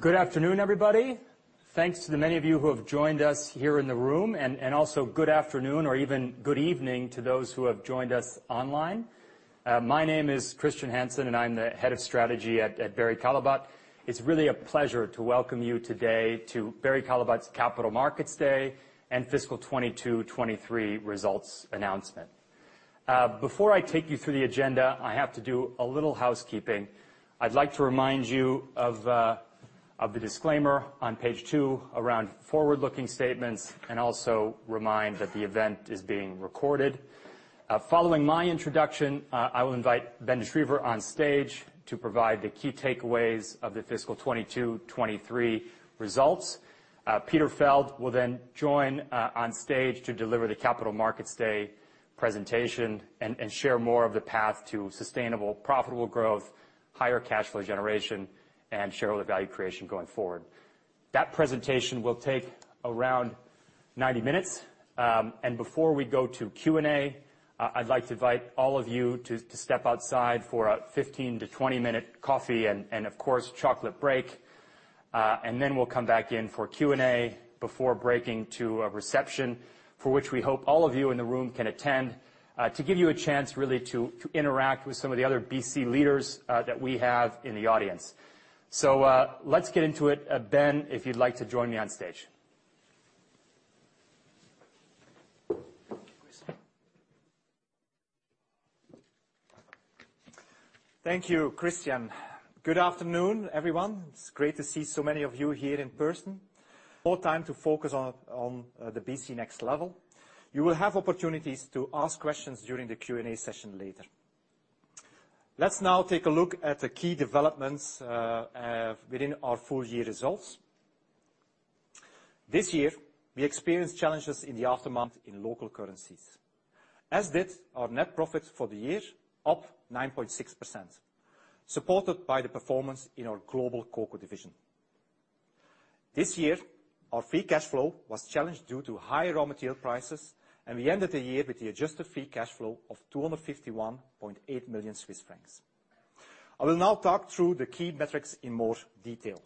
Good afternoon, everybody. Thanks to the many of you who have joined us here in the room, and also good afternoon, or even good evening, to those who have joined us online. My name is Christian Hansen, and I'm the Head of Strategy at Barry Callebaut. It's really a pleasure to welcome you today to Barry Callebaut's Capital Markets Day and fiscal 2022, 2023 results announcement. Before I take you through the agenda, I have to do a little housekeeping. I'd like to remind you of the disclaimer on page 2 around forward-looking statements and also remind that the event is being recorded. Following my introduction, I will invite Ben De Schryver on stage to provide the key takeaways of the fiscal 2022, 2023 results. Peter Feld will then join on stage to deliver the Capital Markets Day presentation and share more of the path to sustainable, profitable growth, higher cash flow generation, and shareholder value creation going forward. That presentation will take around 90 minutes. Before we go to Q&A, I'd like to invite all of you to step outside for a 15- to 20-minute coffee and, of course, chocolate break. Then we'll come back in for Q&A before breaking to a reception, for which we hope all of you in the room can attend, to give you a chance, really, to interact with some of the other BC leaders that we have in the audience. So, let's get into it. Ben, if you'd like to join me on stage. Thank you, Christian. Good afternoon, everyone. It's great to see so many of you here in person. More time to focus on, on, the BC Next Level. You will have opportunities to ask questions during the Q&A session later. Let's now take a look at the key developments within our full year results. This year, we experienced challenges in the aftermath in local currencies, as did our net profit for the year, up 9.6%, supported by the performance in our Global Cocoa division. This year, our free cash flow was challenged due to high raw material prices, and we ended the year with the adjusted free cash flow of 251.8 million Swiss francs. I will now talk through the key metrics in more detail.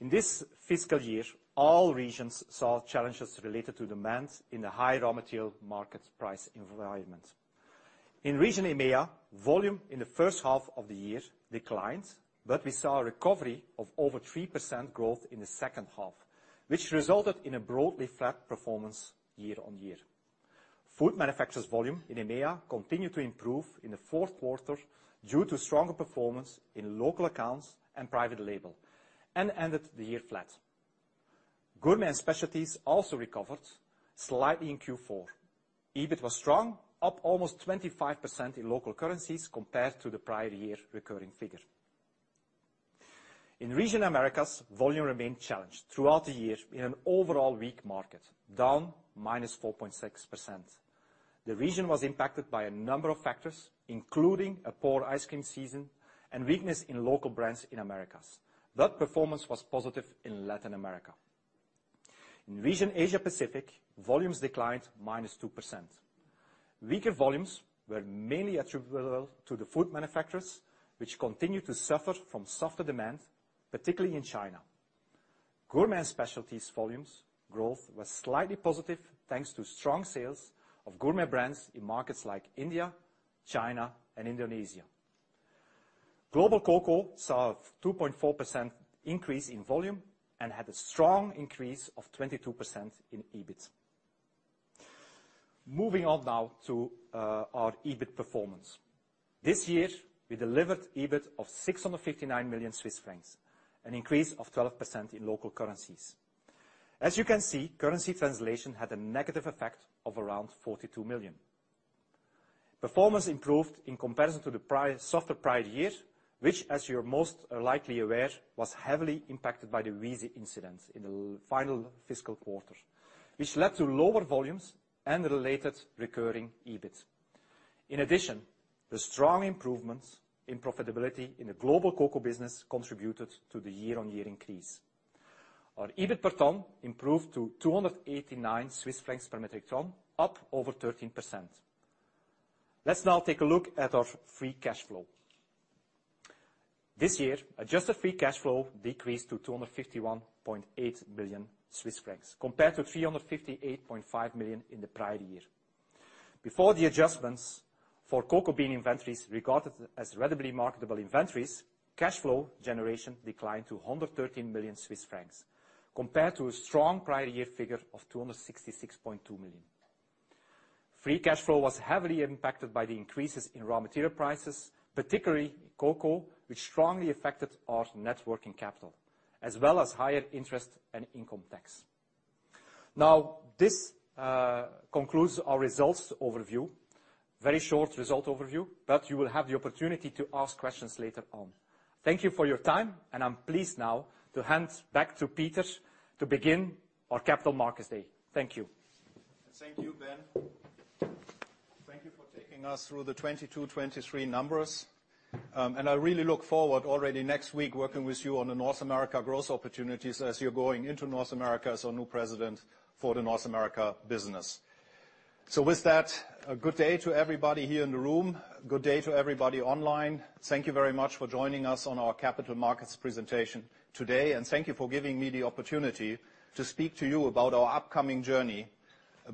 In this fiscal year, all regions saw challenges related to demand in the high raw material market price environment. In Region EMEA, volume in the first half of the year declined, but we saw a recovery of over 3% growth in the second half, which resulted in a broadly flat performance year-on-year. Food Manufacturers volume in EMEA continued to improve in the fourth quarter due to stronger performance in local accounts and private label, and ended the year flat. Gourmet & Specialties also recovered slightly in Q4. EBIT was strong, up almost 25% in local currencies compared to the prior year recurring figure. In Region Americas, volume remained challenged throughout the year in an overall weak market, down -4.6%. The region was impacted by a number of factors, including a poor ice cream season and weakness in local brands in Americas, but performance was positive in Latin America. In Region Asia Pacific, volumes declined -2%. Weaker volumes were mainly attributable to the food manufacturers, which continued to suffer from softer demand, particularly in China. Gourmet & Specialties volumes growth was slightly positive, thanks to strong sales of gourmet brands in markets like India, China, and Indonesia. Global Cocoa saw a 2.4% increase in volume and had a strong increase of 22% in EBIT. Moving on now to our EBIT performance. This year, we delivered EBIT of 659 million Swiss francs, an increase of 12% in local currencies. As you can see, currency translation had a negative effect of around 42 million. Performance improved in comparison to the prior, softer prior year, which, as you're most likely aware, was heavily impacted by the Wieze incident in the final fiscal quarter, which led to lower volumes and related recurring EBIT. In addition, the strong improvements in profitability in the global cocoa business contributed to the year-on-year increase. Our EBIT per ton improved to 289 Swiss francs per metric ton, up over 13%. Let's now take a look at our free cash flow. This year, adjusted free cash flow decreased to 251.8 million Swiss francs, compared to 358.5 million in the prior year. Before the adjustments for cocoa bean inventories, regarded as readily marketable inventories, cash flow generation declined to 113 million Swiss francs, compared to a strong prior year figure of 266.2 million. Free cash flow was heavily impacted by the increases in raw material prices, particularly cocoa, which strongly affected our net working capital, as well as higher interest and income tax. Now, this concludes our results overview. Very short result overview, but you will have the opportunity to ask questions later on. Thank you for your time, and I'm pleased now to hand back to Peter to begin our Capital Markets Day. Thank you. Thank you, Ben. Thank you for taking us through the 2022/23 numbers. And I really look forward already next week, working with you on the North America growth opportunities as you're going into North America as our new President for the North America business. So with that, a good day to everybody here in the room. Good day to everybody online. Thank you very much for joining us on our capital markets presentation today, and thank you for giving me the opportunity to speak to you about our upcoming journey,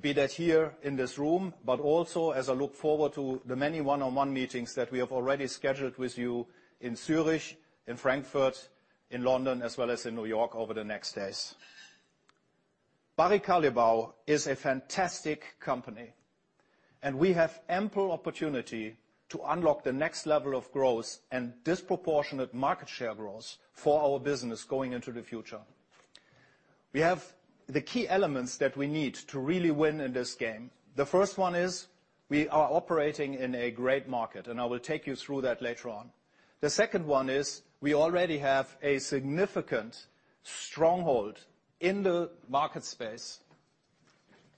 be that here in this room, but also as I look forward to the many one-on-one meetings that we have already scheduled with you in Zurich, in Frankfurt, in London, as well as in New York over the next days. Barry Callebaut is a fantastic company, and we have ample opportunity to unlock the Next Level of growth and disproportionate market share growth for our business going into the future. We have the key elements that we need to really win in this game. The first one is, we are operating in a great market, and I will take you through that later on. The second one is, we already have a significant stronghold in the market space.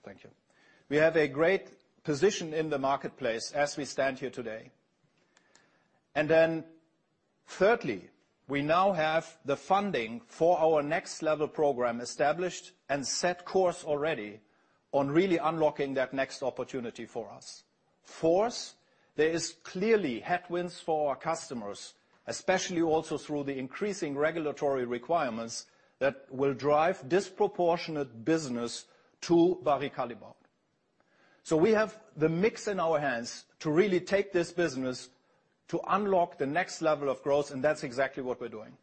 Thank you. We have a great position in the marketplace as we stand here today. And then thirdly, we now have the funding for our Next Level program established and set course already on really unlocking that next opportunity for us. Fourth, there is clearly headwinds for our customers, especially also through the increasing regulatory requirements, that will drive disproportionate business to Barry Callebaut. So we have the mix in our hands to really take this business to unlock the Next Level of growth, and that's exactly what we're doing.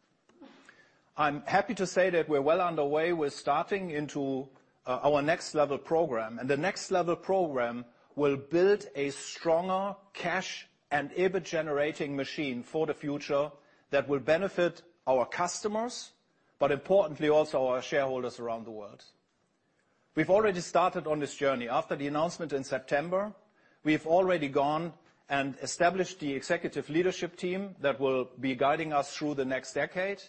I'm happy to say that we're well underway with starting into our Next Level program, and the Next Level program will build a stronger cash and EBIT-generating machine for the future that will benefit our customers, but importantly, also our shareholders around the world. We've already started on this journey. After the announcement in September, we've already gone and established the executive leadership team that will be guiding us through the next decade,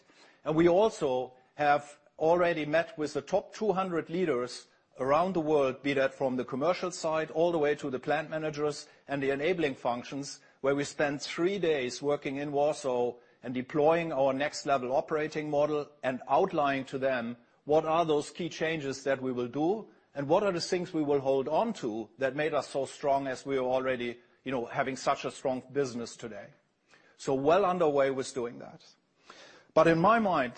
and we also have already met with the top 200 leaders around the world, be that from the commercial side, all the way to the plant managers and the enabling functions, where we spent 3 days working in Warsaw and deploying our Next Level operating model and outlining to them what are those key changes that we will do, and what are the things we will hold on to that made us so strong as we are already, you know, having such a strong business today. So well underway with doing that. But in my mind,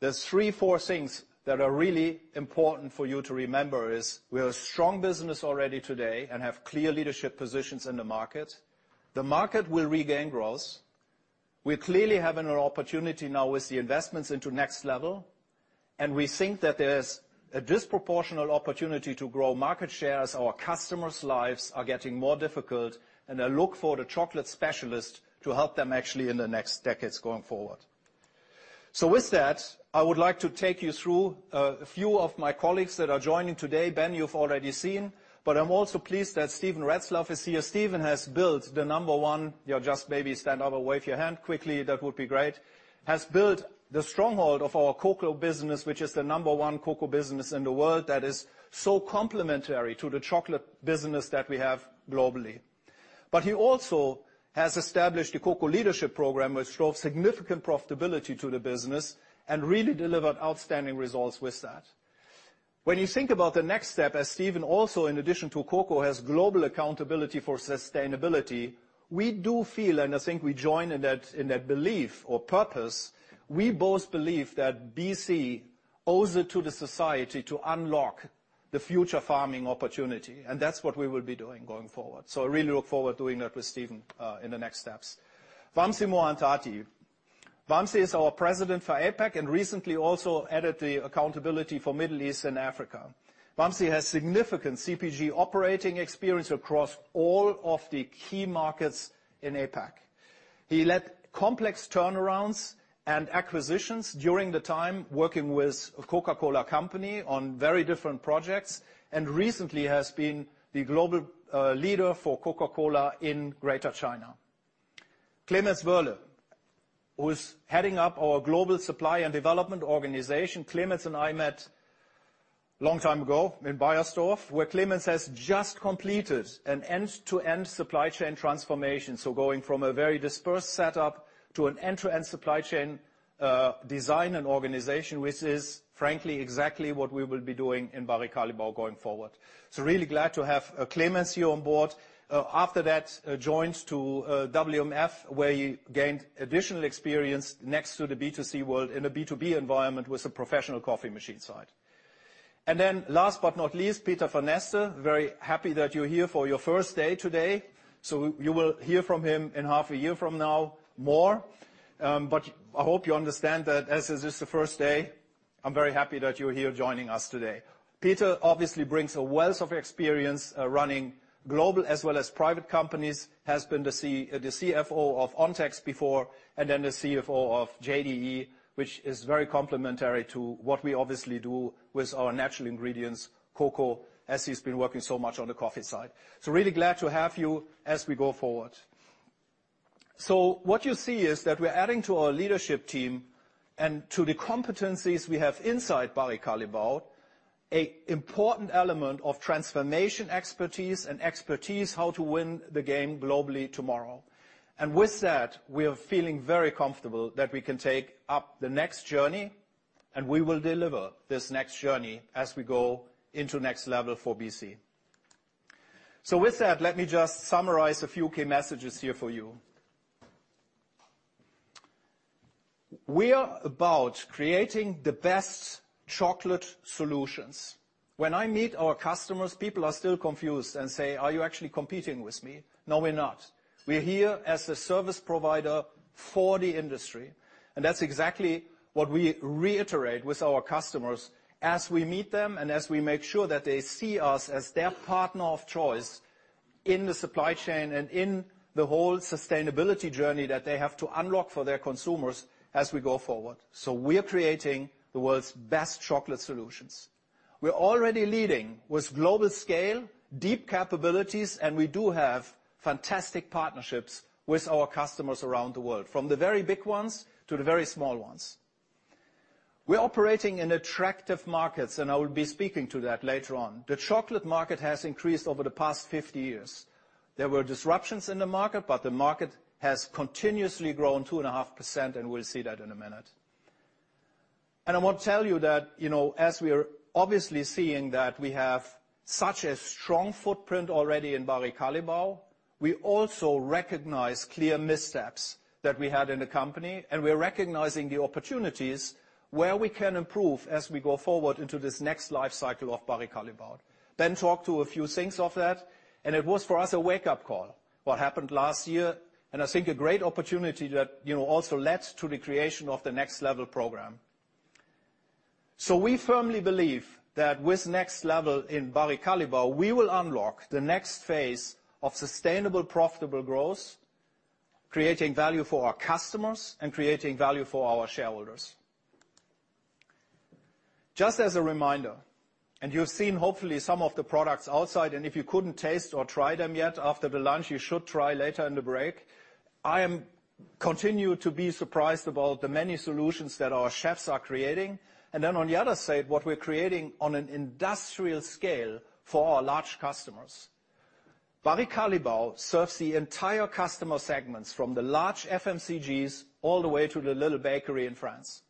there's three, four things that are really important for you to remember is, we're a strong business already today and have clear leadership positions in the market. The market will regain growth. We're clearly having an opportunity now with the investments into Next Level, and we think that there's a disproportional opportunity to grow market share as our customers' lives are getting more difficult, and they look for the chocolate specialist to help them actually in the next decades going forward. So with that, I would like to take you through a few of my colleagues that are joining today. Ben, you've already seen, but I'm also pleased that Steven Retzlaff is here. Steven has built the number one... Yeah, just maybe stand up and wave your hand quickly, that would be great. Has built the stronghold of our cocoa business, which is the number one cocoa business in the world, that is so complementary to the chocolate business that we have globally. But he also has established a cocoa leadership program, which drove significant profitability to the business and really delivered outstanding results with that. When you think about the next step, as Steven, also in addition to cocoa, has global accountability for sustainability, we do feel, and I think we join in that, in that belief or purpose, we both believe that BC owes it to the society to unlock the future farming opportunity, and that's what we will be doing going forward. So I really look forward to doing that with Steven, in the next steps. Vamsi Mohan Thati. Vamsi is our President for APAC, and recently also added the accountability for Middle East and Africa. Vamsi has significant CPG operating experience across all of the key markets in APAC. He led complex turnarounds and acquisitions during the time working with The Coca-Cola Company on very different projects, and recently has been the global leader for Coca-Cola in Greater China. Clemens Woehrle, who is heading up our Global Supply and Development organization. Clemens and I met long time ago in Beiersdorf, where Clemens has just completed an end-to-end supply chain transformation. So going from a very dispersed setup to an end-to-end supply chain design and organization, which is, frankly, exactly what we will be doing in Barry Callebaut going forward. So really glad to have Clemens here on board. After that, joined to WMF, where he gained additional experience next to the B2C world in a B2B environment with the professional coffee machine side. And then last but not least, Peter Vanneste. Very happy that you're here for your first day today. So you will hear from him in half a year from now more, but I hope you understand that as this is the first day, I'm very happy that you're here joining us today. Peter obviously brings a wealth of experience, running global as well as private companies, has been the CFO of Ontex before, and then the CFO of JDE, which is very complementary to what we obviously do with our natural ingredients, cocoa, as he's been working so much on the coffee side. So really glad to have you as we go forward. So what you see is that we're adding to our leadership team and to the competencies we have inside Barry Callebaut, a important element of transformation expertise and expertise how to win the game globally tomorrow. And with that, we are feeling very comfortable that we can take up the next journey and we will deliver this next journey as we go into Next Level for BC. So with that, let me just summarize a few key messages here for you. We are about creating the best chocolate solutions. When I meet our customers, people are still confused and say: "Are you actually competing with me?" No, we're not. We're here as a service provider for the industry, and that's exactly what we reiterate with our customers as we meet them, and as we make sure that they see us as their partner of choice in the supply chain and in the whole sustainability journey that they have to unlock for their consumers as we go forward. So we're creating the world's best chocolate solutions. We're already leading with global scale, deep capabilities, and we do have fantastic partnerships with our customers around the world, from the very big ones to the very small ones. We're operating in attractive markets, and I will be speaking to that later on. The chocolate market has increased over the past 50 years. There were disruptions in the market, but the market has continuously grown 2.5%, and we'll see that in a minute. And I want to tell you that, you know, as we are obviously seeing that we have such a strong footprint already in Barry Callebaut, we also recognize clear missteps that we had in the company, and we are recognizing the opportunities where we can improve as we go forward into this next life cycle of Barry Callebaut. Then talk to a few things of that, and it was, for us, a wake-up call, what happened last year, and I think a great opportunity that, you know, also led to the creation of the Next Level program. So we firmly believe that with Next Level in Barry Callebaut, we will unlock the next phase of sustainable, profitable growth, creating value for our customers and creating value for our shareholders. Just as a reminder, and you've seen, hopefully, some of the products outside, and if you couldn't taste or try them yet, after the lunch, you should try later in the break. I continue to be surprised about the many solutions that our chefs are creating, and then on the other side, what we're creating on an industrial scale for our large customers. Barry Callebaut serves the entire customer segments, from the large FMCGs all the way to the little bakery in France,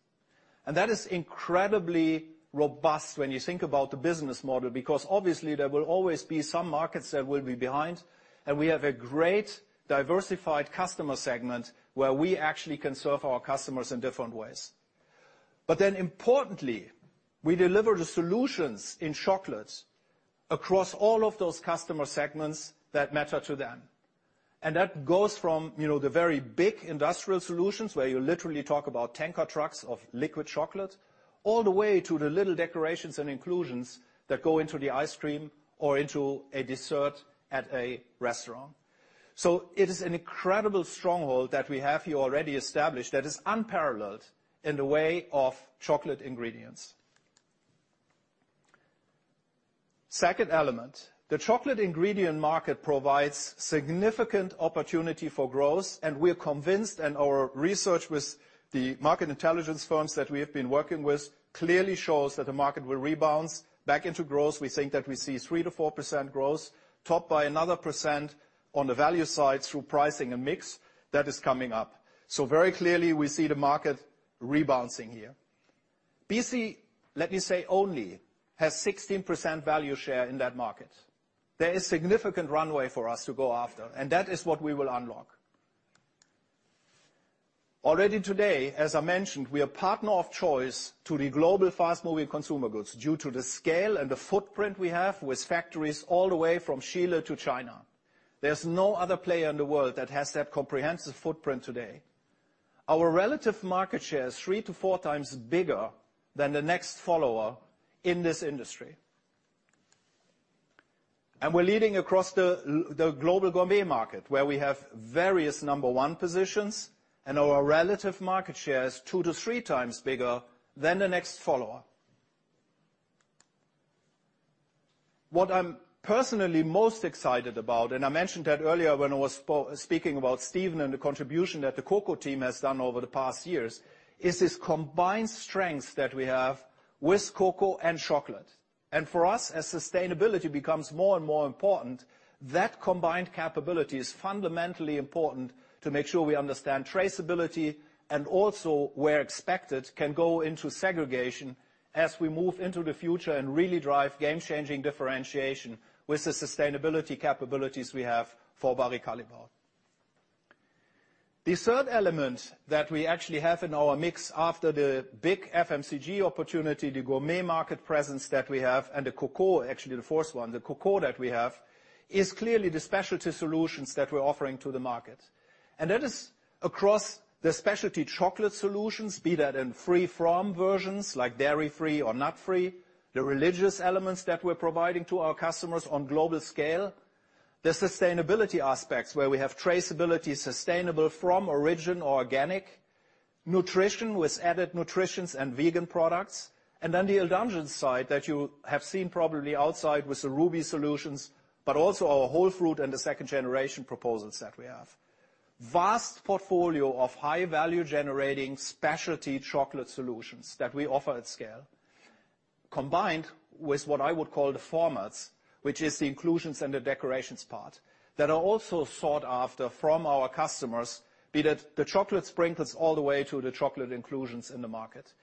and that is incredibly robust when you think about the business model, because obviously there will always be some markets that will be behind, and we have a great diversified customer segment where we actually can serve our customers in different ways. But then importantly, we deliver the solutions in chocolate across all of those customer segments that matter to them. And that goes from, you know, the very big industrial solutions, where you literally talk about tanker trucks of liquid chocolate, all the way to the little decorations and inclusions that go into the ice cream or into a dessert at a restaurant. So it is an incredible stronghold that we have here already established that is unparalleled in the way of chocolate ingredients. Second element, the chocolate ingredient market provides significant opportunity for growth, and we're convinced, and our research with the market intelligence firms that we have been working with, clearly shows that the market will rebalance back into growth. We think that we see 3%-4% growth, topped by another 1% on the value side through pricing and mix that is coming up. So very clearly, we see the market rebounding here. BC, let me say, only has 16% value share in that market. There is significant runway for us to go after, and that is what we will unlock. Already today, as I mentioned, we are partner of choice to the global fast-moving consumer goods due to the scale and the footprint we have with factories all the way from Chile to China. There's no other player in the world that has that comprehensive footprint today. Our relative market share is 3-4 times bigger than the next follower in this industry. And we're leading across the global gourmet market, where we have various number one positions, and our relative market share is 2-3 times bigger than the next follower. What I'm personally most excited about, and I mentioned that earlier when I was speaking about Steven and the contribution that the cocoa team has done over the past years, is this combined strength that we have with cocoa and chocolate. And for us, as sustainability becomes more and more important, that combined capability is fundamentally important to make sure we understand traceability and also where expected can go into segregation as we move into the future and really drive game-changing differentiation with the sustainability capabilities we have for Barry Callebaut. The third element that we actually have in our mix after the big FMCG opportunity, the gourmet market presence that we have, and the cocoa, actually the fourth one, the cocoa that we have, is clearly the specialty solutions that we're offering to the market. And that is across the specialty chocolate solutions, be that in free-from versions like dairy-free or nut-free, the religious elements that we're providing to our customers on global scale, the sustainability aspects, where we have traceability, sustainable from origin or organic, nutrition with added nutritions and vegan products, and then the indulgence side that you have seen probably outside with the Ruby solutions, but also our WholeFruit and the Second Generation proposals that we have. Vast portfolio of high-value generating specialty chocolate solutions that we offer at scale. Combined with what I would call the formats, which is the inclusions and the decorations part, that are also sought after from our customers, be that the chocolate sprinkles all the way to the chocolate inclusions in the market.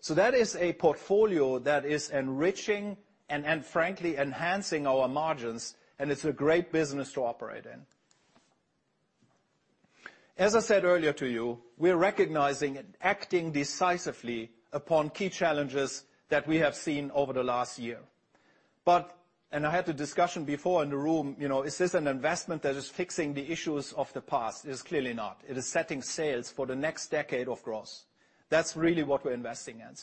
So that is a portfolio that is enriching and frankly enhancing our margins, and it's a great business to operate in. As I said earlier to you, we are recognizing and acting decisively upon key challenges that we have seen over the last year. But, and I had the discussion before in the room, you know, is this an investment that is fixing the issues of the past? It is clearly not. It is setting sails for the next decade of growth. That's really what we're investing in.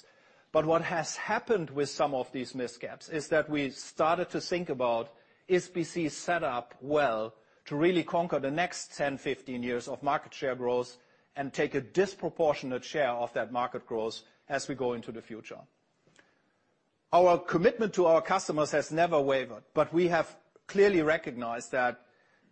But what has happened with some of these missteps is that we've started to think about, is BC set up well to really conquer the next 10, 15 years of market share growth and take a disproportionate share of that market growth as we go into the future? Our commitment to our customers has never wavered, but we have clearly recognized that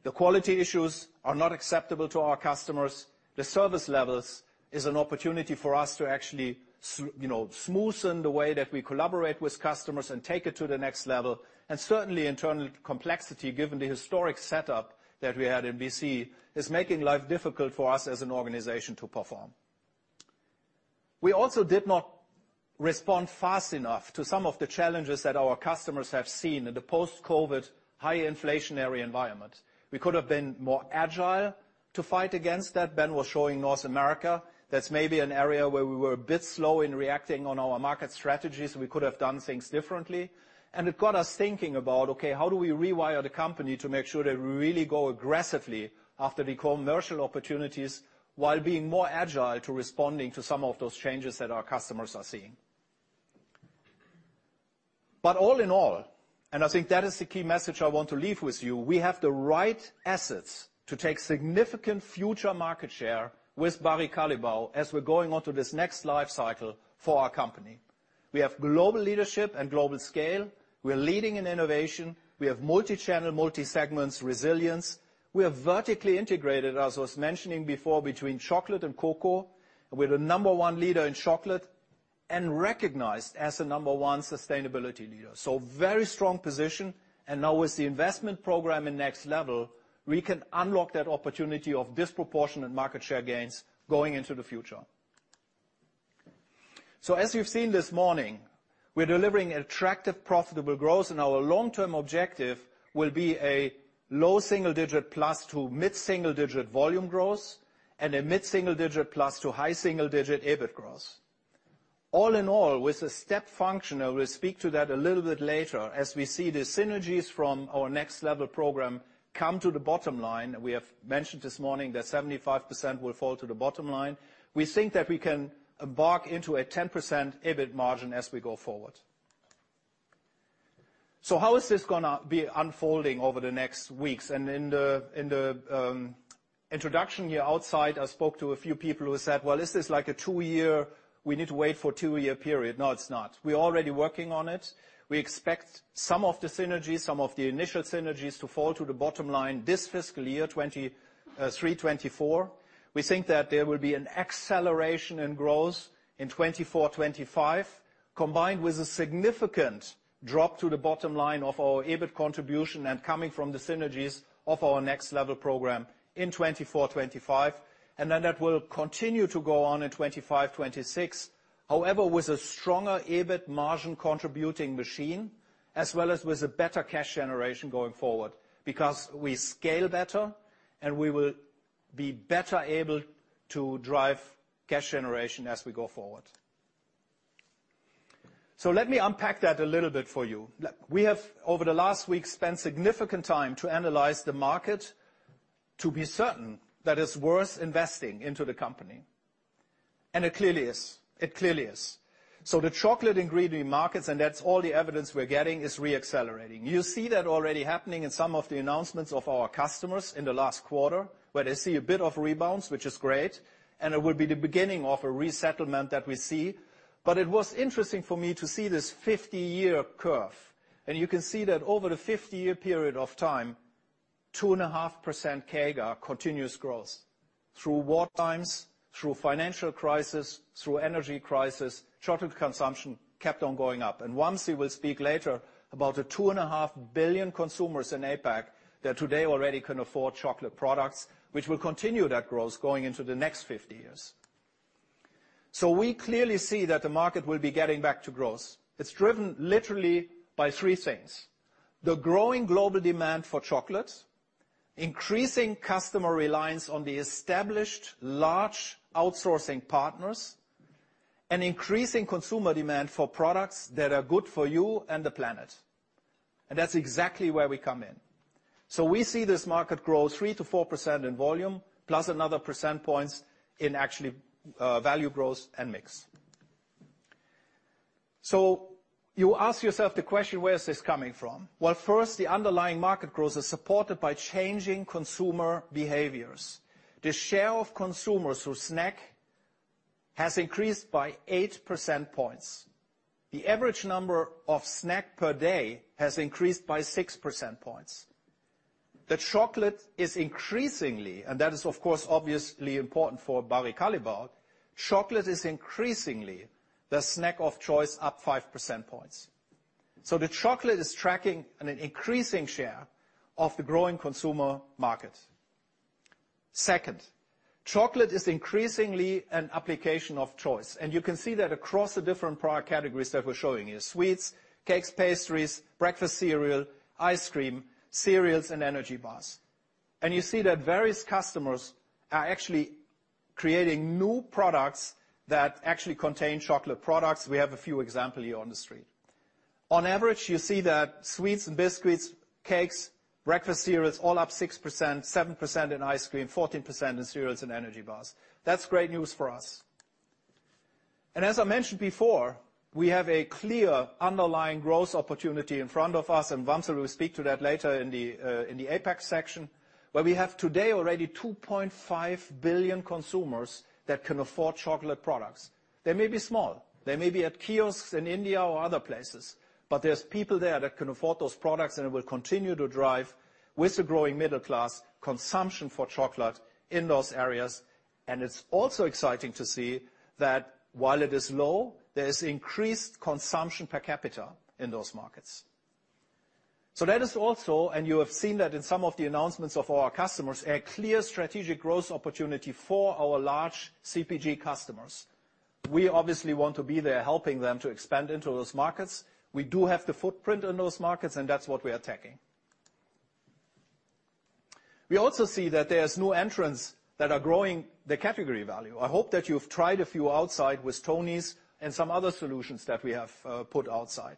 the quality issues are not acceptable to our customers. The service levels is an opportunity for us to actually smoothen you know the way that we collaborate with customers and take it to the Next Level. And certainly, internal complexity, given the historic setup that we had in BC, is making life difficult for us as an organization to perform. We also did not respond fast enough to some of the challenges that our customers have seen in the post-COVID, high inflationary environment. We could have been more agile to fight against that. Ben was showing North America. That's maybe an area where we were a bit slow in reacting on our market strategies. We could have done things differently. It got us thinking about, okay, how do we rewire the company to make sure that we really go aggressively after the commercial opportunities, while being more agile to responding to some of those changes that our customers are seeing? All in all, and I think that is the key message I want to leave with you, we have the right assets to take significant future market share with Barry Callebaut as we're going on to this next life cycle for our company. We have global leadership and global scale. We are leading in innovation. We have multi-channel, multi-segments resilience. We are vertically integrated, as I was mentioning before, between chocolate and cocoa. We're the number one leader in chocolate and recognized as the number one sustainability leader. So very strong position, and now with the investment program in Next Level, we can unlock that opportunity of disproportionate market share gains going into the future. So as you've seen this morning, we're delivering attractive, profitable growth, and our long-term objective will be a low single-digit plus to mid-single-digit volume growth, and a mid-single-digit plus to high single-digit EBIT growth. All in all, with a step function, I will speak to that a little bit later, as we see the synergies from our Next Level program come to the bottom line. We have mentioned this morning that 75% will fall to the bottom line. We think that we can embark into a 10% EBIT margin as we go forward. So how is this gonna be unfolding over the next weeks? And in the introduction here outside, I spoke to a few people who said: "Well, is this like a two-year—we need to wait for a two-year period?" No, it's not. We're already working on it. We expect some of the synergies, some of the initial synergies, to fall to the bottom line this fiscal year, 2023, 2024. We think that there will be an acceleration in growth in 2024, 2025, combined with a significant drop to the bottom line of our EBIT contribution and coming from the synergies of our Next Level program in 2024, 2025. And then that will continue to go on in 2025, 2026. However, with a stronger EBIT margin contributing machine, as well as with a better cash generation going forward, because we scale better, and we will be better able to drive cash generation as we go forward. So let me unpack that a little bit for you. We have, over the last week, spent significant time to analyze the market to be certain that it's worth investing into the company, and it clearly is. It clearly is. So the chocolate ingredient markets, and that's all the evidence we're getting, is re-accelerating. You see that already happening in some of the announcements of our customers in the last quarter, where they see a bit of a rebound, which is great, and it will be the beginning of a resettlement that we see. But it was interesting for me to see this 50-year curve. You can see that over the 50-year period of time, 2.5% CAGR continuous growth. Through war times, through financial crisis, through energy crisis, chocolate consumption kept on going up. And Vamsi will speak later about the 2.5 billion consumers in APAC that today already can afford chocolate products, which will continue that growth going into the next 50 years. So we clearly see that the market will be getting back to growth. It's driven literally by three things: the growing global demand for chocolate, increasing customer reliance on the established, large outsourcing partners, and increasing consumer demand for products that are good for you and the planet. And that's exactly where we come in. So we see this market grow 3%-4% in volume, plus another percentage points in actually, value growth and mix. So you ask yourself the question, where is this coming from? Well, first, the underlying market growth is supported by changing consumer behaviors. The share of consumers who snack has increased by 8 percentage points. The average number of snacks per day has increased by 6 percentage points... that chocolate is increasingly, and that is, of course, obviously important for Barry Callebaut, chocolate is increasingly the snack of choice, up 5 percentage points. So the chocolate is tracking an increasing share of the growing consumer market. Second, chocolate is increasingly an application of choice, and you can see that across the different product categories that we're showing you: sweets, cakes, pastries, breakfast cereal, ice cream, cereals, and energy bars. And you see that various customers are actually creating new products that actually contain chocolate products. We have a few examples here on the screen. On average, you see that sweets and biscuits, cakes, breakfast cereals, all up 6%, 7% in ice cream, 14% in cereals and energy bars. That's great news for us. As I mentioned before, we have a clear underlying growth opportunity in front of us, and Vamsi will speak to that later in the, in the APAC section, where we have today already 2.5 billion consumers that can afford chocolate products. They may be small, they may be at kiosks in India or other places, but there's people there that can afford those products and will continue to drive, with the growing middle class, consumption for chocolate in those areas. It's also exciting to see that while it is low, there is increased consumption per capita in those markets. So that is also, and you have seen that in some of the announcements of our customers, a clear strategic growth opportunity for our large CPG customers. We obviously want to be there, helping them to expand into those markets. We do have the footprint in those markets, and that's what we are taking. We also see that there's new entrants that are growing the category value. I hope that you've tried a few outside with Tony's and some other solutions that we have, put outside.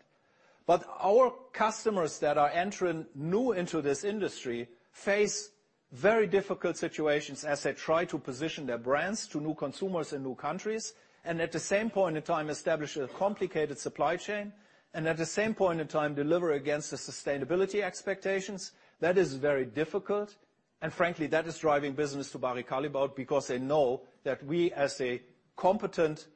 But our customers that are entering new into this industry face very difficult situations as they try to position their brands to new consumers in new countries, and at the same point in time, establish a complicated supply chain, and at the same point in time, deliver against the sustainability expectations. That is very difficult, and frankly, that is driving business to Barry Callebaut, because they know that we, as a competent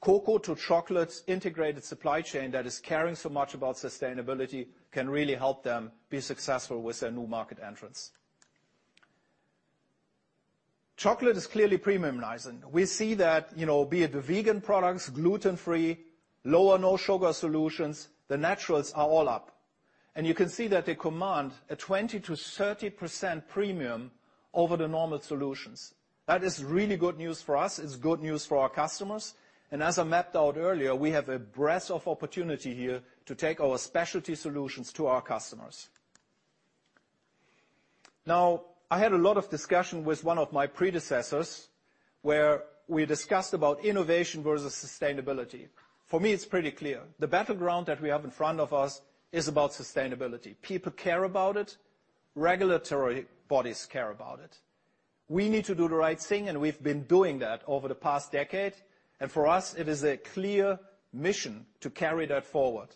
cocoa-to-chocolate integrated supply chain that is caring so much about sustainability, can really help them be successful with their new market entrants. Chocolate is clearly premiumizing. We see that, you know, be it the vegan products, gluten-free, low or no sugar solutions, the naturals are all up, and you can see that they command a 20%-30% premium over the normal solutions. That is really good news for us. It's good news for our customers, and as I mapped out earlier, we have a breadth of opportunity here to take our specialty solutions to our customers. Now, I had a lot of discussion with one of my predecessors, where we discussed about innovation versus sustainability. For me, it's pretty clear. The battleground that we have in front of us is about sustainability. People care about it. Regulatory bodies care about it. We need to do the right thing, and we've been doing that over the past decade, and for us, it is a clear mission to carry that forward.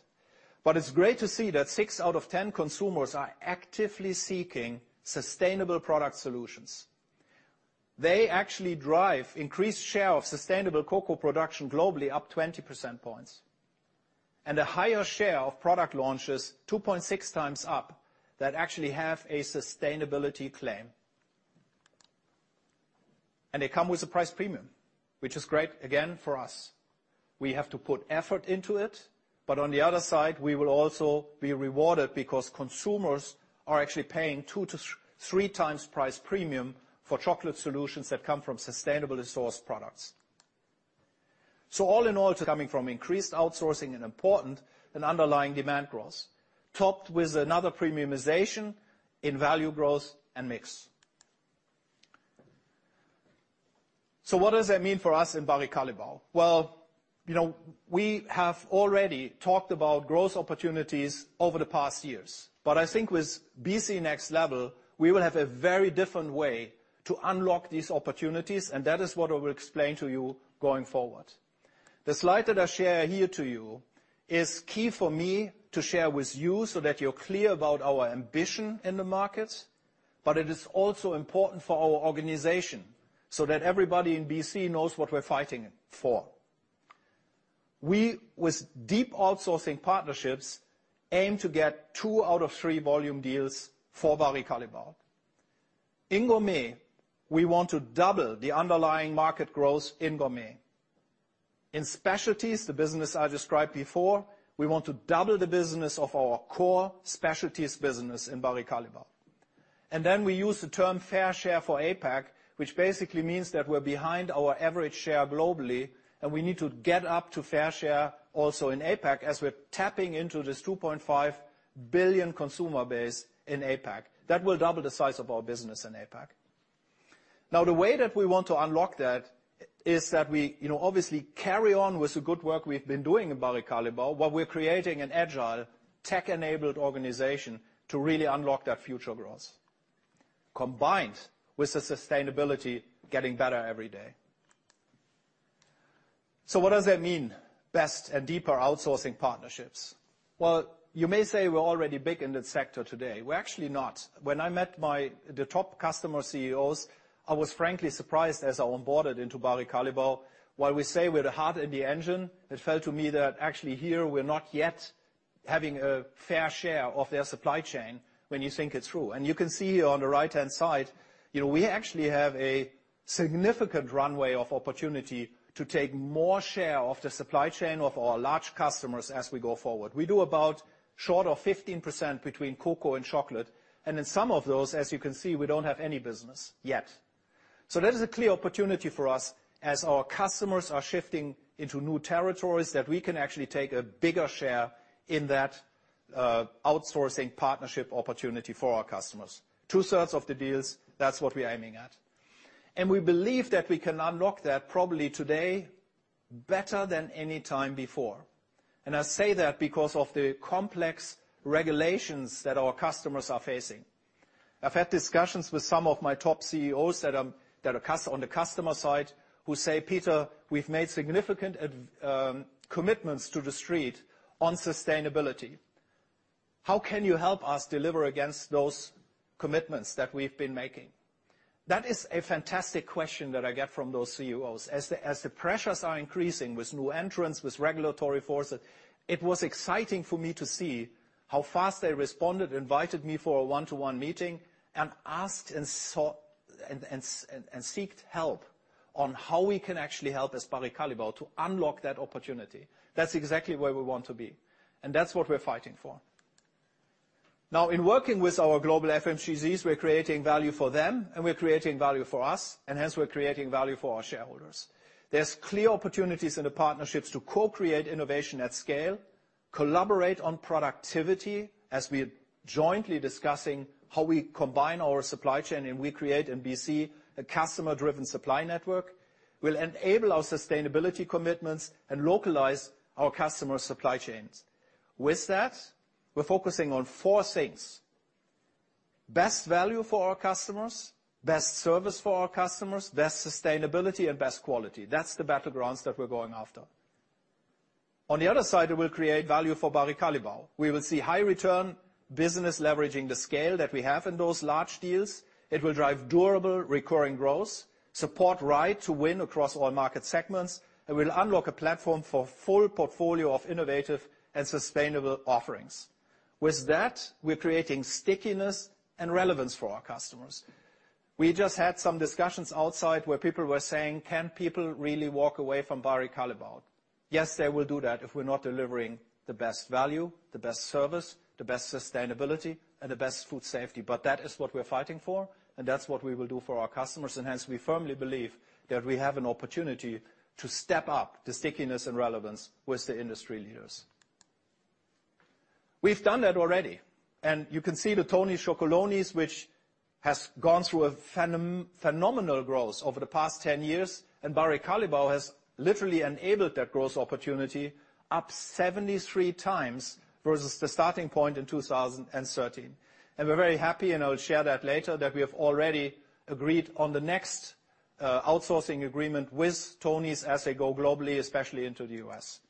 But it's great to see that 6 out of 10 consumers are actively seeking sustainable product solutions. They actually drive increased share of sustainable cocoa production globally, up 20 percentage points, and a higher share of product launches, 2.6 times up, that actually have a sustainability claim. And they come with a price premium, which is great, again, for us. We have to put effort into it, but on the other side, we will also be rewarded because consumers are actually paying 2 to 3 times price premium for chocolate solutions that come from sustainably sourced products. So all in all, it's coming from increased outsourcing and important and underlying demand growth, topped with another premiumization in value growth and mix. So what does that mean for us in Barry Callebaut? Well, you know, we have already talked about growth opportunities over the past years, but I think with BC Next Level, we will have a very different way to unlock these opportunities, and that is what I will explain to you going forward. The slide that I share here to you is key for me to share with you so that you're clear about our ambition in the market, but it is also important for our organization, so that everybody in BC knows what we're fighting for. We, with deep outsourcing partnerships, aim to get two out of three volume deals for Barry Callebaut. In Gourmet, we want to double the underlying market growth in Gourmet. In Specialties, the business I described before, we want to double the business of our core specialties business in Barry Callebaut. Then we use the term fair share for APAC, which basically means that we're behind our average share globally, and we need to get up to fair share also in APAC as we're tapping into this 2.5 billion consumer base in APAC. That will double the size of our business in APAC. Now, the way that we want to unlock that is that we, you know, obviously carry on with the good work we've been doing in Barry Callebaut, while we're creating an agile, tech-enabled organization to really unlock that future growth, combined with the sustainability getting better every day. So what does that mean, best and deeper outsourcing partnerships? Well, you may say we're already big in the sector today. We're actually not. When I met the top customer CEOs, I was frankly surprised as I onboarded into Barry Callebaut. While we say we're the heart and the engine, it felt to me that actually here we're not yet having a fair share of their supply chain when you think it through. And you can see on the right-hand side, you know, we actually have a significant runway of opportunity to take more share of the supply chain of our large customers as we go forward. We do about short of 15% between cocoa and chocolate, and in some of those, as you can see, we don't have any business yet. So that is a clear opportunity for us as our customers are shifting into new territories, that we can actually take a bigger share in that outsourcing partnership opportunity for our customers. Two-thirds of the deals, that's what we're aiming at. We believe that we can unlock that probably today, better than any time before, and I say that because of the complex regulations that our customers are facing. I've had discussions with some of my top CEOs that are on the customer side, who say, "Peter, we've made significant commitments to the street on sustainability. How can you help us deliver against those commitments that we've been making?" That is a fantastic question that I get from those CEOs. As the pressures are increasing with new entrants, with regulatory forces, it was exciting for me to see how fast they responded, invited me for a one-to-one meeting, and asked and sought help on how we can actually help as Barry Callebaut to unlock that opportunity. That's exactly where we want to be, and that's what we're fighting for. Now, in working with our global FMCGs, we're creating value for them, and we're creating value for us, and hence we're creating value for our shareholders. There's clear opportunities in the partnerships to co-create innovation at scale, collaborate on productivity, as we're jointly discussing how we combine our supply chain, and we create and we see a customer-driven supply network will enable our sustainability commitments and localize our customers' supply chains. With that, we're focusing on four things: best value for our customers, best service for our customers, best sustainability, and best quality. That's the battlegrounds that we're going after. On the other side, it will create value for Barry Callebaut. We will see high return business leveraging the scale that we have in those large deals. It will drive durable, recurring growth, support right to win across all market segments, and will unlock a platform for full portfolio of innovative and sustainable offerings. With that, we're creating stickiness and relevance for our customers. We just had some discussions outside, where people were saying: Can people really walk away from Barry Callebaut? Yes, they will do that if we're not delivering the best value, the best service, the best sustainability, and the best food safety. But that is what we're fighting for, and that's what we will do for our customers, and hence, we firmly believe that we have an opportunity to step up the stickiness and relevance with the industry leaders. We've done that already, and you can see the Tony's Chocolonely, which has gone through a phenomenal growth over the past 10 years, and Barry Callebaut has literally enabled that growth opportunity, up 73 times versus the starting point in 2013. And we're very happy, and I'll share that later, that we have already agreed on the next, outsourcing agreement with Tony's as they go globally, especially into the U.S.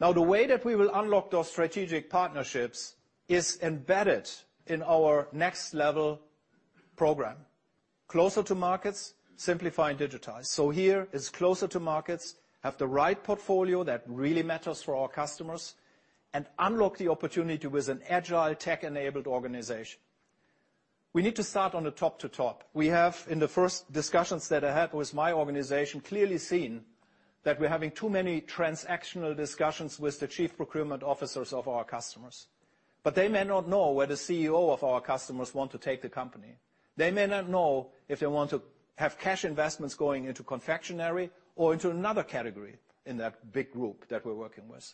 Now, the way that we will unlock those strategic partnerships is embedded in our Next Level program, closer to markets, simplify and digitize. So here is closer to markets, have the right portfolio that really matters for our customers, and unlock the opportunity with an agile, tech-enabled organization. We need to start on the top-to-top. We have, in the first discussions that I had with my organization, clearly seen that we're having too many transactional discussions with the chief procurement officers of our customers. But they may not know where the CEO of our customers want to take the company. They may not know if they want to have cash investments going into confectionery or into another category in that big group that we're working with.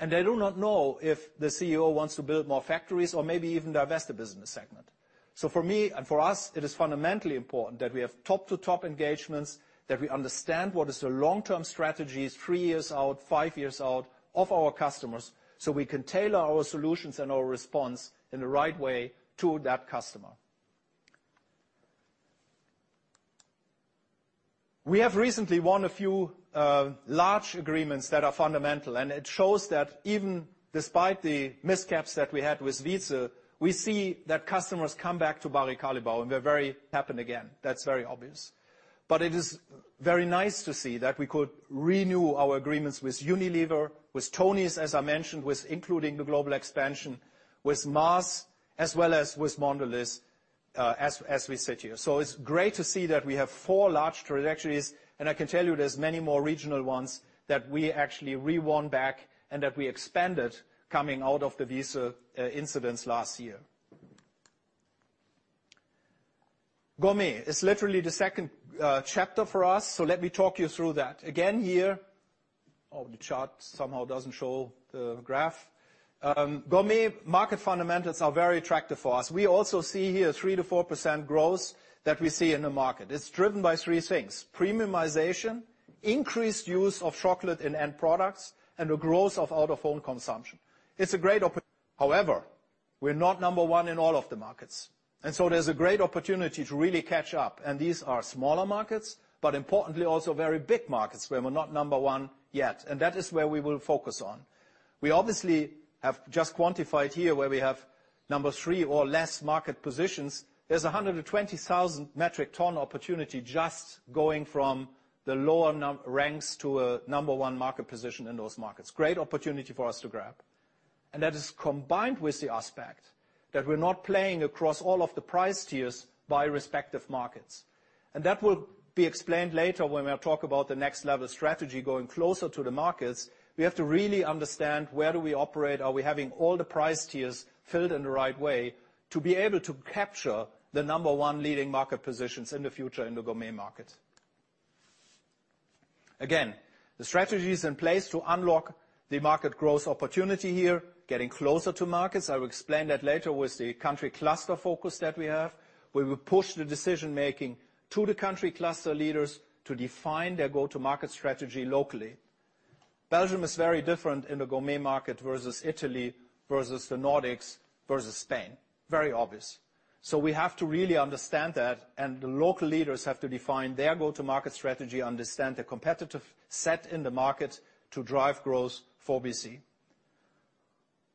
And they do not know if the CEO wants to build more factories or maybe even divest the business segment. So for me, and for us, it is fundamentally important that we have top-to-top engagements, that we understand what is the long-term strategies, three years out, five years out, of our customers, so we can tailor our solutions and our response in the right way to that customer. We have recently won a few large agreements that are fundamental, and it shows that even despite the miscaps that we had with Wieze, we see that customers come back to Barry Callebaut, and we're very happy again. That's very obvious. But it is very nice to see that we could renew our agreements with Unilever, with Tony's, as I mentioned, with including the global expansion, with Mars, as well as with Mondelēz, as we sit here. So it's great to see that we have four large trajectories, and I can tell you there's many more regional ones that we actually re-won back and that we expanded coming out of the Wieze incidents last year. Gourmet is literally the second chapter for us, so let me talk you through that. Again, here... Oh, the chart somehow doesn't show the graph. Gourmet market fundamentals are very attractive for us. We also see here 3%-4% growth that we see in the market. It's driven by three things: premiumization, increased use of chocolate in end products, and the growth of out-of-home consumption. It's a great opportunity. However, we're not number one in all of the markets, and so there's a great opportunity to really catch up, and these are smaller markets, but importantly, also very big markets where we're not number one yet, and that is where we will focus on. We obviously have just quantified here where we have number three or less market positions; there's a 120,000-metric ton opportunity just going from the lower ranks to a number one market position in those markets. Great opportunity for us to grab. That is combined with the aspect that we're not playing across all of the price tiers by respective markets, and that will be explained later when I talk about the Next Level strategy. Going closer to the markets, we have to really understand where do we operate? Are we having all the price tiers filled in the right way to be able to capture the number one leading market positions in the future in the gourmet market? Again, the strategy is in place to unlock the market growth opportunity here, getting closer to markets. I will explain that later with the country cluster focus that we have, where we push the decision-making to the country cluster leaders to define their go-to-market strategy locally. Belgium is very different in the gourmet market versus Italy, versus the Nordics, versus Spain. Very obvious. So we have to really understand that, and the local leaders have to define their go-to-market strategy, understand the competitive set in the market to drive growth for BC.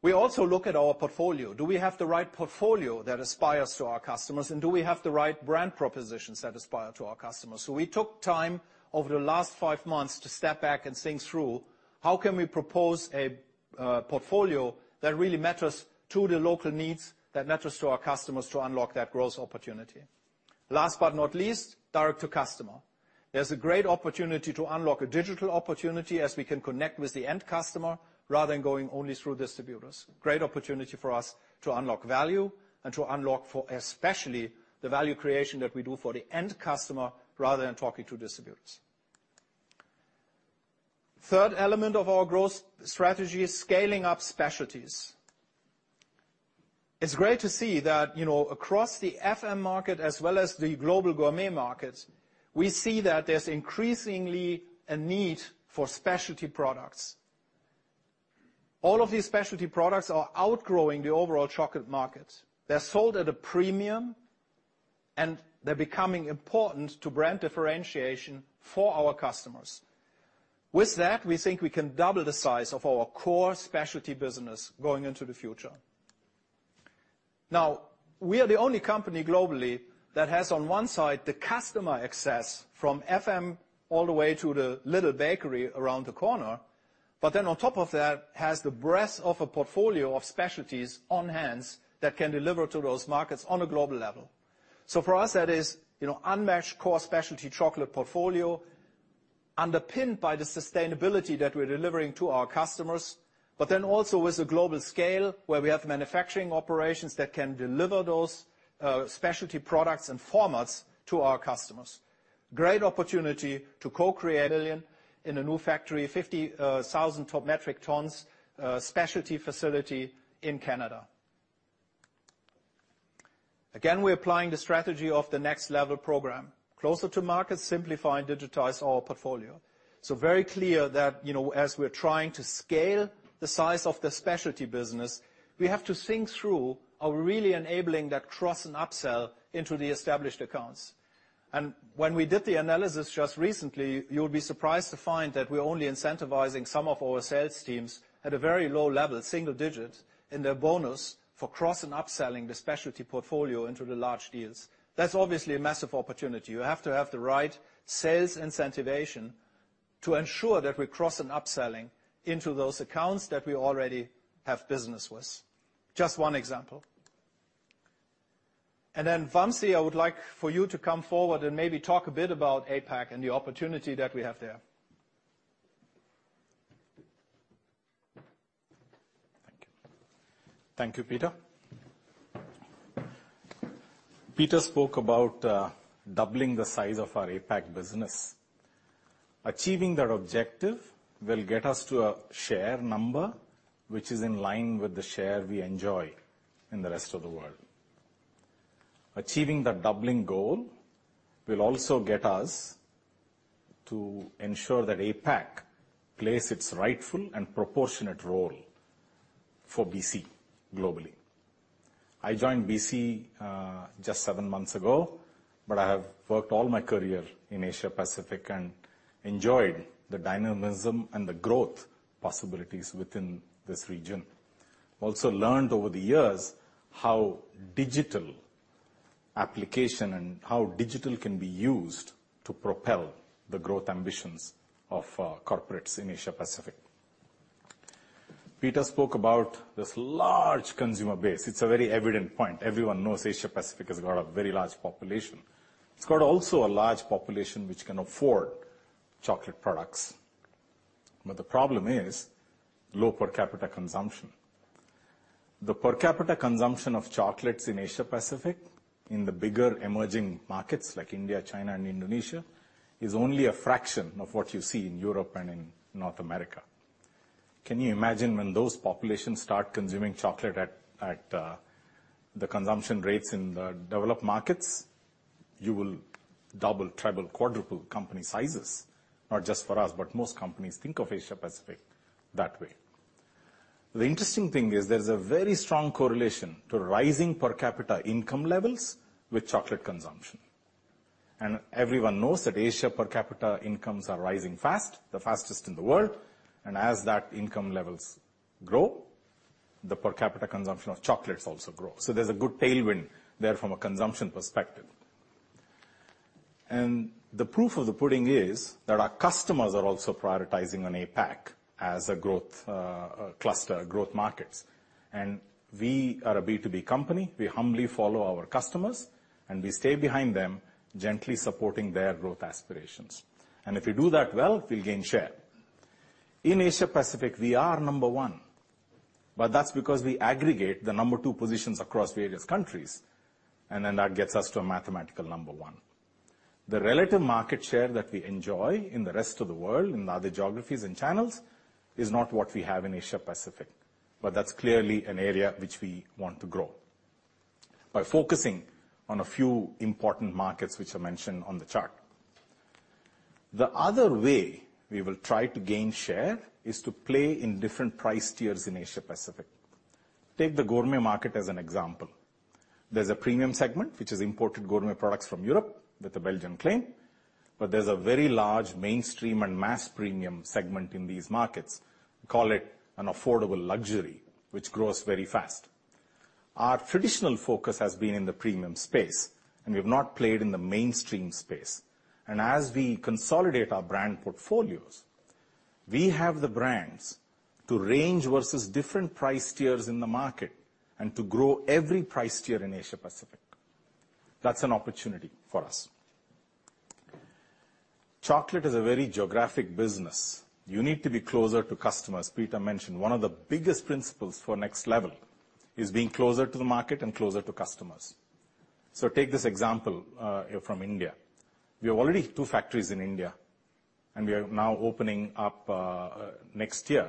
We also look at our portfolio. Do we have the right portfolio that aspires to our customers, and do we have the right brand propositions that aspire to our customers? So we took time over the last five months to step back and think through: How can we propose a portfolio that really matters to the local needs, that matters to our customers to unlock that growth opportunity? Last but not least, direct to customer. There's a great opportunity to unlock a digital opportunity as we can connect with the end customer, rather than going only through distributors. Great opportunity for us to unlock value and to unlock for especially the value creation that we do for the end customer, rather than talking to distributors. Third element of our growth strategy is scaling up specialties. It's great to see that, you know, across the FM market as well as the global gourmet market, we see that there's increasingly a need for specialty products. All of these specialty products are outgrowing the overall chocolate market. They're sold at a premium, and they're becoming important to brand differentiation for our customers. With that, we think we can double the size of our core specialty business going into the future. Now, we are the only company globally that has, on one side, the customer access from FM all the way to the little bakery around the corner, but then on top of that, has the breadth of a portfolio of specialties on hands that can deliver to those markets on a global level. So for us, that is, you know, unmatched core specialty chocolate portfolio, underpinned by the sustainability that we're delivering to our customers, but then also with a global scale, where we have manufacturing operations that can deliver those, specialty products and formats to our customers. Great opportunity to co-create... million in a new factory, 50,000 top metric tons, specialty facility in Canada. Again, we're applying the strategy of the Next Level program: closer to market, simplify and digitize our portfolio. So very clear that, you know, as we're trying to scale the size of the specialty business, we have to think through, are we really enabling that cross and upsell into the established accounts? And when we did the analysis just recently, you'll be surprised to find that we're only incentivizing some of our sales teams at a very low level, single digit, in their bonus for cross and upselling the specialty portfolio into the large deals. That's obviously a massive opportunity. You have to have the right sales incentivation to ensure that we're cross and upselling into those accounts that we already have business with. Just one example. And then, Vamsi, I would like for you to come forward and maybe talk a bit about APAC and the opportunity that we have there. Thank you. Thank you, Peter. Peter spoke about doubling the size of our APAC business. Achieving that objective will get us to a share number which is in line with the share we enjoy in the rest of the world. Achieving the doubling goal will also get us to ensure that APAC plays its rightful and proportionate role for BC globally. I joined BC just seven months ago, but I have worked all my career in Asia Pacific and enjoyed the dynamism and the growth possibilities within this region. Also learned over the years how digital application and how digital can be used to propel the growth ambitions of corporates in Asia Pacific. Peter spoke about this large consumer base. It's a very evident point. Everyone knows Asia Pacific has got a very large population. It's got also a large population which can afford chocolate products, but the problem is low per capita consumption. The per capita consumption of chocolates in Asia Pacific, in the bigger emerging markets like India, China, and Indonesia, is only a fraction of what you see in Europe and in North America. Can you imagine when those populations start consuming chocolate at the consumption rates in the developed markets? You will double, triple, quadruple company sizes. Not just for us, but most companies. Think of Asia Pacific that way. The interesting thing is, there's a very strong correlation to rising per capita income levels with chocolate consumption. And everyone knows that Asia per capita incomes are rising fast, the fastest in the world. And as that income levels grow, the per capita consumption of chocolates also grow. So there's a good tailwind there from a consumption perspective. The proof of the pudding is that our customers are also prioritizing on APAC as a growth cluster, growth markets. We are a B2B company, we humbly follow our customers, and we stay behind them, gently supporting their growth aspirations. If we do that well, we'll gain share. In Asia Pacific, we are number one, but that's because we aggregate the number two positions across various countries, and then that gets us to a mathematical number one. The relative market share that we enjoy in the rest of the world, in other geographies and channels, is not what we have in Asia Pacific, but that's clearly an area which we want to grow by focusing on a few important markets, which I mentioned on the chart. The other way we will try to gain share is to play in different price tiers in Asia Pacific. Take the gourmet market as an example. There's a premium segment, which is imported gourmet products from Europe, with a Belgian claim, but there's a very large mainstream and mass premium segment in these markets. Call it an affordable luxury, which grows very fast. Our traditional focus has been in the premium space, and we've not played in the mainstream space. And as we consolidate our brand portfolios, we have the brands to range versus different price tiers in the market and to grow every price tier in Asia Pacific. That's an opportunity for us. Chocolate is a very geographic business. You need to be closer to customers. Peter mentioned one of the biggest principles for Next Level is being closer to the market and closer to customers. So take this example from India. We have already two factories in India, and we are now opening up, next year,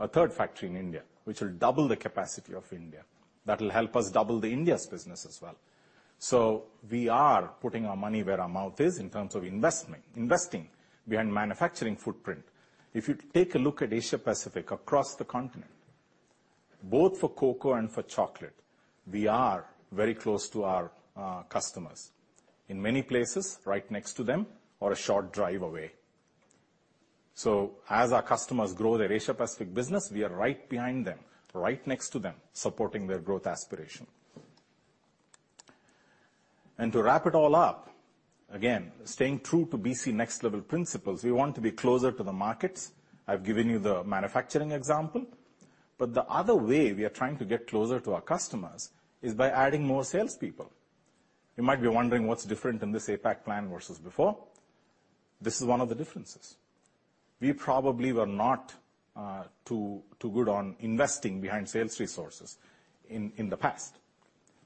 a third factory in India, which will double the capacity of India. That will help us double the India's business as well. So we are putting our money where our mouth is in terms of investment, investing behind manufacturing footprint. If you take a look at Asia Pacific, across the continent, both for cocoa and for chocolate, we are very close to our, customers. In many places, right next to them or a short drive away. So as our customers grow their Asia Pacific business, we are right behind them, right next to them, supporting their growth aspiration. And to wrap it all up, again, staying true to BC Next Level principles, we want to be closer to the markets. I've given you the manufacturing example, but the other way we are trying to get closer to our customers is by adding more salespeople. You might be wondering what's different in this APAC plan versus before. This is one of the differences. We probably were not too too good on investing behind sales resources in the past,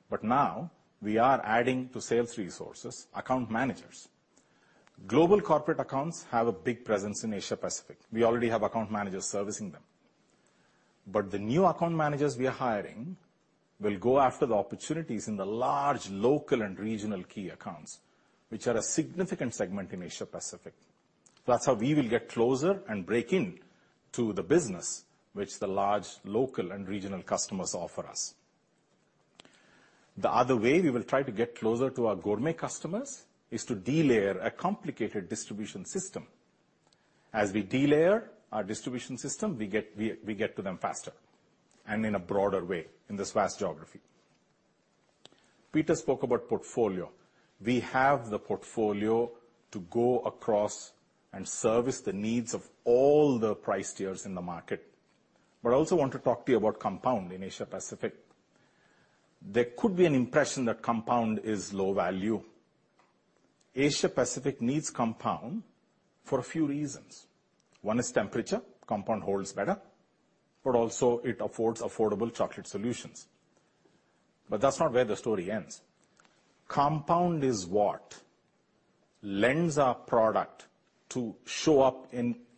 but now we are adding to sales resources, account managers. Global Corporate Accounts have a big presence in Asia Pacific. We already have account managers servicing them. But the new account managers we are hiring will go after the opportunities in the large, local and regional key accounts, which are a significant segment in Asia Pacific. That's how we will get closer and break into the business which the large, local and regional customers offer us. The other way we will try to get closer to our gourmet customers is to delayer a complicated distribution system. As we delayer our distribution system, we get to them faster and in a broader way in this vast geography. Peter spoke about portfolio. We have the portfolio to go across and service the needs of all the price tiers in the market. But I also want to talk to you about compound in Asia Pacific. There could be an impression that compound is low value. Asia Pacific needs compound for a few reasons. One is temperature. Compound holds better, but also it affords affordable chocolate solutions. But that's not where the story ends. Compound is what lends our product to show up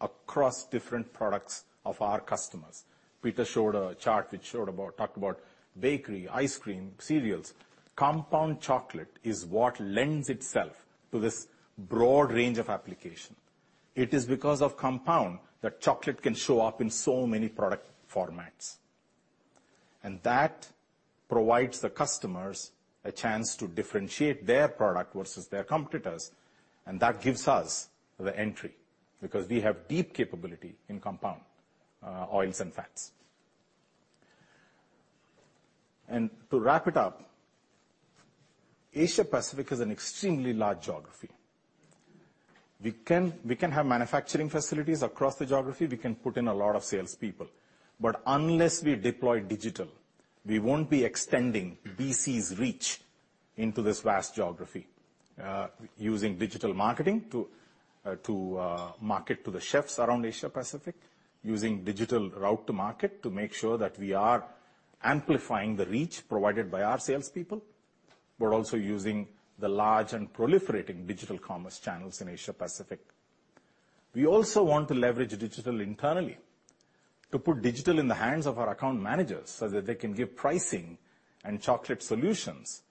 across different products of our customers. Peter showed a chart which showed about talked about bakery, ice cream, cereals. Compound chocolate is what lends itself to this broad range of application. It is because of compound that chocolate can show up in so many product formats, and that provides the customers a chance to differentiate their product versus their competitors. That gives us the entry, because we have deep capability in compound, oils and fats. To wrap it up, Asia Pacific is an extremely large geography. We can have manufacturing facilities across the geography. We can put in a lot of salespeople, but unless we deploy digital, we won't be extending BC's reach into this vast geography, using digital marketing to market to the chefs around Asia Pacific, using digital route to market to make sure that we are amplifying the reach provided by our salespeople. We're also using the large and proliferating digital commerce channels in Asia Pacific. We also want to leverage digital internally, to put digital in the hands of our account managers, so that they can give pricing and chocolate solutions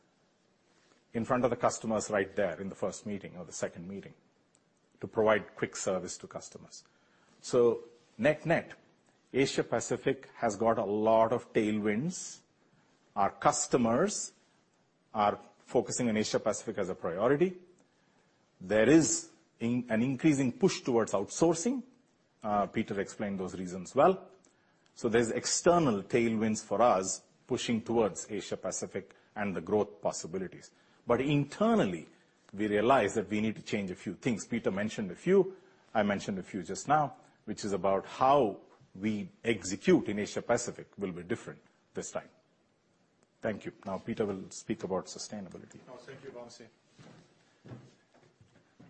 in front of the customers right there in the first meeting or the second meeting, to provide quick service to customers. So net-net, Asia Pacific has got a lot of tailwinds—our customers are focusing on Asia Pacific as a priority. There is an increasing push towards outsourcing. Peter explained those reasons well. So there's external tailwinds for us pushing towards Asia Pacific and the growth possibilities. But internally, we realize that we need to change a few things. Peter mentioned a few, I mentioned a few just now, which is about how we execute in Asia Pacific will be different this time. Thank you. Now, Peter will speak about sustainability. Oh, thank you, Vamsi.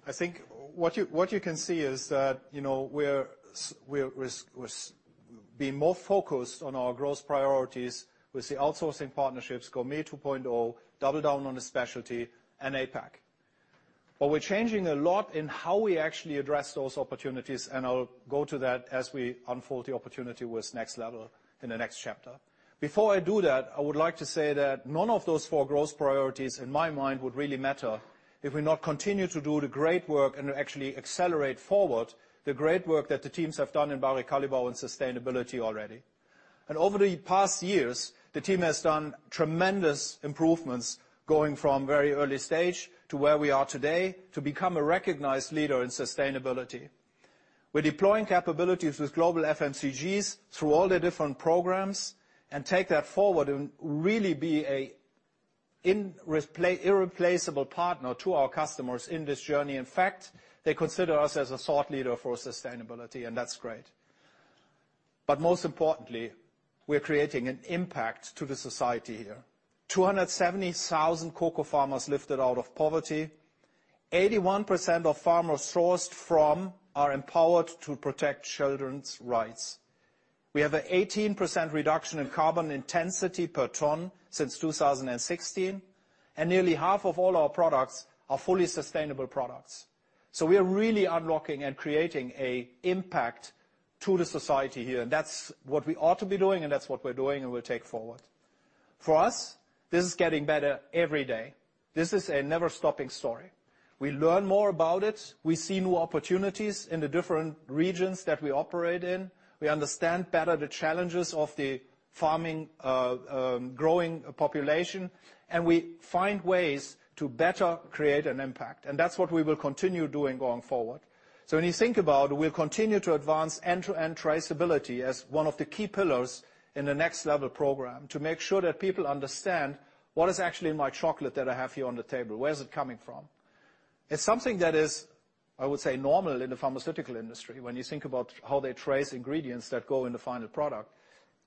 I think what you can see is that, you know, we're being more focused on our growth priorities with the outsourcing partnerships, Gourmet 2.0, double down on the specialty, and APAC. But we're changing a lot in how we actually address those opportunities, and I'll go to that as we unfold the opportunity with Next Level in the next chapter. Before I do that, I would like to say that none of those four growth priorities, in my mind, would really matter if we not continue to do the great work and actually accelerate forward the great work that the teams have done in Barry Callebaut in sustainability already. And over the past years, the team has done tremendous improvements, going from very early stage to where we are today, to become a recognized leader in sustainability. We're deploying capabilities with global FMCGs through all their different programs, and take that forward and really be an irreplaceable partner to our customers in this journey. In fact, they consider us as a thought leader for sustainability, and that's great. But most importantly, we're creating an impact to the society here. 270,000 cocoa farmers lifted out of poverty, 81% of farmers sourced from are empowered to protect children's rights. We have an 18% reduction in carbon intensity per ton since 2016, and nearly half of all our products are fully sustainable products. So we are really unlocking and creating an impact to the society here, and that's what we ought to be doing, and that's what we're doing, and we'll take forward. For us, this is getting better every day. This is a never-stopping story. We learn more about it. We see new opportunities in the different regions that we operate in. We understand better the challenges of the farming, growing population, and we find ways to better create an impact, and that's what we will continue doing going forward. So when you think about, we'll continue to advance end-to-end traceability as one of the key pillars in the Next Level program to make sure that people understand what is actually in my chocolate that I have here on the table. Where is it coming from? It's something that is, I would say, normal in the pharmaceutical industry when you think about how they trace ingredients that go in the final product,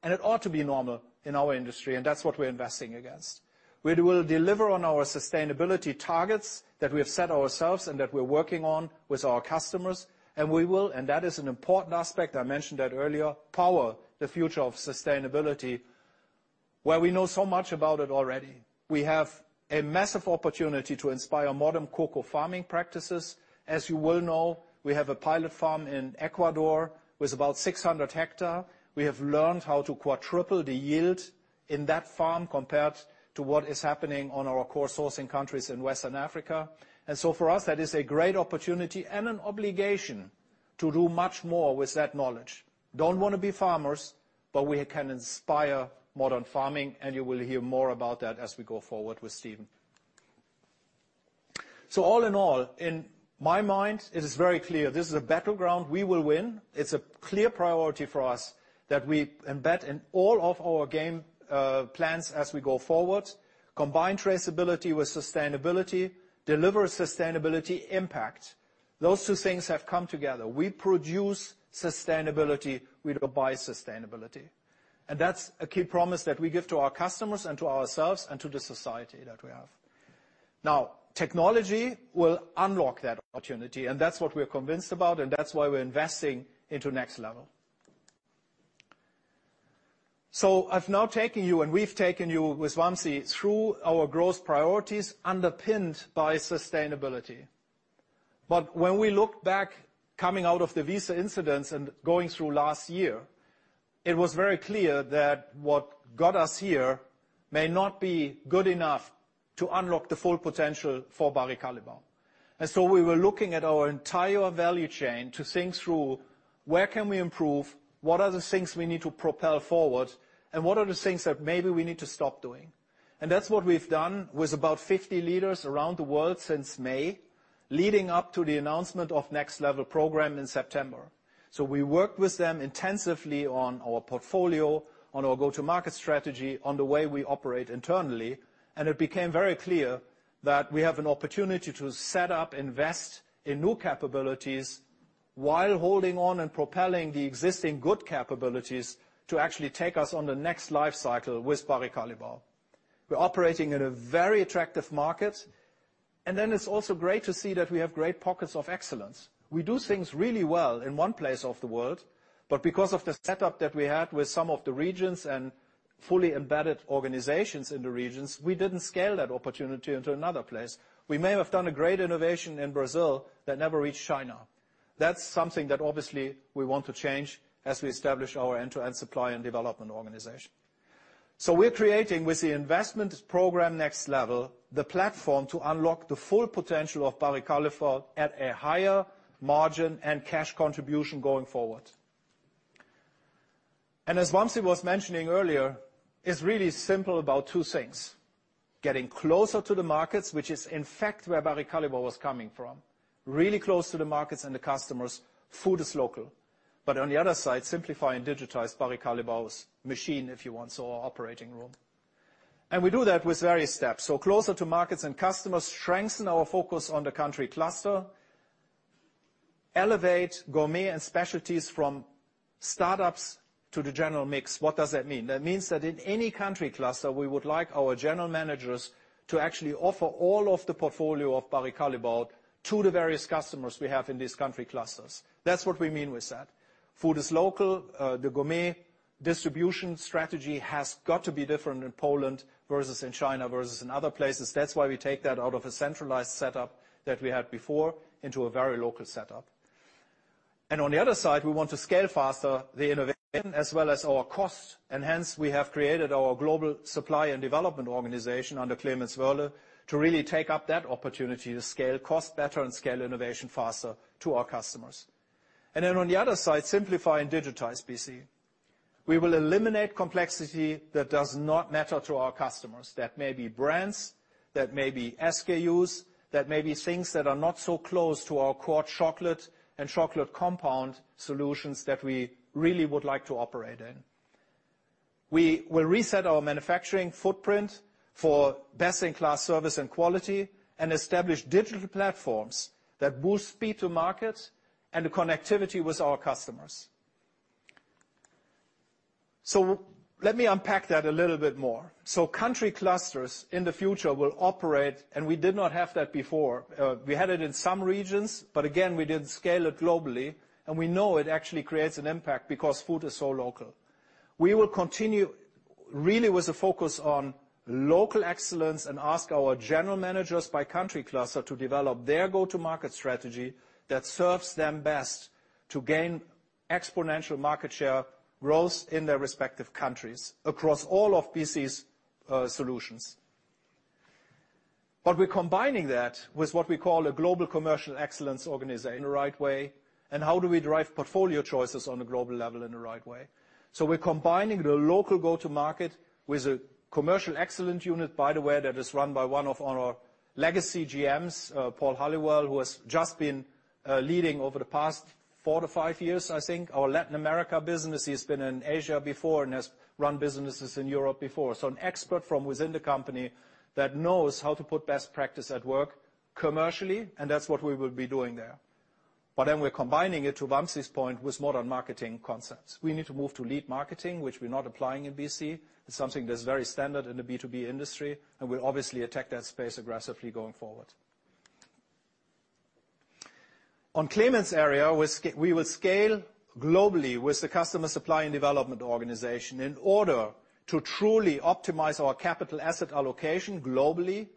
and it ought to be normal in our industry, and that's what we're investing against. We will deliver on our sustainability targets that we have set ourselves and that we're working on with our customers, and we will, and that is an important aspect, I mentioned that earlier, power the future of sustainability, where we know so much about it already. We have a massive opportunity to inspire modern cocoa farming practices. As you well know, we have a pilot farm in Ecuador with about 600 hectares. We have learned how to quadruple the yield in that farm compared to what is happening on our core sourcing countries in Western Africa. And so for us, that is a great opportunity and an obligation to do much more with that knowledge. Don't want to be farmers, but we can inspire modern farming, and you will hear more about that as we go forward with Steven. So all in all, in my mind, it is very clear this is a battleground we will win. It's a clear priority for us that we embed in all of our game plans as we go forward, combine traceability with sustainability, deliver sustainability impact. Those two things have come together. We produce sustainability, we don't buy sustainability. And that's a key promise that we give to our customers and to ourselves and to the society that we have. Now, technology will unlock that opportunity, and that's what we're convinced about, and that's why we're investing into Next Level. So I've now taken you, and we've taken you with Vamsi, through our growth priorities, underpinned by sustainability. But when we look back, coming out of the Wieze incidents and going through last year, it was very clear that what got us here may not be good enough to unlock the full potential for Barry Callebaut. And so we were looking at our entire value chain to think through: Where can we improve? What are the things we need to propel forward? And what are the things that maybe we need to stop doing? And that's what we've done with about 50 leaders around the world since May, leading up to the announcement of Next Level program in September. So we worked with them intensively on our portfolio, on our go-to-market strategy, on the way we operate internally, and it became very clear that we have an opportunity to set up, invest in new capabilities, while holding on and propelling the existing good capabilities to actually take us on the next life cycle with Barry Callebaut. We're operating in a very attractive market, and then it's also great to see that we have great pockets of excellence. We do things really well in one place of the world, but because of the setup that we had with some of the regions and fully embedded organizations in the regions, we didn't scale that opportunity into another place. We may have done a great innovation in Brazil that never reached China. That's something that obviously we want to change as we establish our end-to-end supply and development organization. We're creating, with the investment program, Next Level, the platform to unlock the full potential of Barry Callebaut at a higher margin and cash contribution going forward. As Vamsi was mentioning earlier, it's really simple about two things: getting closer to the markets, which is, in fact, where Barry Callebaut was coming from. Really close to the markets and the customers. Food is local. But on the other side, simplify and digitize Barry Callebaut's machine, if you want, so our operating room. And we do that with various steps. So closer to markets and customers, strengthen our focus on the country cluster, elevate Gourmet & Specialties from startups to the general mix. What does that mean? That means that in any country cluster, we would like our general managers to actually offer all of the portfolio of Barry Callebaut to the various customers we have in these country clusters. That's what we mean with that. Food is local, the gourmet distribution strategy has got to be different in Poland versus in China versus in other places. That's why we take that out of a centralized setup that we had before into a very local setup. And on the other side, we want to scale faster the innovation as well as our costs, and hence, we have created our Global Supply and Development organization under Clemens Woehrle to really take up that opportunity to scale cost better and scale innovation faster to our customers. And then on the other side, simplify and digitize BC. We will eliminate complexity that does not matter to our customers. That may be brands, that may be SKUs, that may be things that are not so close to our core chocolate and chocolate compound solutions that we really would like to operate in. We will reset our manufacturing footprint for best-in-class service and quality, and establish digital platforms that boost speed to market and the connectivity with our customers. So let me unpack that a little bit more. So country clusters in the future will operate, and we did not have that before, we had it in some regions, but again, we didn't scale it globally, and we know it actually creates an impact because food is so local. We will continue really with a focus on local excellence and ask our general managers by country cluster to develop their go-to-market strategy that serves them best to gain exponential market share growth in their respective countries across all of BC's solutions. But we're combining that with what we call a Global Commercial Excellence organization. In the right way, and how do we derive portfolio choices on a global level in the right way? So we're combining the local go-to-market with a commercial excellence unit, by the way, that is run by one of our legacy GMs, Paul Halliwell, who has just been leading over the past 4-5 years, I think, our Latin America business. He's been in Asia before and has run businesses in Europe before. So an expert from within the company that knows how to put best practice at work commercially, and that's what we will be doing there. But then we're combining it, to Vamsi's point, with modern marketing concepts. We need to move to lead marketing, which we're not applying in BC. It's something that's very standard in the B2B industry, and we'll obviously attack that space aggressively going forward. On Clemens' area, we will scale globally with the Customer Supply & Development organization in order to truly optimize our capital asset allocation globally,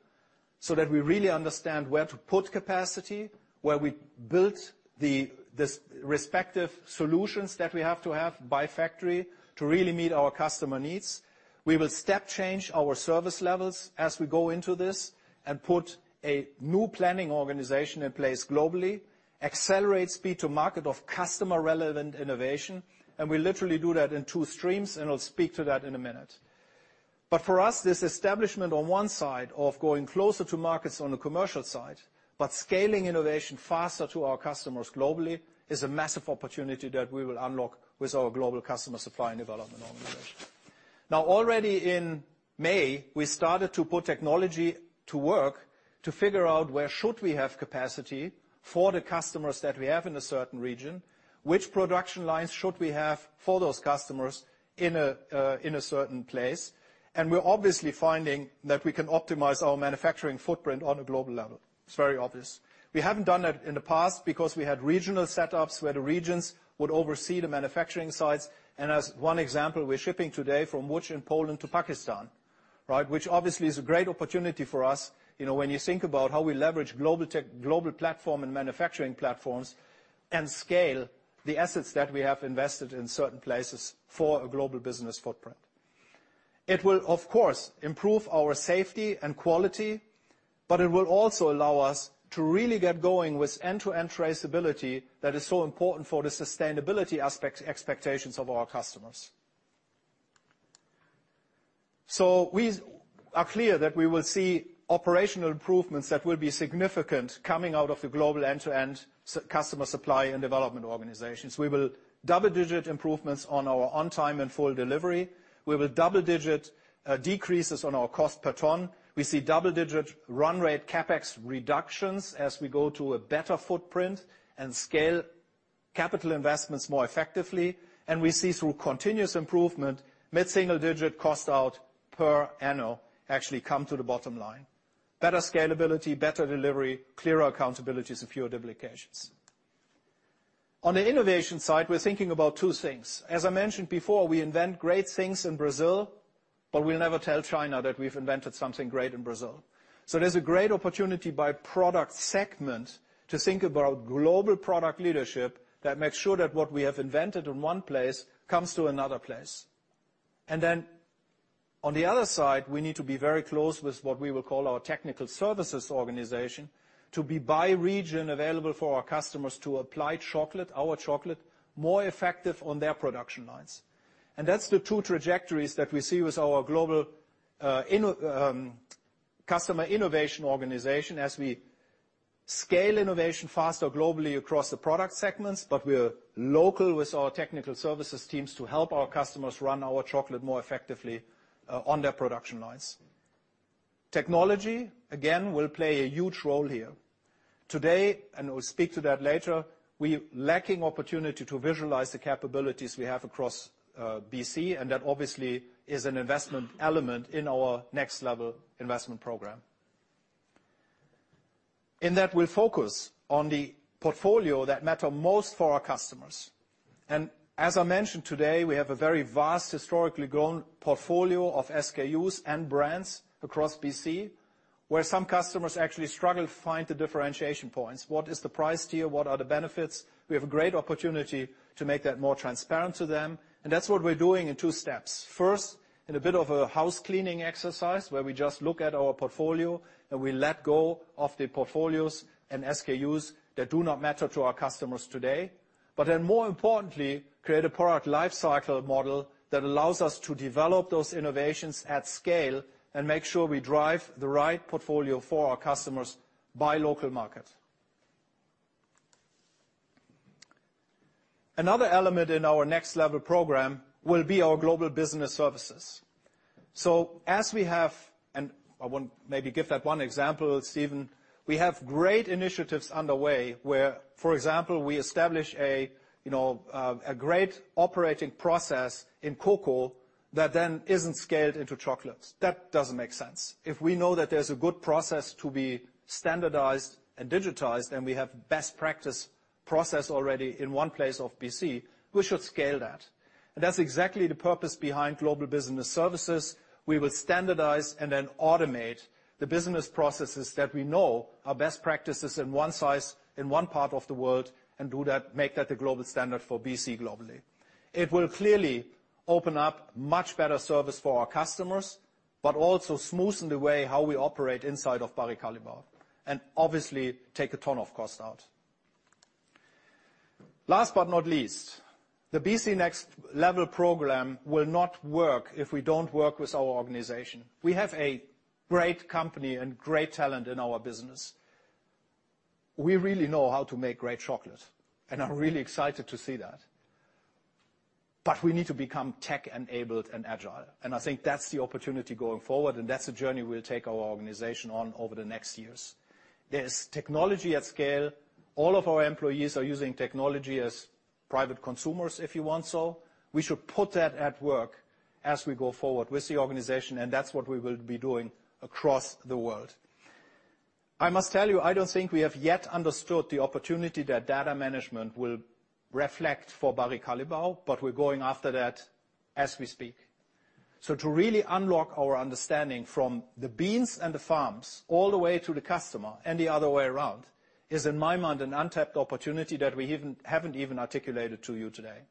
so that we really understand where to put capacity, where we built the respective solutions that we have to have by factory to really meet our customer needs. We will step change our service levels as we go into this, and put a new planning organization in place globally, accelerate speed to market of customer-relevant innovation, and we literally do that in two streams, and I'll speak to that in a minute. But for us, this establishment on one side of going closer to markets on the commercial side, but scaling innovation faster to our customers globally, is a massive opportunity that we will unlock with our Global Customer Supply & Development organization. Now, already in May, we started to put technology to work to figure out where should we have capacity for the customers that we have in a certain region? Which production lines should we have for those customers in a certain place? And we're obviously finding that we can optimize our manufacturing footprint on a global level. It's very obvious. We haven't done that in the past because we had regional setups where the regions would oversee the manufacturing sites. And as one example, we're shipping today from Łódź in Poland to Pakistan, right? Which obviously is a great opportunity for us, you know, when you think about how we leverage global tech- global platform and manufacturing platforms, and scale the assets that we have invested in certain places for a global business footprint. It will, of course, improve our safety and quality, but it will also allow us to really get going with end-to-end traceability that is so important for the sustainability aspects, expectations of our customers. So we are clear that we will see operational improvements that will be significant coming out of the global end-to-end customer supply and development organizations. We will double-digit improvements on our on-time and full delivery. We will double-digit decreases on our cost per ton. We see double-digit run rate CapEx reductions as we go to a better footprint and scale capital investments more effectively, and we see, through continuous improvement, mid-single-digit cost out per annum actually come to the bottom line. Better scalability, better delivery, clearer accountabilities, and fewer duplications. On the innovation side, we're thinking about two things. As I mentioned before, we invent great things in Brazil, but we'll never tell China that we've invented something great in Brazil. So there's a great opportunity by product segment to think about global product leadership that makes sure that what we have invented in one place comes to another place. On the other side, we need to be very close with what we will call our Technical Services organization, to be by region available for our customers to apply chocolate, our chocolate, more effective on their production lines. And that's the two trajectories that we see with our Global Customer Innovation organization as we scale innovation faster globally across the product segments, but we're local with our Technical Services teams to help our customers run our chocolate more effectively on their production lines. Technology, again, will play a huge role here. Today, and we'll speak to that later, we're lacking the opportunity to visualize the capabilities we have across BC, and that obviously is an investment element in our Next Level investment program. In that, we'll focus on the portfolio that matters most for our customers, and as I mentioned today, we have a very vast, historically grown portfolio of SKUs and brands across BC, where some customers actually struggle to find the differentiation points. What is the price tier? What are the benefits? We have a great opportunity to make that more transparent to them, and that's what we're doing in two steps. First, in a bit of a housecleaning exercise, where we just look at our portfolio and we let go of the portfolios and SKUs that do not matter to our customers today, but then more importantly, create a product life cycle model that allows us to develop those innovations at scale and make sure we drive the right portfolio for our customers by local market. Another element in our Next Level program will be our Global Business Services. So as we have, and I want maybe give that one example, Steven, we have great initiatives underway where, for example, we establish a, you know, a great operating process in cocoa that then isn't scaled into chocolates. That doesn't make sense. If we know that there's a good process to be standardized and digitized, and we have best practice process already in one place of BC, we should scale that. That's exactly the purpose behind Global Business Services. We will standardize and then automate the business processes that we know are best practices in one site in one part of the world, and make that the global standard for BC globally. It will clearly open up much better service for our customers, but also smoothen the way how we operate inside of Barry Callebaut, and obviously, take a ton of cost out. Last but not least, the BC Next Level program will not work if we don't work with our organization. We have a great company and great talent in our business. We really know how to make great chocolate, and I'm really excited to see that. But we need to become tech-enabled and agile, and I think that's the opportunity going forward, and that's the journey we'll take our organization on over the next years. There's technology at scale. All of our employees are using technology as private consumers, if you want so. We should put that at work as we go forward with the organization, and that's what we will be doing across the world. I must tell you, I don't think we have yet understood the opportunity that data management will reflect for Barry Callebaut, but we're going after that as we speak. So to really unlock our understanding from the beans and the farms all the way to the customer, and the other way around, is, in my mind, an untapped opportunity that we haven't even articulated to you today.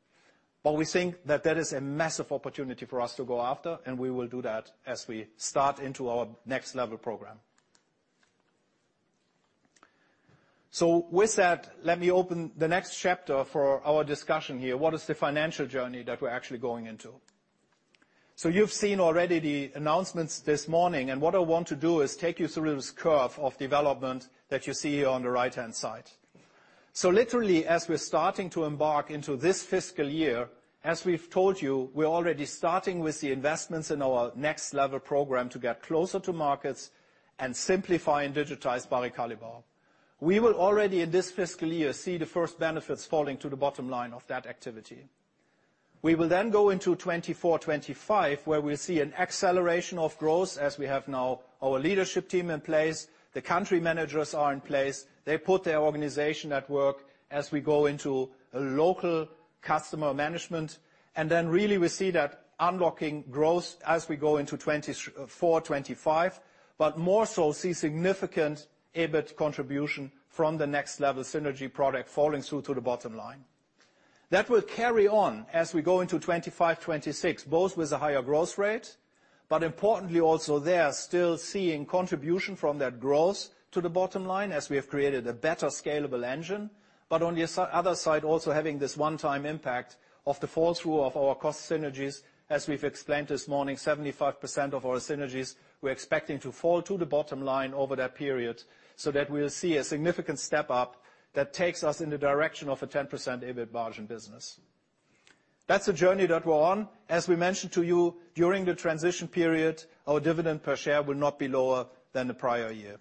But we think that that is a massive opportunity for us to go after, and we will do that as we start into our Next Level program. So with that, let me open the next chapter for our discussion here. What is the financial journey that we're actually going into? So you've seen already the announcements this morning, and what I want to do is take you through this curve of development that you see here on the right-hand side. So literally, as we're starting to embark into this fiscal year, as we've told you, we're already starting with the investments in our Next Level program to get closer to markets and simplify and digitize Barry Callebaut. We will already, in this fiscal year, see the first benefits falling to the bottom line of that activity. We will then go into 2024, 2025, where we'll see an acceleration of growth as we have now our leadership team in place, the country managers are in place. They put their organization at work as we go into a local customer management, and then really, we see that unlocking growth as we go into 2024, 2025, but more so, see significant EBIT contribution from the Next Level synergy product falling through to the bottom line. That will carry on as we go into 2025, 2026, both with a higher growth rate, but importantly also there, still seeing contribution from that growth to the bottom line as we have created a better scalable engine. But on the other side, also having this one-time impact of the fall-through of our cost synergies. As we've explained this morning, 75% of our synergies, we're expecting to fall to the bottom line over that period so that we'll see a significant step up that takes us in the direction of a 10% EBIT margin business. That's the journey that we're on. As we mentioned to you, during the transition period, our dividend per share will not be lower than the prior year.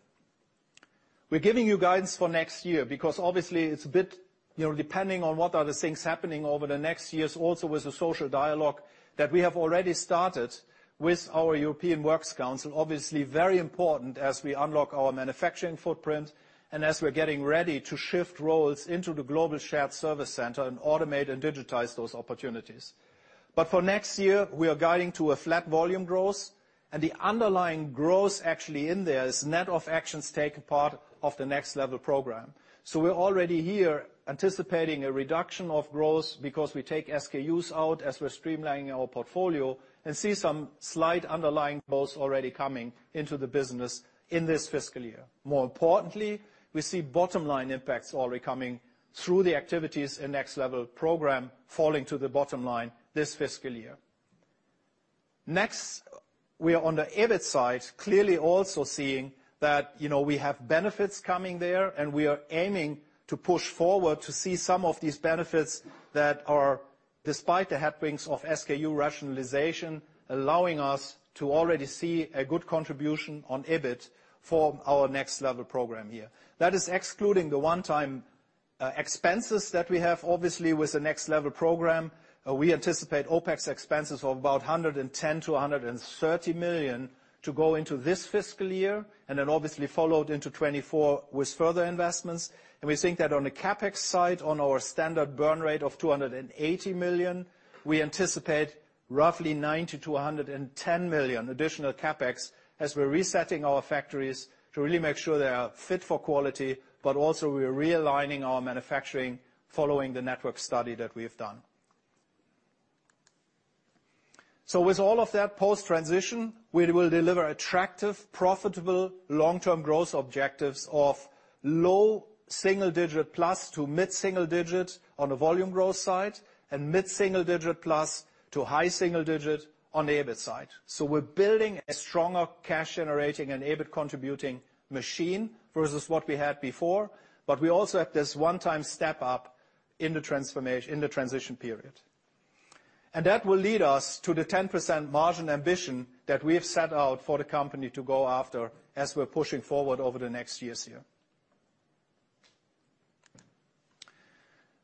We're giving you guidance for next year because obviously, it's a bit, you know, depending on what are the things happening over the next years, also with the social dialogue that we have already started with our European Works Council, obviously very important as we unlock our manufacturing footprint and as we're getting ready to shift roles into the global shared service center and automate and digitize those opportunities. But for next year, we are guiding to a flat volume growth. And the underlying growth actually in there is net of actions taken part of the Next Level program. So we're already here anticipating a reduction of growth because we take SKUs out as we're streamlining our portfolio, and see some slight underlying costs already coming into the business in this fiscal year. More importantly, we see bottom line impacts already coming through the activities in Next Level program falling to the bottom line this fiscal year. Next, we are on the EBIT side, clearly also seeing that, you know, we have benefits coming there, and we are aiming to push forward to see some of these benefits that are, despite the headwinds of SKU rationalization, allowing us to already see a good contribution on EBIT for our Next Level program here. That is excluding the one-time expenses that we have. Obviously, with the Next Level program, we anticipate OpEx expenses of about 110 million-130 million to go into this fiscal year, and then obviously followed into 2024 with further investments. We think that on the CapEx side, on our standard burn rate of 280 million, we anticipate roughly 90 million-110 million additional CapEx as we're resetting our factories to really make sure they are fit for quality, but also we are realigning our manufacturing following the network study that we have done. With all of that post-transition, we will deliver attractive, profitable, long-term growth objectives of low single-digit plus to mid-single-digit on the volume growth side, and mid-single-digit plus to high single-digit on the EBIT side. So we're building a stronger cash-generating and EBIT-contributing machine versus what we had before, but we also have this one-time step up in the transformation in the transition period. And that will lead us to the 10% margin ambition that we have set out for the company to go after as we're pushing forward over the next years here.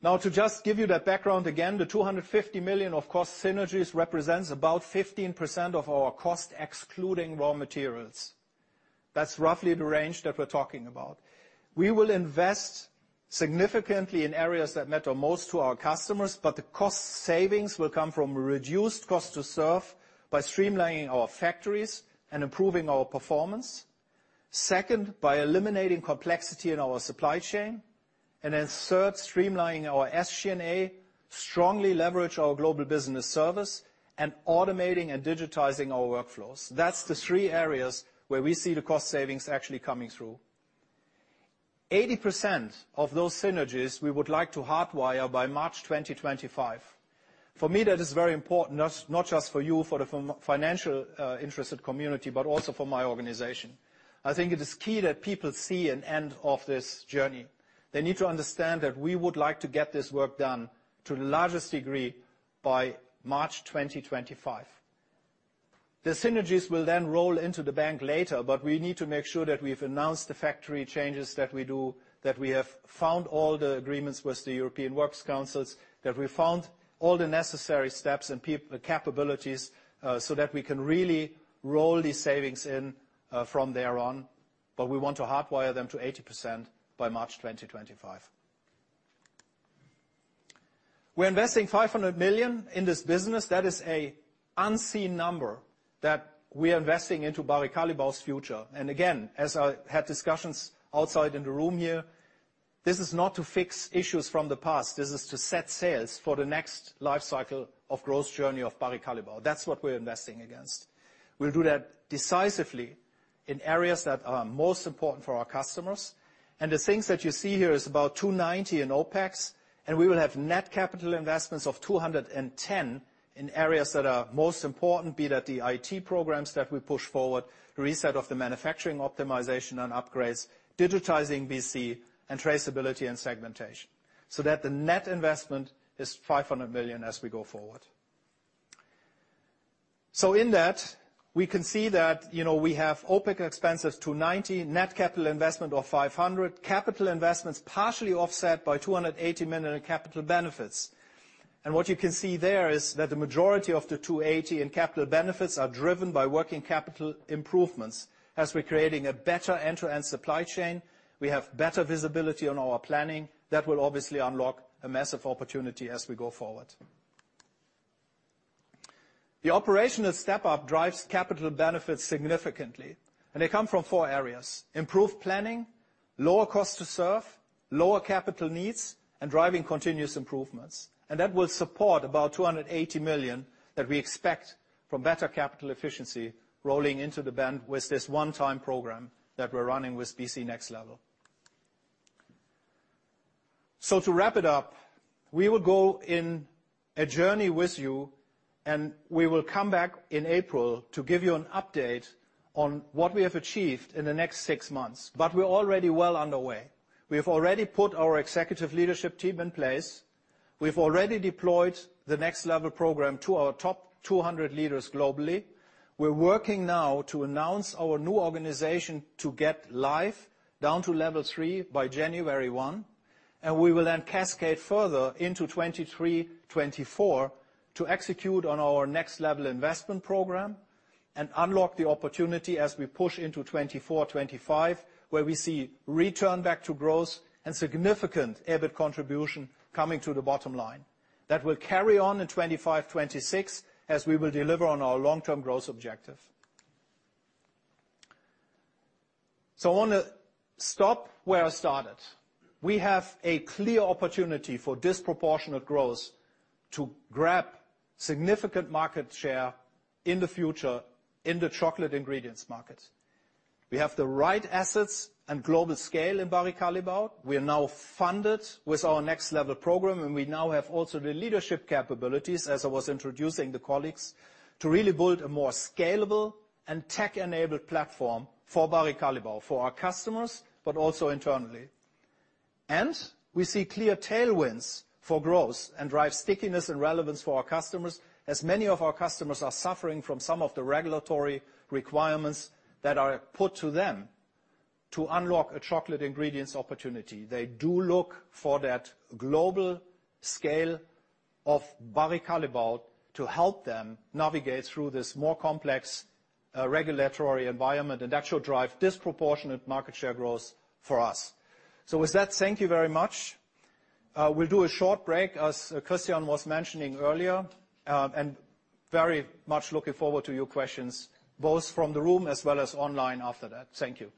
Now, to just give you that background again, the 250 million of cost synergies represents about 15% of our cost, excluding raw materials. That's roughly the range that we're talking about. We will invest significantly in areas that matter most to our customers, but the cost savings will come from reduced cost to serve by streamlining our factories and improving our performance. Second, by eliminating complexity in our supply chain, and then third, streamlining our SG&A, strongly leverage our Global Business Services, and automating and digitizing our workflows. That's the three areas where we see the cost savings actually coming through. 80% of those synergies we would like to hardwire by March 2025. For me, that is very important, not just for you, for the financial interested community, but also for my organization. I think it is key that people see an end of this journey. They need to understand that we would like to get this work done to the largest degree by March 2025. The synergies will then roll into the bank later, but we need to make sure that we've announced the factory changes that we do, that we have found all the agreements with the European Works Councils, that we found all the necessary steps and capabilities, so that we can really roll these savings in, from there on, but we want to hardwire them to 80% by March 2025. We're investing 500 million in this business. That is an unseen number that we're investing into Barry Callebaut's future. And again, as I had discussions outside in the room here, this is not to fix issues from the past. This is to set sails for the next life cycle of growth journey of Barry Callebaut. That's what we're investing against. We'll do that decisively in areas that are most important for our customers, and the things that you see here is about 290 million in OpEx, and we will have net capital investments of 210 million in areas that are most important, be that the IT programs that we push forward, the reset of the manufacturing optimization and upgrades, digitizing BC, and traceability and segmentation, so that the net investment is 500 million as we go forward. So in that, we can see that, you know, we have OpEx expenses, 290 million, net capital investment of 500 million, capital investments partially offset by 280 million in capital benefits. And what you can see there is that the majority of the 280 million in capital benefits are driven by working capital improvements. As we're creating a better end-to-end supply chain, we have better visibility on our planning. That will obviously unlock a massive opportunity as we go forward. The operational step-up drives capital benefits significantly, and they come from four areas: improved planning, lower cost to serve, lower capital needs, and driving continuous improvements. That will support about 280 million that we expect from better capital efficiency rolling into the bank with this one-time program that we're running with BC Next Level. To wrap it up, we will go in a journey with you, and we will come back in April to give you an update on what we have achieved in the next six months, but we're already well underway. We have already put our executive leadership team in place. We've already deployed the Next Level program to our top 200 leaders globally. We're working now to announce our new organization to get live, down to level 3, by January 1, and we will then cascade further into 2023, 2024 to execute on our Next Level investment program and unlock the opportunity as we push into 2024, 2025, where we see return back to growth and significant EBIT contribution coming to the bottom line. That will carry on in 2025, 2026, as we will deliver on our long-term growth objective. So I want to stop where I started. We have a clear opportunity for disproportionate growth to grab significant market share in the future in the chocolate ingredients market. We have the right assets and global scale in Barry Callebaut. We are now funded with our Next Level program, and we now have also the leadership capabilities, as I was introducing the colleagues, to really build a more scalable and tech-enabled platform for Barry Callebaut, for our customers, but also internally. We see clear tailwinds for growth and drive stickiness and relevance for our customers, as many of our customers are suffering from some of the regulatory requirements that are put to them to unlock a chocolate ingredients opportunity. They do look for that global scale of Barry Callebaut to help them navigate through this more complex, regulatory environment, and that should drive disproportionate market share growth for us. So with that, thank you very much. We'll do a short break, as Christian was mentioning earlier, and very much looking forward to your questions, both from the room as well as online after that. Thank you.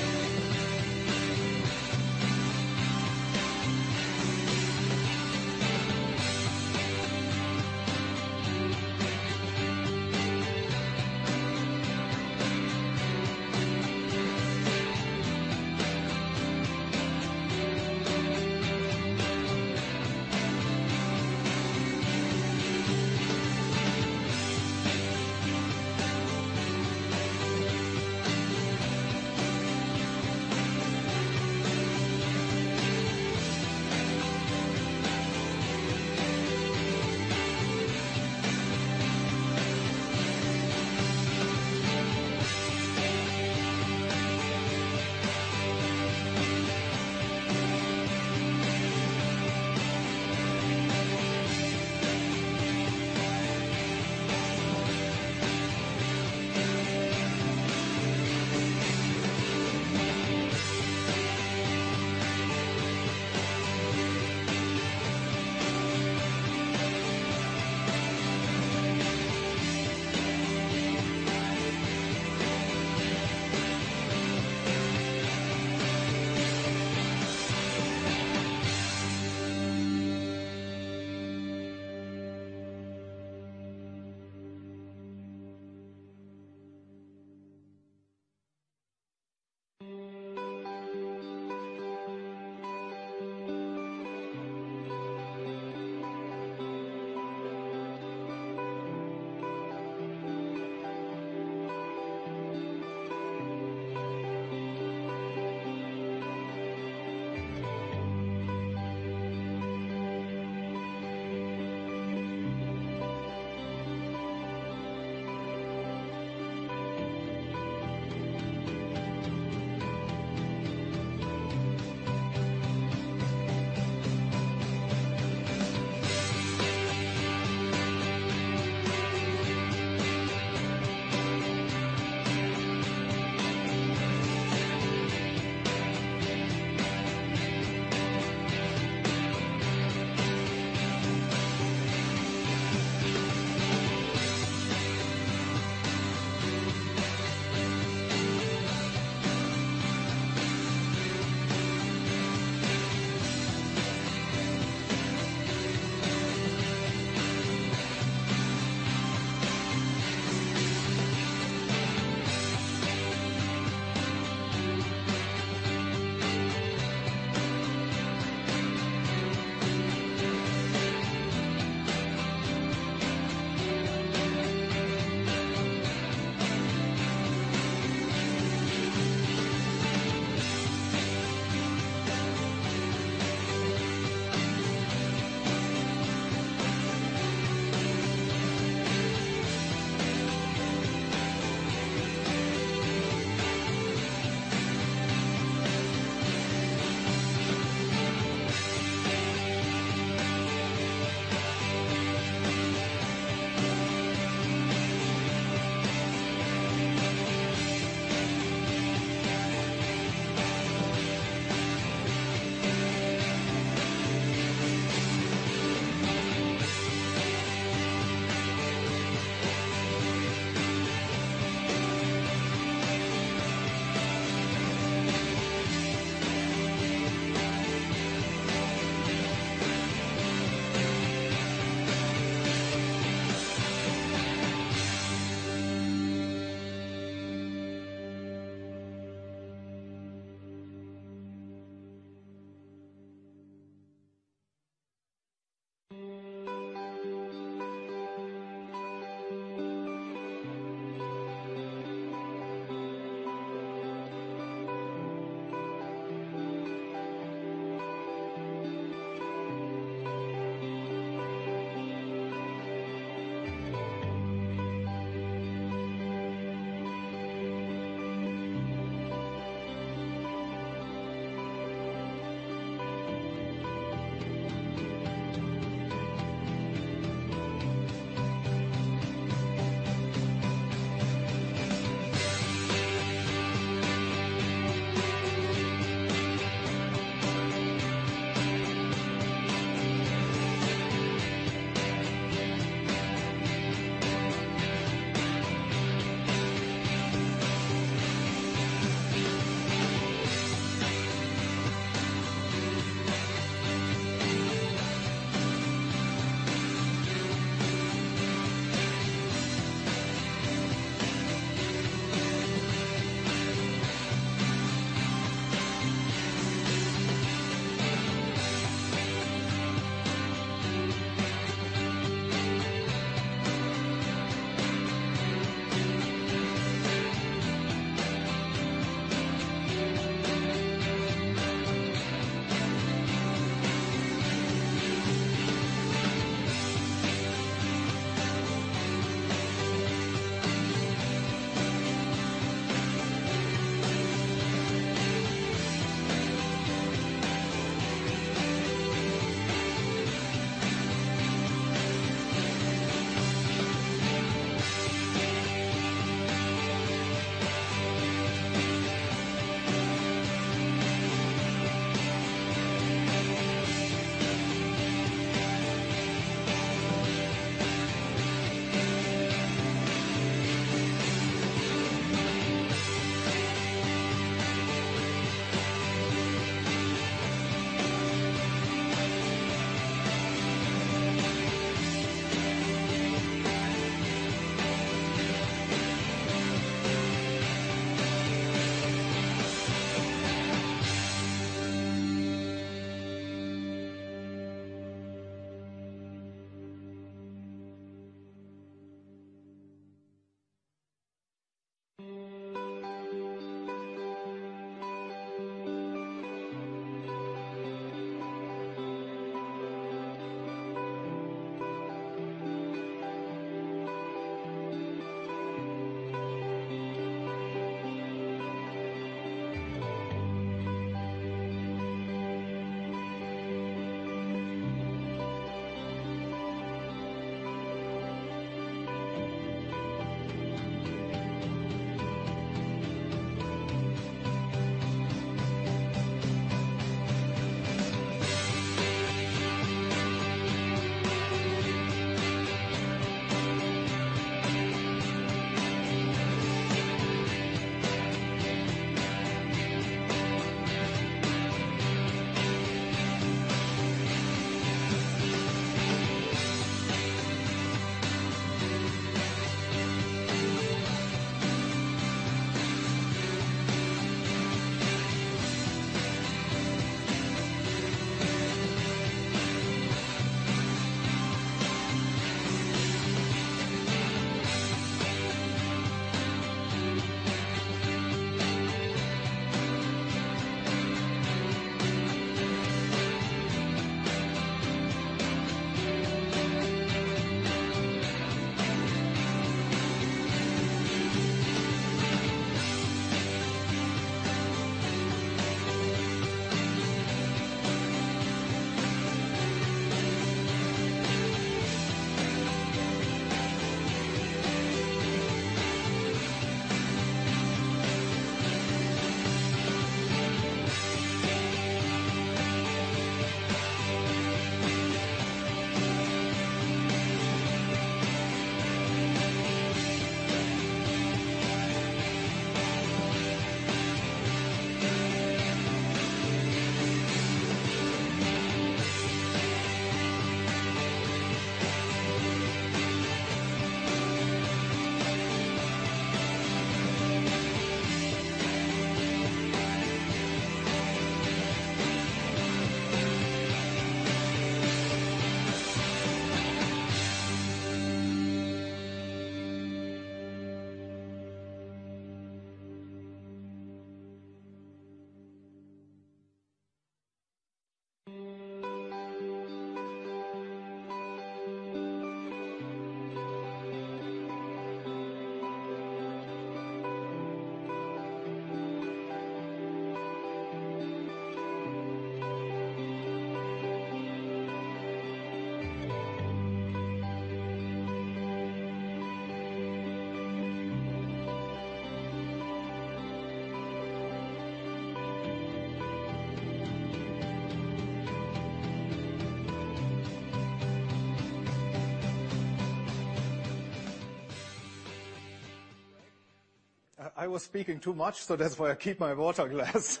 I was speaking too much, so that's why I keep my water glass.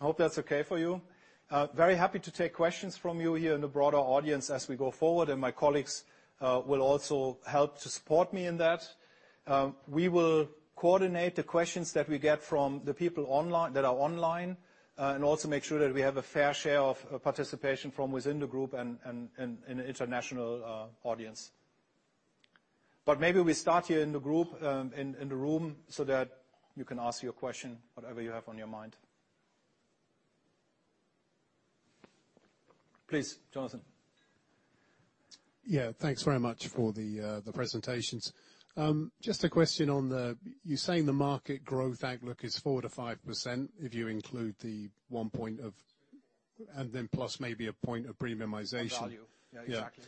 Hope that's okay for you. Very happy to take questions from you here in the broader audience as we go forward, and my colleagues will also help to support me in that. We will coordinate the questions that we get from the people online, that are online, and also make sure that we have a fair share of participation from within the group and in the international audience. But maybe we start here in the group in the room, so that you can ask your question, whatever you have on your mind. Please, Jonathan. Yeah, thanks very much for the presentations. Just a question on the—you're saying the market growth outlook is 4%-5% if you include the one point of... And then plus maybe a point of premiumization. Of value. Yeah. Yeah, exactly.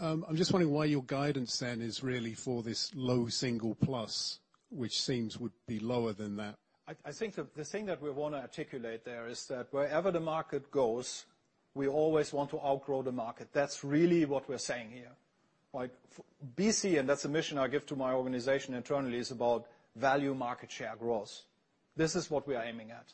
I'm just wondering why your guidance then is really for this low single plus, which seems would be lower than that? I think the thing that we want to articulate there is that wherever the market goes, we always want to outgrow the market. That's really what we're saying here. Like, BC, and that's the mission I give to my organization internally, is about value market share growth. This is what we are aiming at,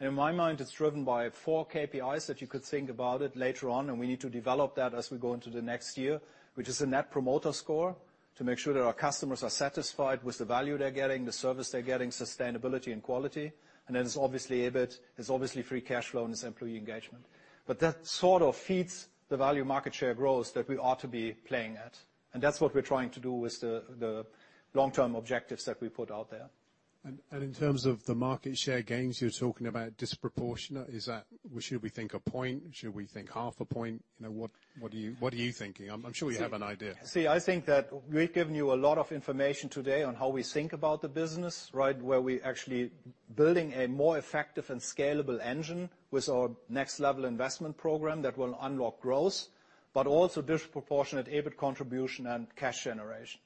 and in my mind, it's driven by four KPIs that you could think about it later on, and we need to develop that as we go into the next year, which is the Net Promoter Score, to make sure that our customers are satisfied with the value they're getting, the service they're getting, sustainability, and quality. And then it's obviously EBIT, it's obviously free cash flow, and it's employee engagement. But that sort of feeds the value market share growth that we ought to be playing at, and that's what we're trying to do with the long-term objectives that we put out there. In terms of the market share gains, you're talking about disproportionate. Is that... Should we think a point? Should we think half a point? You know, what, what are you, what are you thinking? I'm, I'm sure you have an idea. See, I think that we've given you a lot of information today on how we think about the business, right? Where we actually building a more effective and scalable engine with our Next Level investment program that will unlock growth, but also disproportionate EBIT contribution and cash generation.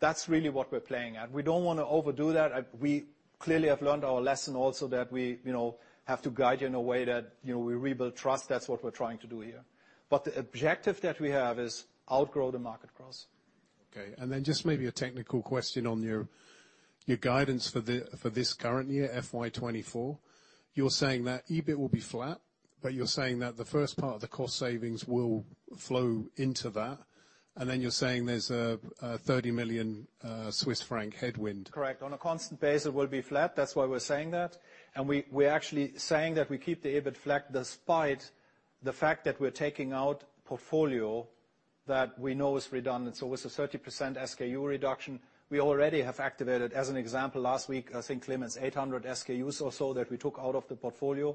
That's really what we're playing at. We don't want to overdo that. We clearly have learned our lesson also that we, you know, have to guide you in a way that, you know, we rebuild trust. That's what we're trying to do here. But the objective that we have is outgrow the market growth. Okay, and then just maybe a technical question on your guidance for this current year, FY 2024. You're saying that EBIT will be flat, but you're saying that the first part of the cost savings will flow into that, and then you're saying there's a 30 million Swiss franc headwind. Correct. On a constant basis, it will be flat. That's why we're saying that. And we're actually saying that we keep the EBIT flat despite the fact that we're taking out portfolio that we know is redundant. So with the 30% SKU reduction, we already have activated, as an example, last week, I think, Clemens, 800 SKUs or so that we took out of the portfolio.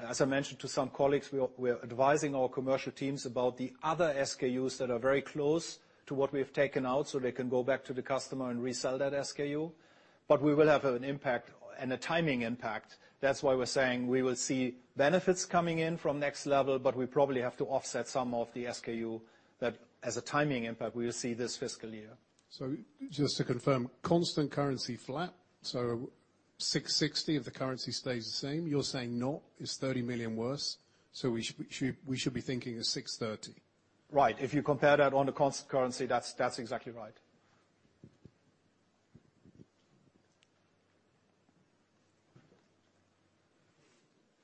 As I mentioned to some colleagues, we are advising our commercial teams about the other SKUs that are very close to what we have taken out, so they can go back to the customer and resell that SKU. But we will have an impact and a timing impact. That's why we're saying we will see benefits coming in from Next Level, but we probably have to offset some of the SKU that, as a timing impact, we will see this fiscal year. Just to confirm, constant currency flat, so 660 million if the currency stays the same. You're saying not, it's 30 million worse, so we should be thinking of 630 million. Right. If you compare that on a constant currency, that's exactly right.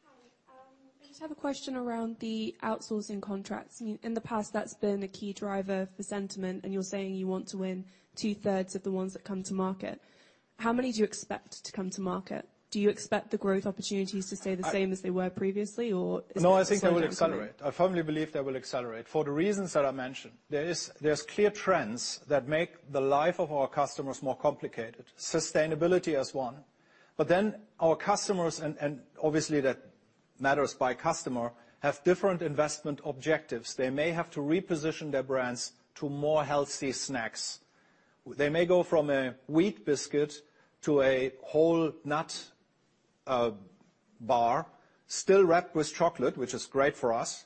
Hi. I just have a question around the outsourcing contracts. In the past, that's been a key driver for sentiment, and you're saying you want to win two-thirds of the ones that come to market. How many do you expect to come to market? Do you expect the growth opportunities to stay the same as they were previously, or is it slightly differently? No, I think they will accelerate. I firmly believe they will accelerate. For the reasons that I mentioned, there are clear trends that make the life of our customers more complicated. Sustainability is one. But then our customers, and obviously, that matters by customer, have different investment objectives. They may have to reposition their brands to more healthy snacks. They may go from a wheat biscuit to a whole nut bar, still wrapped with chocolate, which is great for us,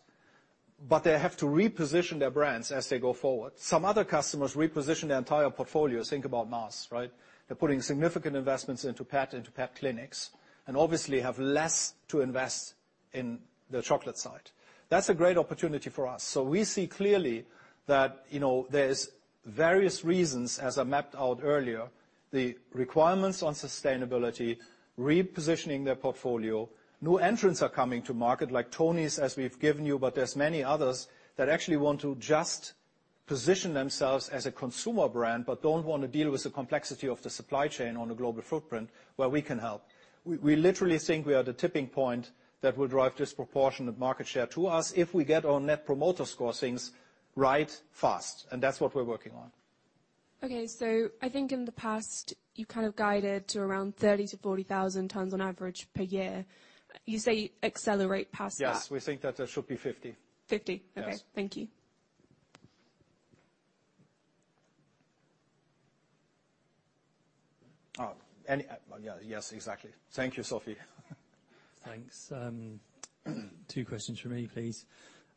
but they have to reposition their brands as they go forward. Some other customers reposition their entire portfolio. Think about Mars, right? They're putting significant investments into pet clinics, and obviously have less to invest in the chocolate side. That's a great opportunity for us. So we see clearly that, you know, there's various reasons, as I mapped out earlier, the requirements on sustainability, repositioning their portfolio. New entrants are coming to market, like Tony's, as we've given you, but there's many others that actually want to just position themselves as a consumer brand but don't want to deal with the complexity of the supply chain on a global footprint, where we can help. We literally think we are the tipping point that will drive disproportionate market share to us if we get our Net Promoter Score things right, fast, and that's what we're working on. Okay, so I think in the past, you kind of guided to around 30-40,000 tons on average per year. You say accelerate past that? Yes, we think that there should be 50. Fifty? Yes. Okay. Thank you. Yeah, yes, exactly. Thank you, Sophie. Thanks. Two questions from me, please.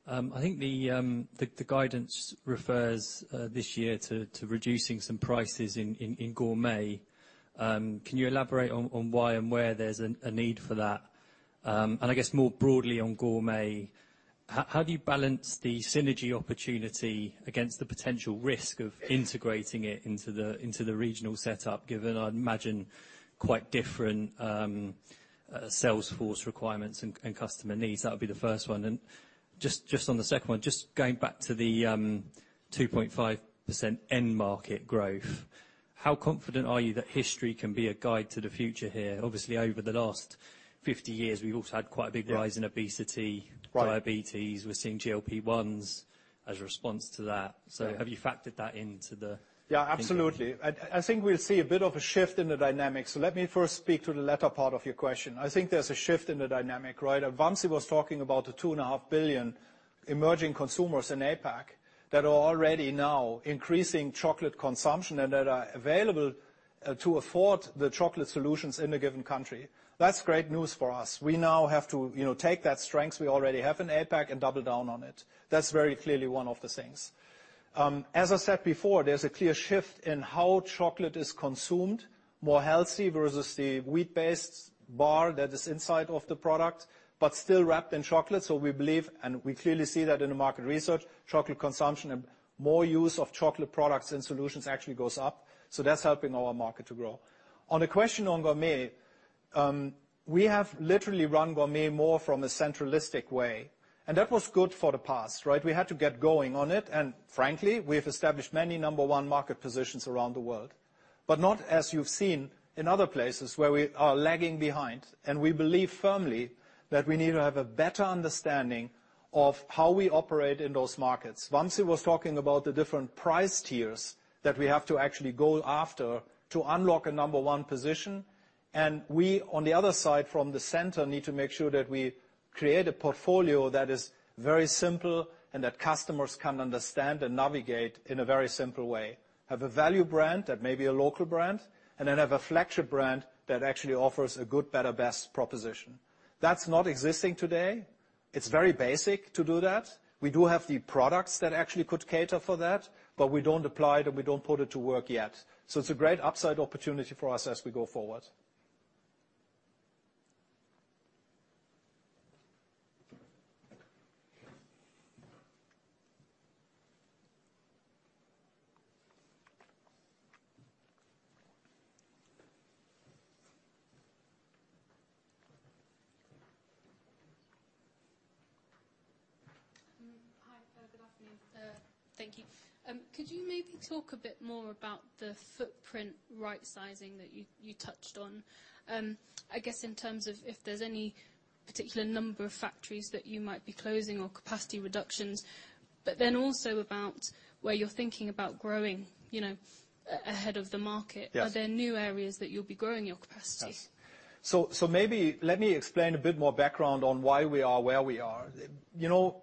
I think the guidance refers this year to reducing some prices in Gourmet. Can you elaborate on why and where there's a need for that? And I guess more broadly on Gourmet, how do you balance the synergy opportunity against the potential risk of integrating it into the regional setup, given I'd imagine quite different sales force requirements and customer needs? That would be the first one. And just on the second one, going back to the 2.5% end market growth, how confident are you that history can be a guide to the future here? Obviously, over the last 50 years, we've also had quite a big rise- Yeah In obesity- Right Diabetes. We're seeing GLP-1s as a response to that. Yeah. So have you factored that into the- Yeah, absolutely. I, I think we'll see a bit of a shift in the dynamics. So let me first speak to the latter part of your question. I think there's a shift in the dynamic, right? Vamsi was talking about the 2.5 billion emerging consumers in APAC that are already now increasing chocolate consumption and that are available to afford the chocolate solutions in a given country. That's great news for us. We now have to, you know, take that strength we already have in APAC and double down on it. That's very clearly one of the things. As I said before, there's a clear shift in how chocolate is consumed, more healthy versus the wheat-based bar that is inside of the product, but still wrapped in chocolate. So we believe, and we clearly see that in the market research, chocolate consumption and more use of chocolate products and solutions actually goes up. So that's helping our market to grow. On the question on gourmet, we have literally run gourmet more from a centralistic way, and that was good for the past, right? We had to get going on it, and frankly, we have established many number one market positions around the world. But not as you've seen in other places where we are lagging behind, and we believe firmly that we need to have a better understanding of how we operate in those markets. Vamsi was talking about the different price tiers that we have to actually go after to unlock a number one position, and we, on the other side, from the center, need to make sure that we create a portfolio that is very simple and that customers can understand and navigate in a very simple way. Have a value brand, that may be a local brand, and then have a flagship brand that actually offers a good, better, best proposition. That's not existing today. It's very basic to do that. We do have the products that actually could cater for that, but we don't apply it, and we don't put it to work yet. So it's a great upside opportunity for us as we go forward. Hi, good afternoon. Thank you. Could you maybe talk a bit more about the footprint right-sizing that you touched on? I guess, in terms of if there's any particular number of factories that you might be closing or capacity reductions, but then also about where you're thinking about growing, you know, ahead of the market- Yes. Are there new areas that you'll be growing your capacity? Yes. So, so maybe let me explain a bit more background on why we are where we are. You know,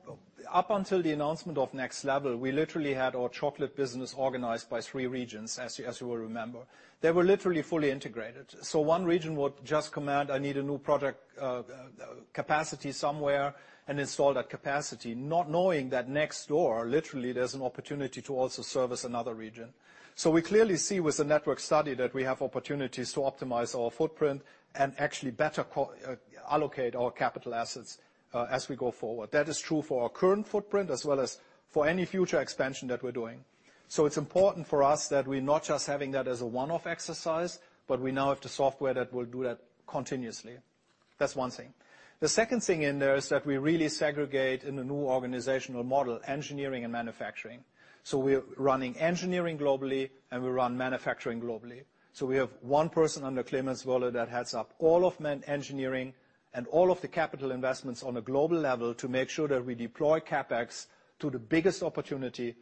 up until the announcement of Next Level, we literally had our chocolate business organized by three regions, as you, as you will remember. They were literally fully integrated. So one region would just command, "I need a new product, capacity somewhere," and install that capacity, not knowing that next door, literally, there's an opportunity to also service another region. So we clearly see with the network study that we have opportunities to optimize our footprint and actually better co-allocate our capital assets, as we go forward. That is true for our current footprint as well as for any future expansion that we're doing. So it's important for us that we're not just having that as a one-off exercise, but we now have the software that will do that continuously. That's one thing. The second thing in there is that we really segregate in the new organizational model, engineering and manufacturing. So we're running engineering globally, and we run manufacturing globally. So we have one person under Clemens Woehrle that heads up all of engineering and all of the capital investments on a global level to make sure that we deploy CapEx to the biggest opportunity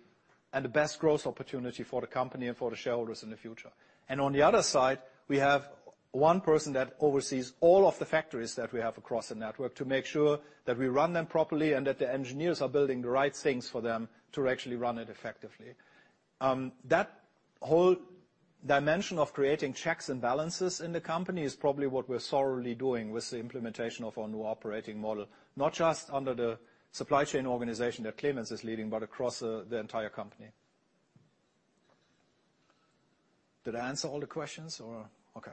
and the best growth opportunity for the company and for the shareholders in the future. On the other side, we have one person that oversees all of the factories that we have across the network to make sure that we run them properly and that the engineers are building the right things for them to actually run it effectively. That whole dimension of creating checks and balances in the company is probably what we're thoroughly doing with the implementation of our new operating model, not just under the supply chain organization that Clemens is leading, but across the entire company. Did I answer all the questions or... Okay.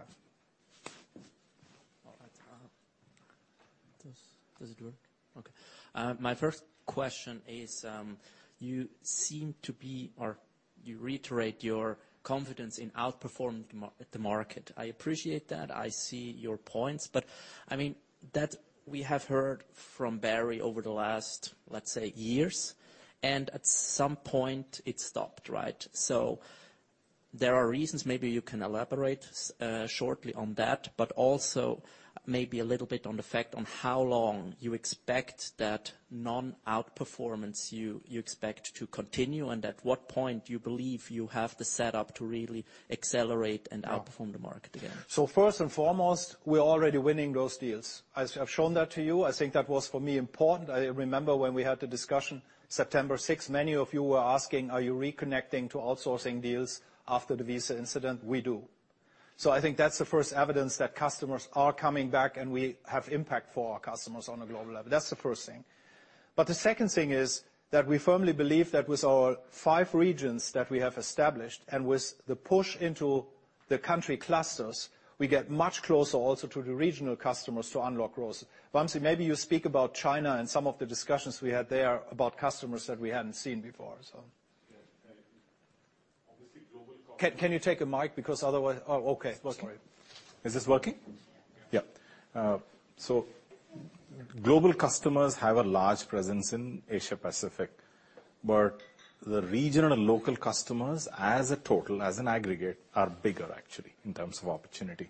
Does it work? Okay. My first question is, you seem to be, or you reiterate your confidence in outperforming the market. I appreciate that. I see your points, but, I mean, that we have heard from Barry over the last, let's say, years, and at some point it stopped, right? So there are reasons, maybe you can elaborate, shortly on that, but also maybe a little bit on the fact on how long you expect that non-outperformance you expect to continue, and at what point do you believe you have the setup to really accelerate and outperform the market again? So first and foremost, we're already winning those deals. I've shown that to you. I think that was, for me, important. I remember when we had the discussion, September sixth; many of you were asking: Are you reconnecting to outsourcing deals after the Wieze incident? We do. So I think that's the first evidence that customers are coming back, and we have impact for our customers on a global level. That's the first thing. But the second thing is that we firmly believe that with our five regions that we have established and with the push into the country clusters, we get much closer also to the regional customers to unlock growth. Vamsi, maybe you speak about China and some of the discussions we had there about customers that we hadn't seen before, so- Yes, obviously, global- Can you take a mic? Because otherwise... Oh, okay. Sorry. Is this working? Yeah. Yeah. So global customers have a large presence in Asia Pacific, but the regional and local customers, as a total, as an aggregate, are bigger, actually, in terms of opportunity,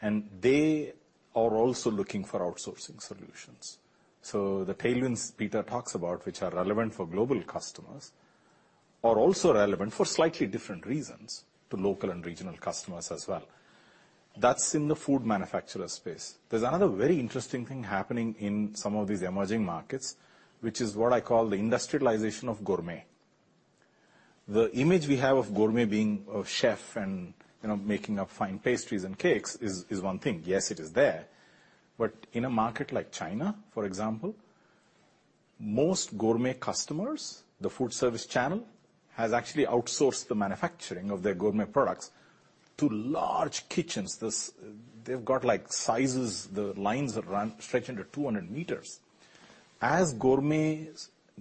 and they are also looking for outsourcing solutions. So the tailwinds Peter talks about, which are relevant for global customers, are also relevant for slightly different reasons to local and regional customers as well. That's in the food manufacturer space. There's another very interesting thing happening in some of these emerging markets, which is what I call the industrialization of gourmet. The image we have of gourmet being a chef and, you know, making up fine pastries and cakes is, is one thing. Yes, it is there, but in a market like China, for example, most gourmet customers, the food service channel, has actually outsourced the manufacturing of their gourmet products to large kitchens. They've got, like, sizes, the lines that run, stretch into 200 meters. As Gourmet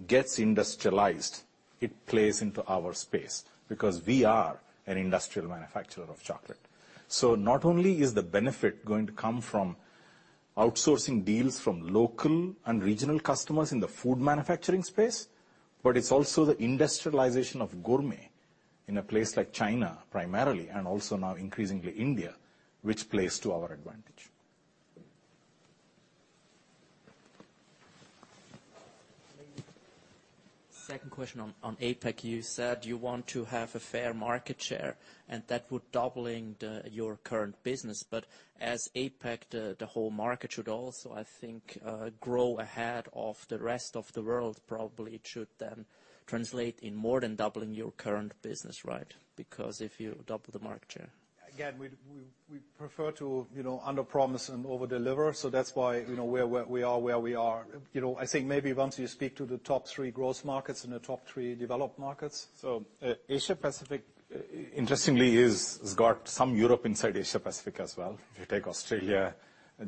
gets industrialized, it plays into our space because we are an industrial manufacturer of chocolate. So not only is the benefit going to come from outsourcing deals from local and regional customers in the food manufacturing space, but it's also the industrialization of Gourmet in a place like China, primarily, and also now increasingly India, which plays to our advantage. Second question on APAC. You said you want to have a fair market share, and that would doubling the, your current business. But as APAC, the whole market should also, I think, grow ahead of the rest of the world, probably it should then translate in more than doubling your current business, right? Because if you double the market share. Again, we'd prefer to, you know, underpromise and overdeliver, so that's why, you know, where we are where we are. You know, I think maybe once you speak to the top three growth markets and the top three developed markets- So, Asia Pacific, interestingly, has got some Europe inside Asia Pacific as well. If you take Australia,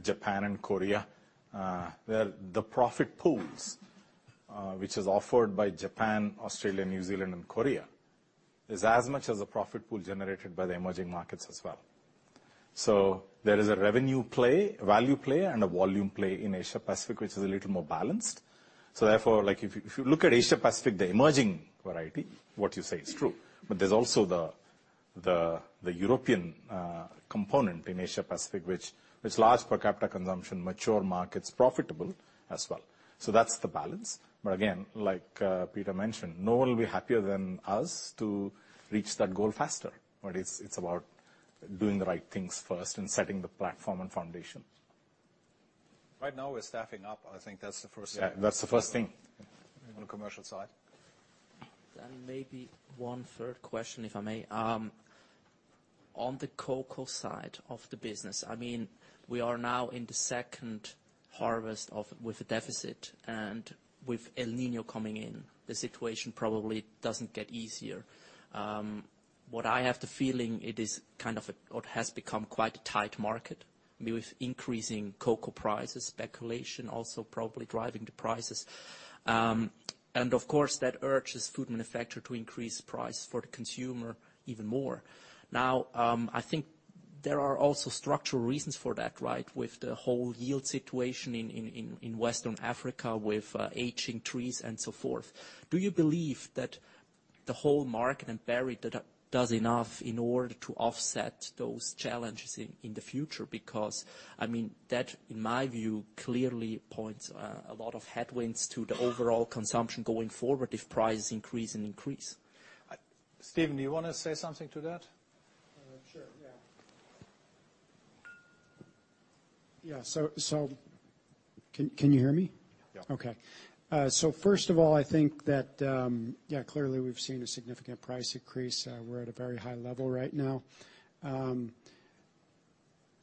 Japan and Korea, where the profit pools, which is offered by Japan, Australia, New Zealand, and Korea, is as much as a profit pool generated by the emerging markets as well. So there is a revenue play, value play, and a volume play in Asia Pacific, which is a little more balanced. So therefore, like, if you look at Asia Pacific, the emerging variety, what you say is true. But there's also the European component in Asia Pacific, which is large per capita consumption, mature markets, profitable as well. So that's the balance. But again, like, Peter mentioned, no one will be happier than us to reach that goal faster. But it's about doing the right things first and setting the platform and foundation. Right now, we're staffing up. I think that's the first thing. Yeah, that's the first thing. On the commercial side. Then maybe one third question, if I may. On the cocoa side of the business, I mean, we are now in the second harvest of—with a deficit, and with El Niño coming in, the situation probably doesn't get easier. What I have the feeling it is kind of, or has become quite a tight market with increasing cocoa prices, speculation, also probably driving the prices. And of course, that urges food manufacturers to increase price for the consumer even more. Now, I think there are also structural reasons for that, right? With the whole yield situation in Western Africa, with aging trees and so forth. Do you believe that the whole market and Barry Callebaut does enough in order to offset those challenges in the future? Because, I mean, that, in my view, clearly points a lot of headwinds to the overall consumption going forward if prices increase and increase. Steven, do you wanna say something to that? Sure, yeah. Yeah, so... Can you hear me? Yeah. Okay. So first of all, I think that, yeah, clearly, we've seen a significant price increase, we're at a very high level right now.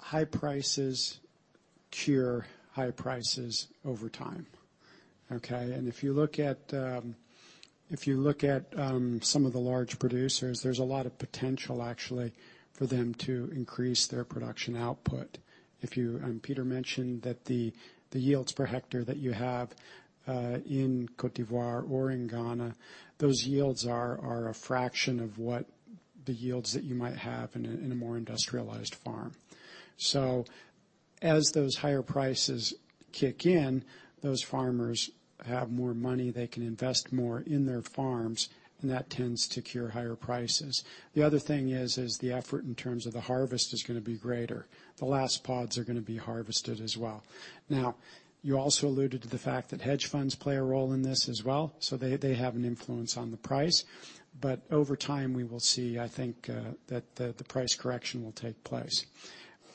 High prices cure high prices over time, okay? And if you look at, if you look at some of the large producers, there's a lot of potential, actually, for them to increase their production output. If you, and Peter mentioned that the, the yields per hectare that you have in Côte d'Ivoire or in Ghana, those yields are a fraction of what the yields that you might have in a, in a more industrialized farm. So as those higher prices kick in, those farmers have more money, they can invest more in their farms, and that tends to cure higher prices. The other thing is the effort in terms of the harvest is gonna be greater. The last pods are gonna be harvested as well. Now, you also alluded to the fact that hedge funds play a role in this as well, so they, they have an influence on the price. But over time, we will see, I think, that the price correction will take place.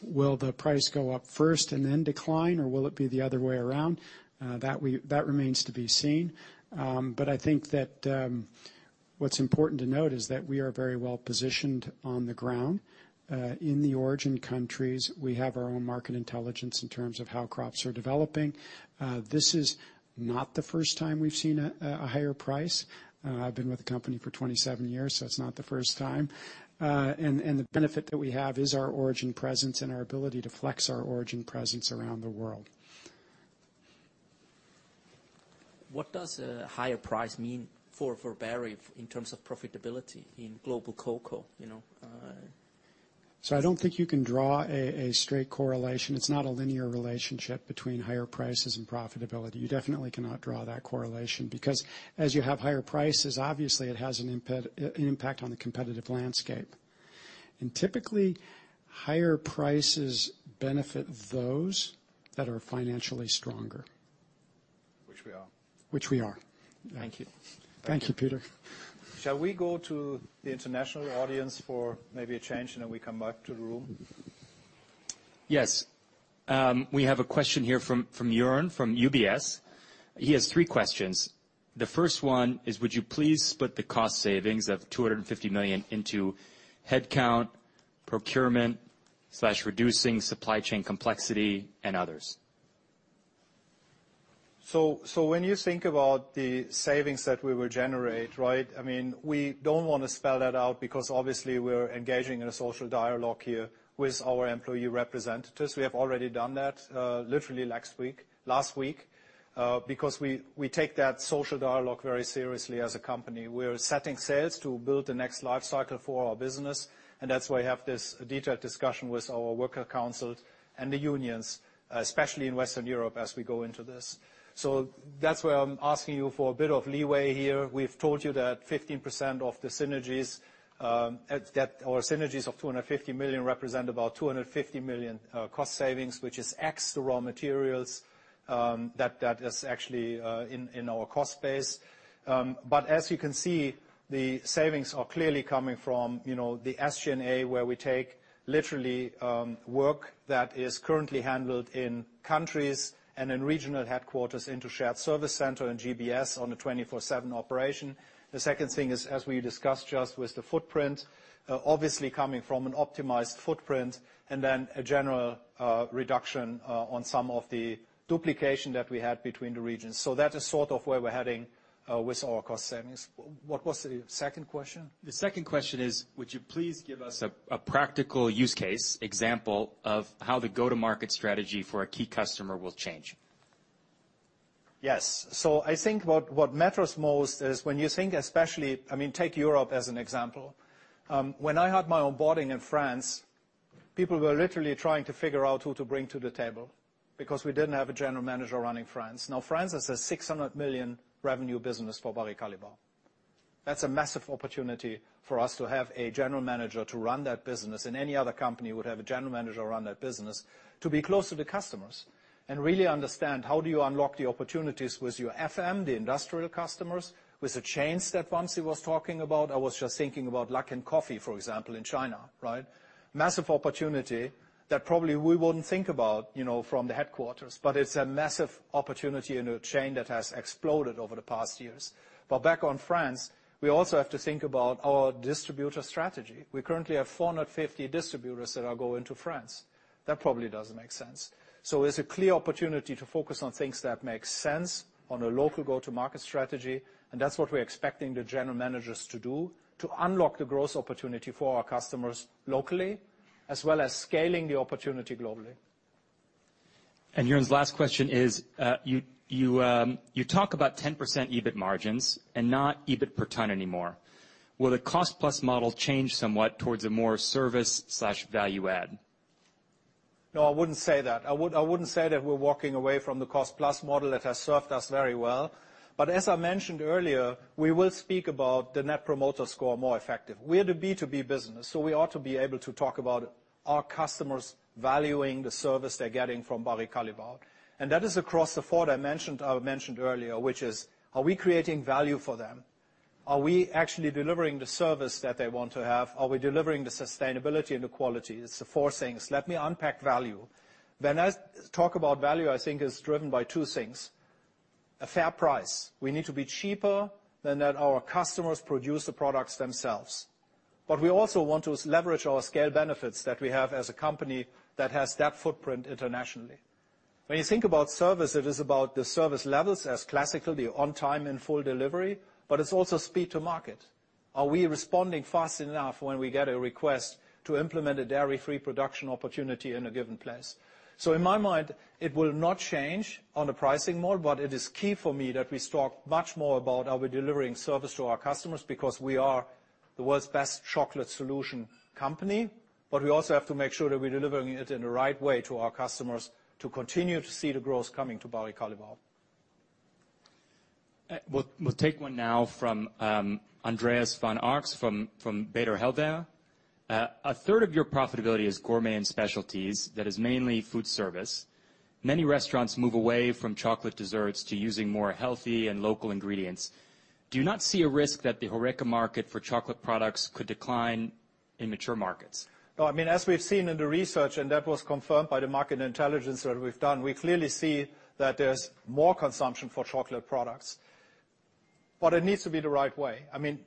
Will the price go up first and then decline, or will it be the other way around? That remains to be seen. But I think that what's important to note is that we are very well positioned on the ground in the origin countries. We have our own market intelligence in terms of how crops are developing. This is not the first time we've seen a higher price. I've been with the company for 27 years, so it's not the first time. And the benefit that we have is our origin presence and our ability to flex our origin presence around the world. What does a higher price mean for Barry in terms of profitability in global cocoa? You know, I don't think you can draw a straight correlation. It's not a linear relationship between higher prices and profitability. You definitely cannot draw that correlation, because as you have higher prices, obviously, it has an impact on the competitive landscape. And typically, higher prices benefit those that are financially stronger.... which we are. Which we are. Thank you. Thank you, Peter. Shall we go to the international audience for maybe a change, and then we come back to the room? Yes, we have a question here from Joern, from UBS. He has three questions. The first one is, would you please split the cost savings of 250 million into headcount, procurement, slash reducing supply chain complexity and others? So when you think about the savings that we will generate, right? I mean, we don't want to spell that out, because obviously we're engaging in a social dialogue here with our employee representatives. We have already done that, literally last week, last week, because we take that social dialogue very seriously as a company. We're setting sails to build the next life cycle for our business, and that's why I have this detailed discussion with our worker councils and the unions, especially in Western Europe, as we go into this. So that's why I'm asking you for a bit of leeway here. We've told you that 15% of the synergies, or synergies of 250 million represent about 250 million cost savings, which is ex the raw materials, that is actually in our cost base. But as you can see, the savings are clearly coming from, you know, the SG&A, where we take literally work that is currently handled in countries and in regional headquarters into shared service center and GBS on a 24/7 operation. The second thing is, as we discussed just with the footprint, obviously coming from an optimized footprint, and then a general reduction on some of the duplication that we had between the regions. So that is sort of where we're heading with our cost savings. What was the second question? The second question is, would you please give us a practical use case example of how the go-to-market strategy for a key customer will change? Yes. So I think what, what matters most is when you think, especially... I mean, take Europe as an example. When I had my onboarding in France, people were literally trying to figure out who to bring to the table because we didn't have a general manager running France. Now, France is a 600 million revenue business for Barry Callebaut. That's a massive opportunity for us to have a general manager to run that business, and any other company would have a general manager run that business to be close to the customers and really understand how do you unlock the opportunities with your FM, the industrial customers, with the chains that Vamsi was talking about. I was just thinking about Luckin Coffee, for example, in China, right? Massive opportunity that probably we wouldn't think about, you know, from the headquarters, but it's a massive opportunity in a chain that has exploded over the past years. But back on France, we also have to think about our distributor strategy. We currently have 450 distributors that are going to France. That probably doesn't make sense. So there's a clear opportunity to focus on things that make sense on a local go-to-market strategy, and that's what we're expecting the general managers to do, to unlock the growth opportunity for our customers locally, as well as scaling the opportunity globally. Joern's last question is, you talk about 10% EBIT margins and not EBIT per ton anymore. Will the cost-plus model change somewhat towards a more service slash value add? No, I wouldn't say that. I would—I wouldn't say that we're walking away from the cost-plus model that has served us very well. But as I mentioned earlier, we will speak about the Net Promoter Score more effective. We are the B2B business, so we ought to be able to talk about our customers valuing the service they're getting from Barry Callebaut. And that is across the four I mentioned, mentioned earlier, which is: Are we creating value for them? Are we actually delivering the service that they want to have? Are we delivering the sustainability and the quality? It's the four things. Let me unpack value. When I talk about value, I think is driven by two things, a fair price. We need to be cheaper than that our customers produce the products themselves. But we also want to leverage our scale benefits that we have as a company that has that footprint internationally. When you think about service, it is about the service levels as classic, the on-time in-full delivery, but it's also speed to market. Are we responding fast enough when we get a request to implement a dairy-free production opportunity in a given place? So in my mind, it will not change on the pricing model, but it is key for me that we talk much more about are we delivering service to our customers, because we are the world's best chocolate solution company, but we also have to make sure that we're delivering it in the right way to our customers to continue to see the growth coming to Barry Callebaut. We'll take one now from Andreas von Arx, from Baader Helvea. A third of your profitability is Gourmet & Specialties, that is mainly food service. Many restaurants move away from chocolate desserts to using more healthy and local ingredients. Do you not see a risk that the HoReCa market for chocolate products could decline in mature markets? No, I mean, as we've seen in the research, and that was confirmed by the market intelligence that we've done, we clearly see that there's more consumption for chocolate products, but it needs to be the right way. I mean,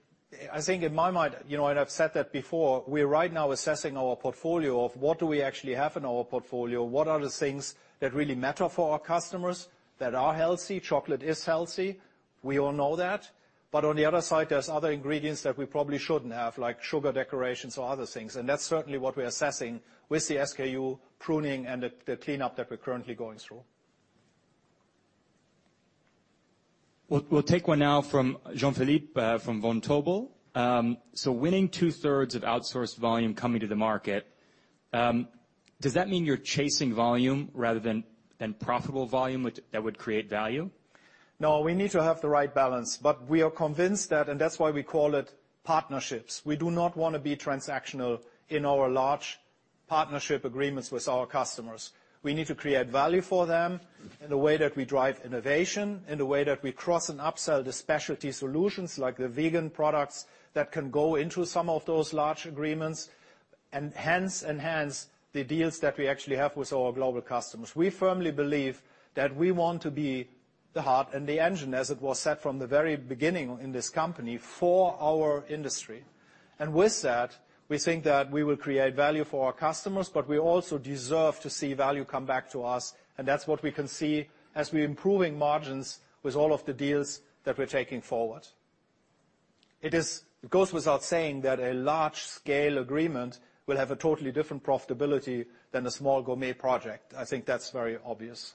I think in my mind, you know, and I've said that before, we are right now assessing our portfolio of what do we actually have in our portfolio? What are the things that really matter for our customers that are healthy? Chocolate is healthy. We all know that. But on the other side, there's other ingredients that we probably shouldn't have, like sugar decorations or other things, and that's certainly what we're assessing with the SKU pruning and the cleanup that we're currently going through. We'll take one now from Jean-Philippe from Vontobel. So winning two-thirds of outsourced volume coming to the market, does that mean you're chasing volume rather than profitable volume, which that would create value? No, we need to have the right balance, but we are convinced that, and that's why we call it partnerships. We do not want to be transactional in our large partnership agreements with our customers. We need to create value for them in the way that we drive innovation, in the way that we cross and upsell the specialty solutions, like the vegan products, that can go into some of those large agreements, and hence, enhance the deals that we actually have with our global customers. We firmly believe that we want to be the heart and the engine, as it was said from the very beginning in this company, for our industry. With that, we think that we will create value for our customers, but we also deserve to see value come back to us, and that's what we can see as we're improving margins with all of the deals that we're taking forward. It is - it goes without saying that a large-scale agreement will have a totally different profitability than a small gourmet project. I think that's very obvious.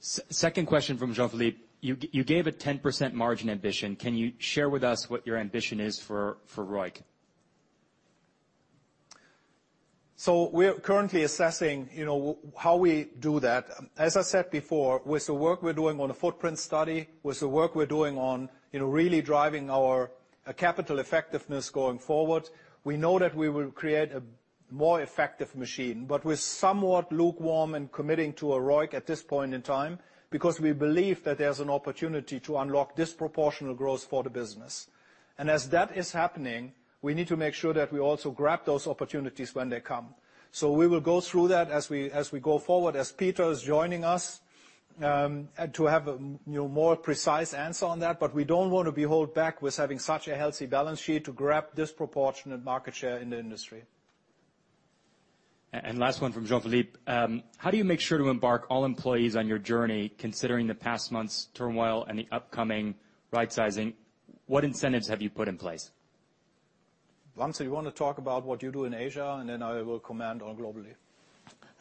Second question from Jean-Philippe. You gave a 10% margin ambition. Can you share with us what your ambition is for ROIC? So we are currently assessing, you know, how we do that. As I said before, with the work we're doing on the footprint study, with the work we're doing on, you know, really driving our capital effectiveness going forward, we know that we will create a more effective machine. But we're somewhat lukewarm in committing to a ROIC at this point in time, because we believe that there's an opportunity to unlock disproportional growth for the business. And as that is happening, we need to make sure that we also grab those opportunities when they come. So we will go through that as we go forward, as Peter is joining us, and to have a, you know, more precise answer on that, but we don't want to be held back with having such a healthy balance sheet to grab disproportionate market share in the industry. Last one from Jean-Philippe: How do you make sure to embark all employees on your journey, considering the past months' turmoil and the upcoming rightsizing? What incentives have you put in place? Vamsi, you want to talk about what you do in Asia, and then I will comment on globally.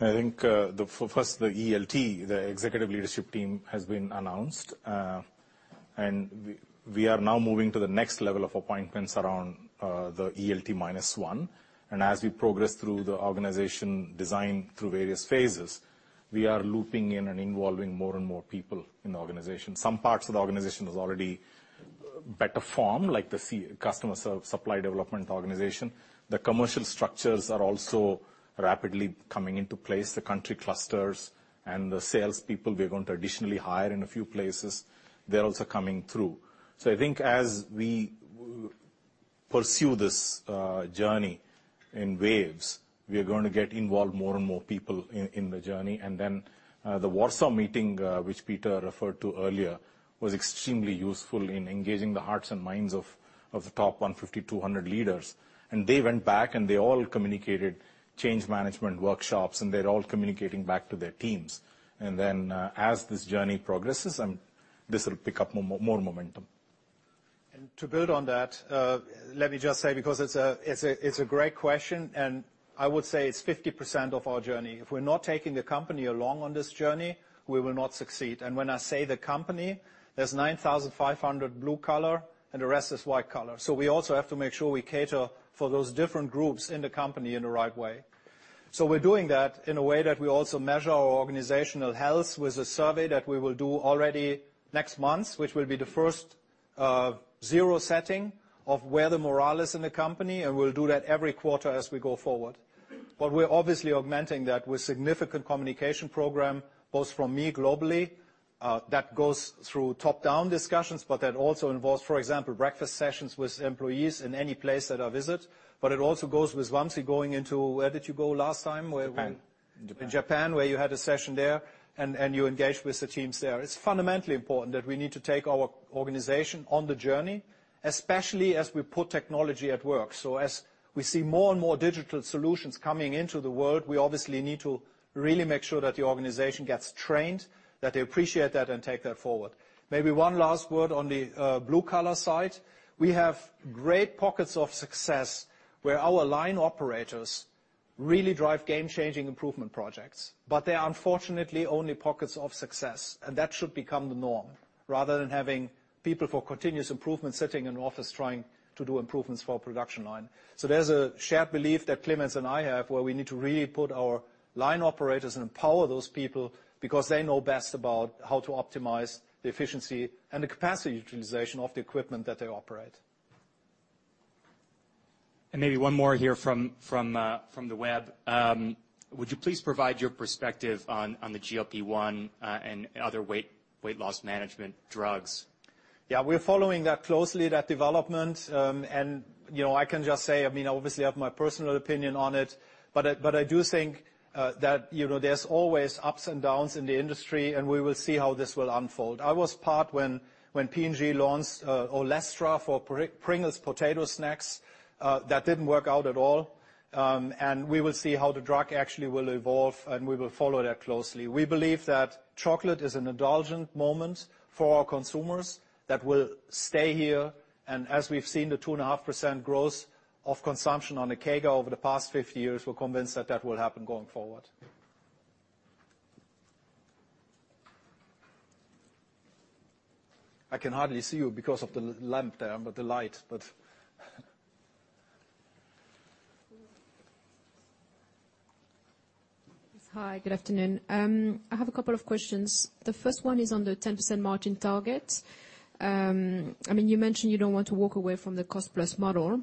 I think, first, the ELT, the executive leadership team, has been announced. And we, we are now moving to the Next Level of appointments around, the ELT minus one. And as we progress through the organization design through various phases, we are looping in and involving more and more people in the organization. Some parts of the organization is already better formed, like the supply development organization. The commercial structures are also rapidly coming into place. The country clusters and the salespeople, we're going to additionally hire in a few places, they're also coming through. So I think as we pursue this, journey in waves, we are going to get involved more and more people in, in the journey. Then, the Warsaw meeting, which Peter referred to earlier, was extremely useful in engaging the hearts and minds of the top 150, 200 leaders. They went back, and they all communicated change management workshops, and they're all communicating back to their teams. Then, as this journey progresses, this will pick up more momentum. To build on that, let me just say, because it's a great question, and I would say it's 50% of our journey. If we're not taking the company along on this journey, we will not succeed. When I say the company, there's 9,500 blue collar, and the rest is white collar. So we also have to make sure we cater for those different groups in the company in the right way. So we're doing that in a way that we also measure our organizational health with a survey that we will do already next month, which will be the first zero setting of where the morale is in the company, and we'll do that every quarter as we go forward. But we're obviously augmenting that with significant communication program, both from me globally, that goes through top-down discussions, but that also involves, for example, breakfast sessions with employees in any place that I visit. But it also goes with Vamsi going into... Where did you go last time, where you- Japan. Japan. In Japan, where you had a session there, and you engaged with the teams there. It's fundamentally important that we need to take our organization on the journey, especially as we put technology at work. So as we see more and more digital solutions coming into the world, we obviously need to really make sure that the organization gets trained, that they appreciate that and take that forward. Maybe one last word on the blue-collar side. We have great pockets of success where our line operators really drive game-changing improvement projects, but they are unfortunately only pockets of success, and that should become the norm, rather than having people for continuous improvement sitting in an office trying to do improvements for a production line. There's a shared belief that Clemens and I have, where we need to really put our line operators and empower those people, because they know best about how to optimize the efficiency and the capacity utilization of the equipment that they operate. And maybe one more here from the web. Would you please provide your perspective on the GLP-1 and other weight loss management drugs? Yeah, we're following that closely, that development. And, you know, I can just say, I mean, obviously, I have my personal opinion on it, but I, but I do think that, you know, there's always ups and downs in the industry, and we will see how this will unfold. I was part when P&G launched Olestra for Pringles potato snacks. That didn't work out at all. And we will see how the drug actually will evolve, and we will follow that closely. We believe that chocolate is an indulgent moment for our consumers that will stay here, and as we've seen, the 2.5% growth of consumption on the CAGR over the past 50 years, we're convinced that that will happen going forward. I can hardly see you because of the lamp there, but the light, but Hi, good afternoon. I have a couple of questions. The first one is on the 10% margin target. I mean, you mentioned you don't want to walk away from the cost-plus model.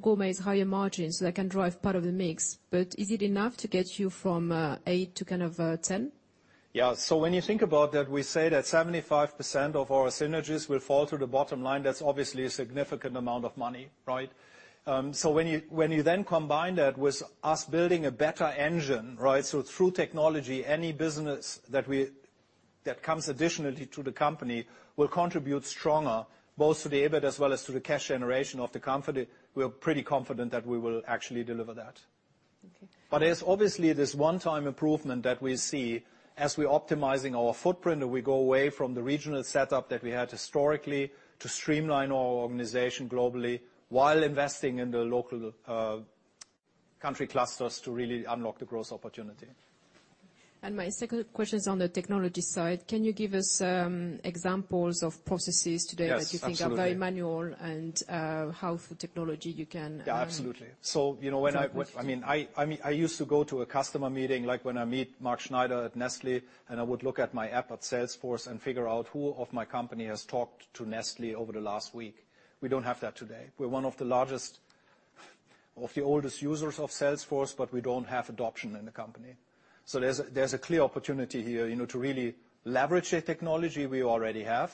Gourmet is higher margins, so that can drive part of the mix, but is it enough to get you from 8% to kind of 10%? Yeah. So when you think about that, we say that 75% of our synergies will fall to the bottom line. That's obviously a significant amount of money, right? So when you then combine that with us building a better engine, right? So through technology, any business that comes additionally to the company will contribute stronger, both to the EBIT as well as to the cash generation of the company. We're pretty confident that we will actually deliver that. Okay. There's obviously this one-time improvement that we see as we're optimizing our footprint, and we go away from the regional setup that we had historically to streamline our organization globally while investing in the local, country clusters to really unlock the growth opportunity. My second question is on the technology side. Can you give us examples of processes today- Yes, absolutely That you think are very manual, and, how through technology you can- Yeah, absolutely. So, you know, when I- Help? I mean, I used to go to a customer meeting, like when I meet Mark Schneider at Nestlé, and I would look at my app at Salesforce and figure out who of my company has talked to Nestlé over the last week. We don't have that today. We're one of the largest, of the oldest users of Salesforce, but we don't have adoption in the company. So there's a clear opportunity here, you know, to really leverage the technology we already have,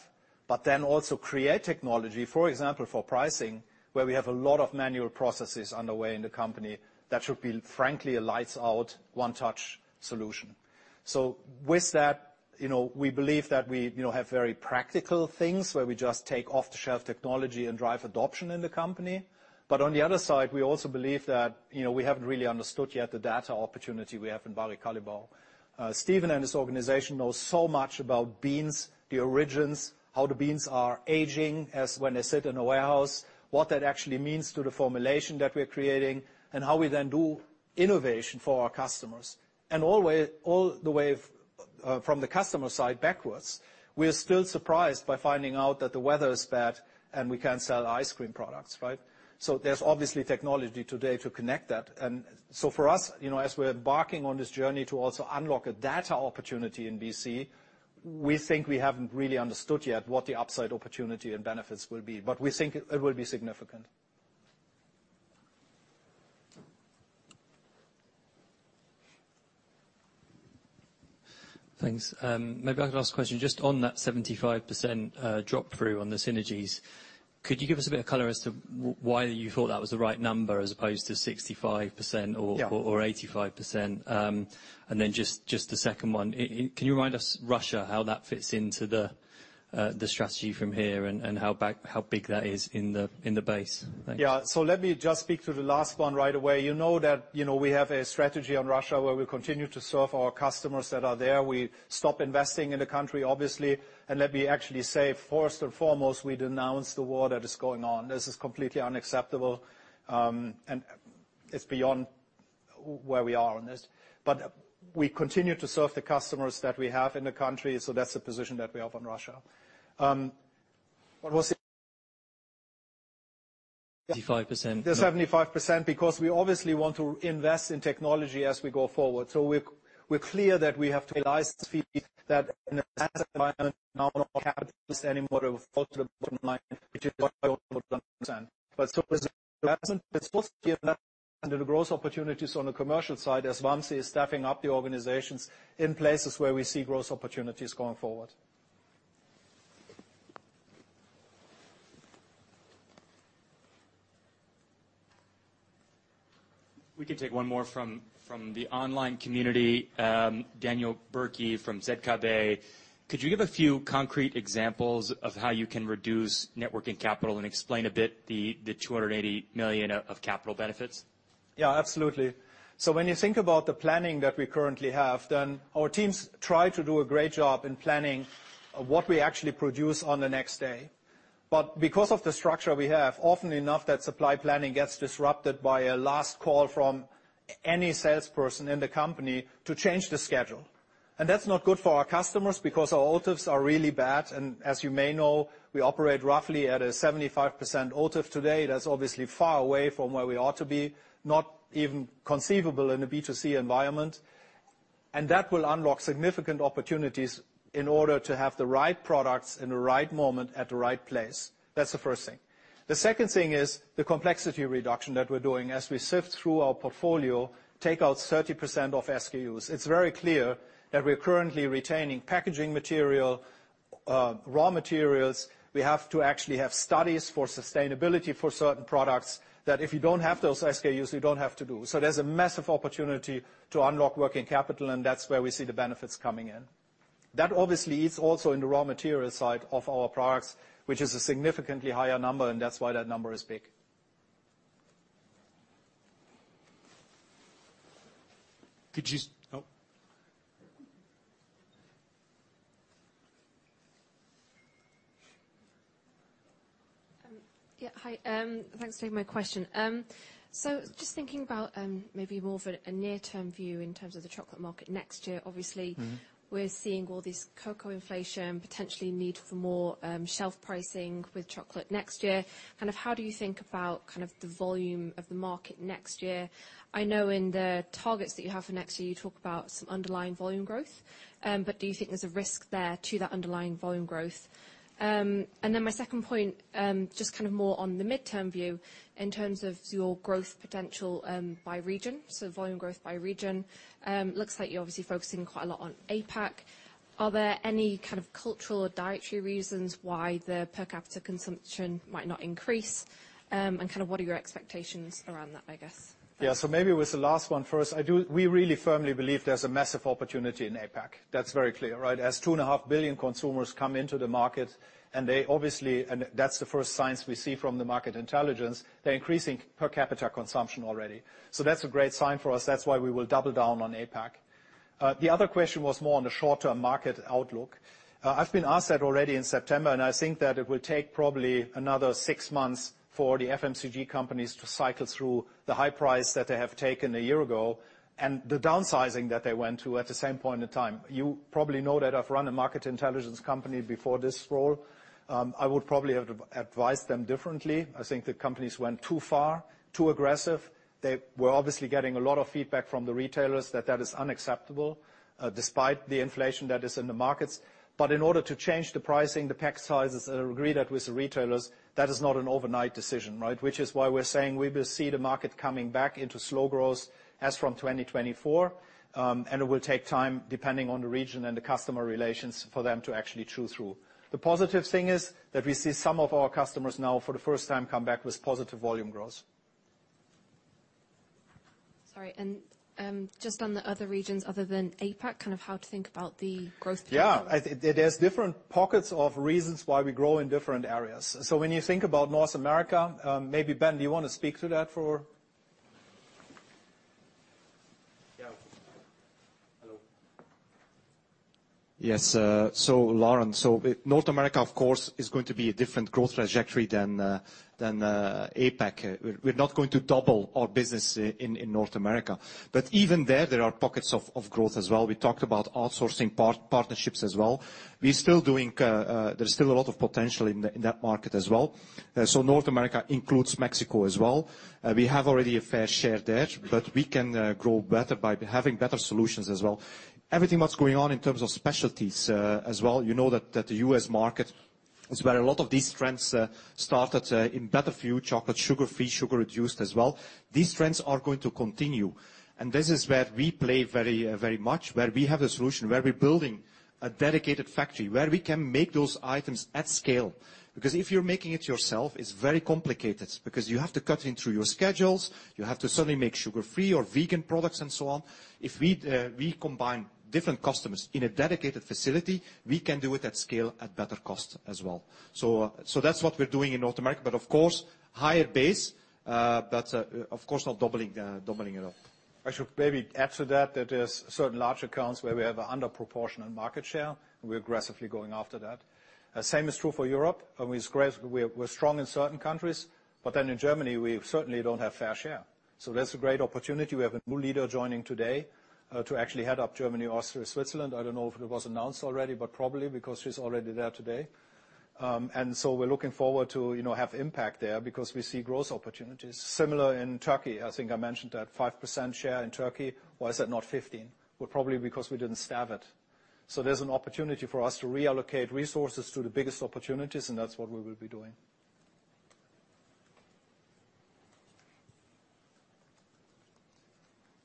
but then also create technology, for example, for pricing, where we have a lot of manual processes underway in the company that should be, frankly, a lights-out, one-touch solution. So with that, you know, we believe that we, you know, have very practical things where we just take off-the-shelf technology and drive adoption in the company. But on the other side, we also believe that, you know, we haven't really understood yet the data opportunity we have in Barry Callebaut. Steven and his organization know so much about beans, the origins, how the beans are aging as when they sit in a warehouse, what that actually means to the formulation that we're creating, and how we then do innovation for our customers. And always, all the way, from the customer side backwards, we are still surprised by finding out that the weather is bad, and we can't sell ice cream products, right? So there's obviously technology today to connect that. And so for us, you know, as we're embarking on this journey to also unlock a data opportunity in BC, we think we haven't really understood yet what the upside opportunity and benefits will be, but we think it, it will be significant. Thanks. Maybe I could ask a question just on that 75%, drop through on the synergies. Could you give us a bit of color as to why you thought that was the right number, as opposed to 65% or- Yeah Or 85%? And then just the second one, can you remind us, Russia, how that fits into the strategy from here, and how big that is in the base? Thanks. Yeah. So let me just speak to the last one right away. You know that, you know, we have a strategy on Russia, where we continue to serve our customers that are there. We stop investing in the country, obviously, and let me actually say, first and foremost, we denounce the war that is going on. This is completely unacceptable, and it's beyond where we are on this. But we continue to serve the customers that we have in the country, so that's the position that we have on Russia. What was the- Seventy-five percent. The 75%, because we obviously want to invest in technology as we go forward. So we're, we're clear that we have to realize, feed that environment now anymore to the bottom line, which is... % But so the growth opportunities on the commercial side, as Vamsi is staffing up the organizations in places where we see growth opportunities going forward. We can take one more from the online community. Daniel Bürki from ZKB. Could you give a few concrete examples of how you can reduce net working capital and explain a bit the 280 million of capital benefits? Yeah, absolutely. So when you think about the planning that we currently have, then our teams try to do a great job in planning what we actually produce on the next day. But because of the structure we have, often enough that supply planning gets disrupted by a last call from any salesperson in the company to change the schedule. And that's not good for our customers because our OTIFs are really bad, and as you may know, we operate roughly at a 75% OTIF today. That's obviously far away from where we ought to be, not even conceivable in a B2C environment. And that will unlock significant opportunities in order to have the right products in the right moment at the right place. That's the first thing. The second thing is the complexity reduction that we're doing as we sift through our portfolio, take out 30% of SKUs. It's very clear that we're currently retaining packaging material, raw materials. We have to actually have studies for sustainability for certain products that if you don't have those SKUs, you don't have to do. So there's a massive opportunity to unlock working capital, and that's where we see the benefits coming in. That obviously is also in the raw material side of our products, which is a significantly higher number, and that's why that number is big. Could you... Oh. Yeah, hi, thanks for taking my question. So just thinking about maybe more of a near-term view in terms of the chocolate market next year. Obviously- Mm-hmm We're seeing all this cocoa inflation, potentially need for more shelf pricing with chocolate next year. Kind of, how do you think about kind of the volume of the market next year? I know in the targets that you have for next year, you talk about some underlying volume growth, but do you think there's a risk there to that underlying volume growth? And then my second point, just kind of more on the midterm view in terms of your growth potential, by region, so volume growth by region. Looks like you're obviously focusing quite a lot on APAC. Are there any kind of cultural or dietary reasons why the per capita consumption might not increase? And kind of what are your expectations around that, I guess? Yeah. So maybe with the last one first, we really firmly believe there's a massive opportunity in APAC. That's very clear, right? As 2.5 billion consumers come into the market, and they obviously... And that's the first signs we see from the market intelligence. They're increasing per capita consumption already, so that's a great sign for us. That's why we will double down on APAC. The other question was more on the short-term market outlook. I've been asked that already in September, and I think that it will take probably another six months for the FMCG companies to cycle through the high price that they have taken a year ago and the downsizing that they went through at the same point in time. You probably know that I've run a market intelligence company before this role. I would probably have advised them differently. I think the companies went too far, too aggressive. They were obviously getting a lot of feedback from the retailers that that is unacceptable, despite the inflation that is in the markets. But in order to change the pricing, the pack sizes, and agree that with the retailers, that is not an overnight decision, right? Which is why we're saying we will see the market coming back into slow growth as from 2024, and it will take time, depending on the region and the customer relations, for them to actually chew through. The positive thing is that we see some of our customers now, for the first time, come back with positive volume growth. Sorry, and, just on the other regions other than APAC, kind of how to think about the growth potential? Yeah. I think there's different pockets of reasons why we grow in different areas. So when you think about North America, maybe, Ben, do you want to speak to that for... Yeah. Hello. Yes, so Lauren, so North America, of course, is going to be a different growth trajectory than APAC. We're not going to double our business in North America, but even there, there are pockets of growth as well. We talked about outsourcing partnerships as well. We're still doing... There's still a lot of potential in that market as well. So North America includes Mexico as well. We have already a fair share there, but we can grow better by having better solutions as well. Everything that's going on in terms of specialties as well, you know that the U.S. market is where a lot of these trends started in better-for-you chocolate, sugar-free, sugar-reduced as well. These trends are going to continue, and this is where we play very, very much, where we have a solution, where we're building a dedicated factory, where we can make those items at scale. Because if you're making it yourself, it's very complicated because you have to cut in through your schedules, you have to suddenly make sugar-free or vegan products and so on. If we, we combine different customers in a dedicated facility, we can do it at scale, at better cost as well. So, that's what we're doing in North America, but of course, higher base, but, of course, not doubling, doubling it up. I should maybe add to that, that there's certain large accounts where we have an under-proportionate market share, and we're aggressively going after that. Same is true for Europe, and we're strong in certain countries, but then in Germany we certainly don't have fair share. So that's a great opportunity. We have a new leader joining today, to actually head up Germany, Austria, Switzerland. I don't know if it was announced already, but probably because she's already there today. And so we're looking forward to, you know, have impact there because we see growth opportunities. Similar in Turkey, I think I mentioned that 5% share in Turkey. Why is that not 15? Well, probably because we didn't staff it. So there's an opportunity for us to reallocate resources to the biggest opportunities, and that's what we will be doing.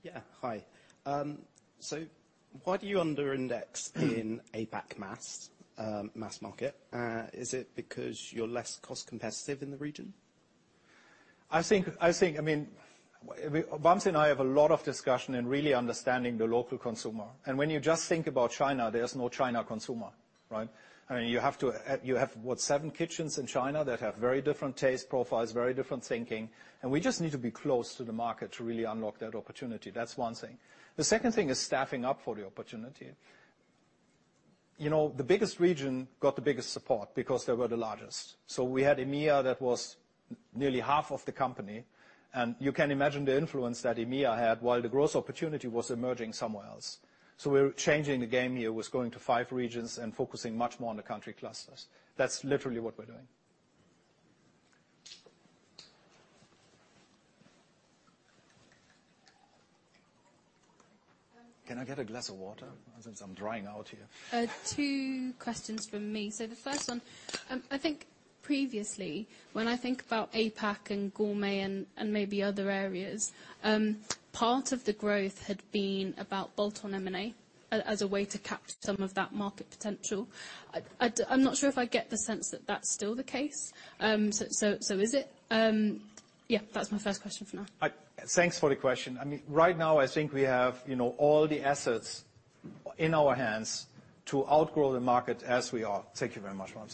Yeah. Hi. So why do you underindex in APAC mass market? Is it because you're less cost competitive in the region? I think, I think, I mean, we, Vamsi and I have a lot of discussion in really understanding the local consumer, and when you just think about China, there's no China consumer, right? I mean, you have to, you have, what, seven kitchens in China that have very different taste profiles, very different thinking, and we just need to be close to the market to really unlock that opportunity. That's one thing. The second thing is staffing up for the opportunity. You know, the biggest region got the biggest support because they were the largest. So we had EMEA that was nearly half of the company, and you can imagine the influence that EMEA had, while the growth opportunity was emerging somewhere else. So we're changing the game here with going to five regions and focusing much more on the country clusters. That's literally what we're doing. Can I get a glass of water? Since I'm drying out here. Two questions from me. So the first one, I think previously, when I think about APAC and gourmet and and maybe other areas, part of the growth had been about bolt-on M&A as as a way to capture some of that market potential. I'm not sure if I get the sense that that's still the case. Yeah, that was my first question for now. Thanks for the question. I mean, right now, I think we have, you know, all the assets in our hands to outgrow the market as we are. Thank you very much, Joern.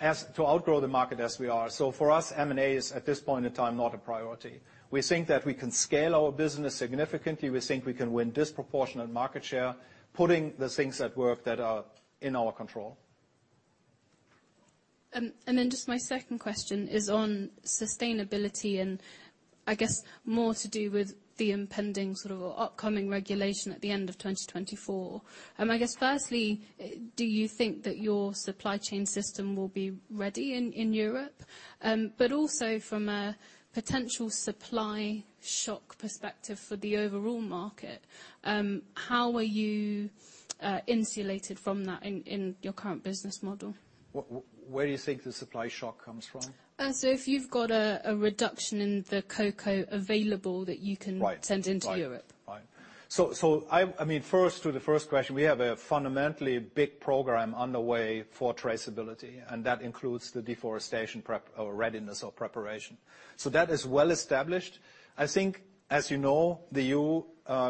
As to outgrow the market as we are, so for us, M&A is, at this point in time, not a priority. We think that we can scale our business significantly. We think we can win disproportionate market share, putting the things at work that are in our control. And then just my second question is on sustainability, and I guess more to do with the impending sort of upcoming regulation at the end of 2024. I guess, firstly, do you think that your supply chain system will be ready in Europe? But also from a potential supply shock perspective for the overall market, how are you insulated from that in your current business model? Where do you think the supply shock comes from? So if you've got a reduction in the cocoa available that you can- Right Send into Europe. So, I mean, first, to the first question, we have a fundamentally big program underway for traceability, and that includes the deforestation prep, readiness or preparation. So that is well established. I think, as you know, the EU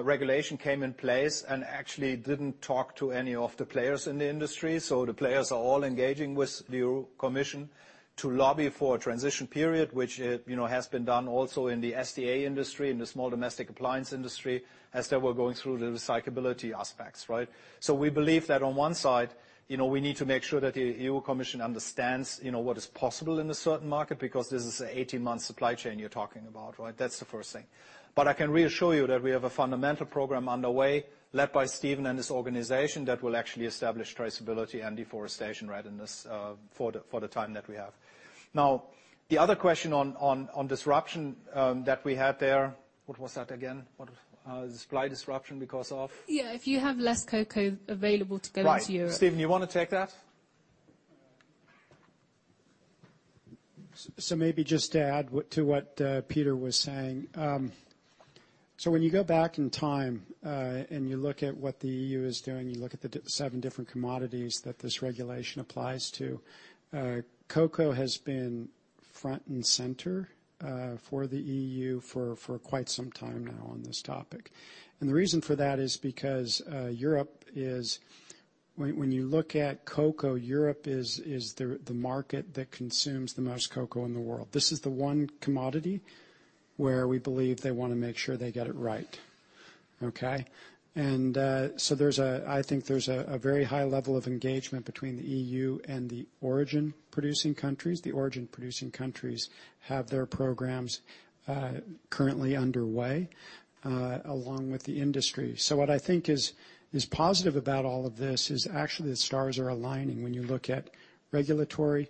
regulation came in place and actually didn't talk to any of the players in the industry, so the players are all engaging with the EU Commission to lobby for a transition period, which, you know, has been done also in the SDA industry, in the small domestic appliance industry, as they were going through the recyclability aspects, right? So we believe that on one side, you know, we need to make sure that the EU Commission understands, you know, what is possible in a certain market, because this is an 18-month supply chain you're talking about, right? That's the first thing. But I can reassure you that we have a fundamental program underway, led by Steven and his organization, that will actually establish traceability and deforestation readiness for the time that we have. Now, the other question on disruption that we had there, what was that again? What, supply disruption because of? Yeah, if you have less cocoa available to go into Europe. Right. Steven, you wanna take that? So maybe just to add to what Peter was saying. So when you go back in time, and you look at what the EU is doing, you look at the 7 different commodities that this regulation applies to, cocoa has been front and center for the EU for quite some time now on this topic. And the reason for that is because Europe is... When you look at cocoa, Europe is the market that consumes the most cocoa in the world. This is the one commodity where we believe they wanna make sure they get it right, okay? And so I think there's a very high level of engagement between the EU and the origin-producing countries. The origin-producing countries have their programs currently underway along with the industry. So what I think is positive about all of this is actually the stars are aligning when you look at regulatory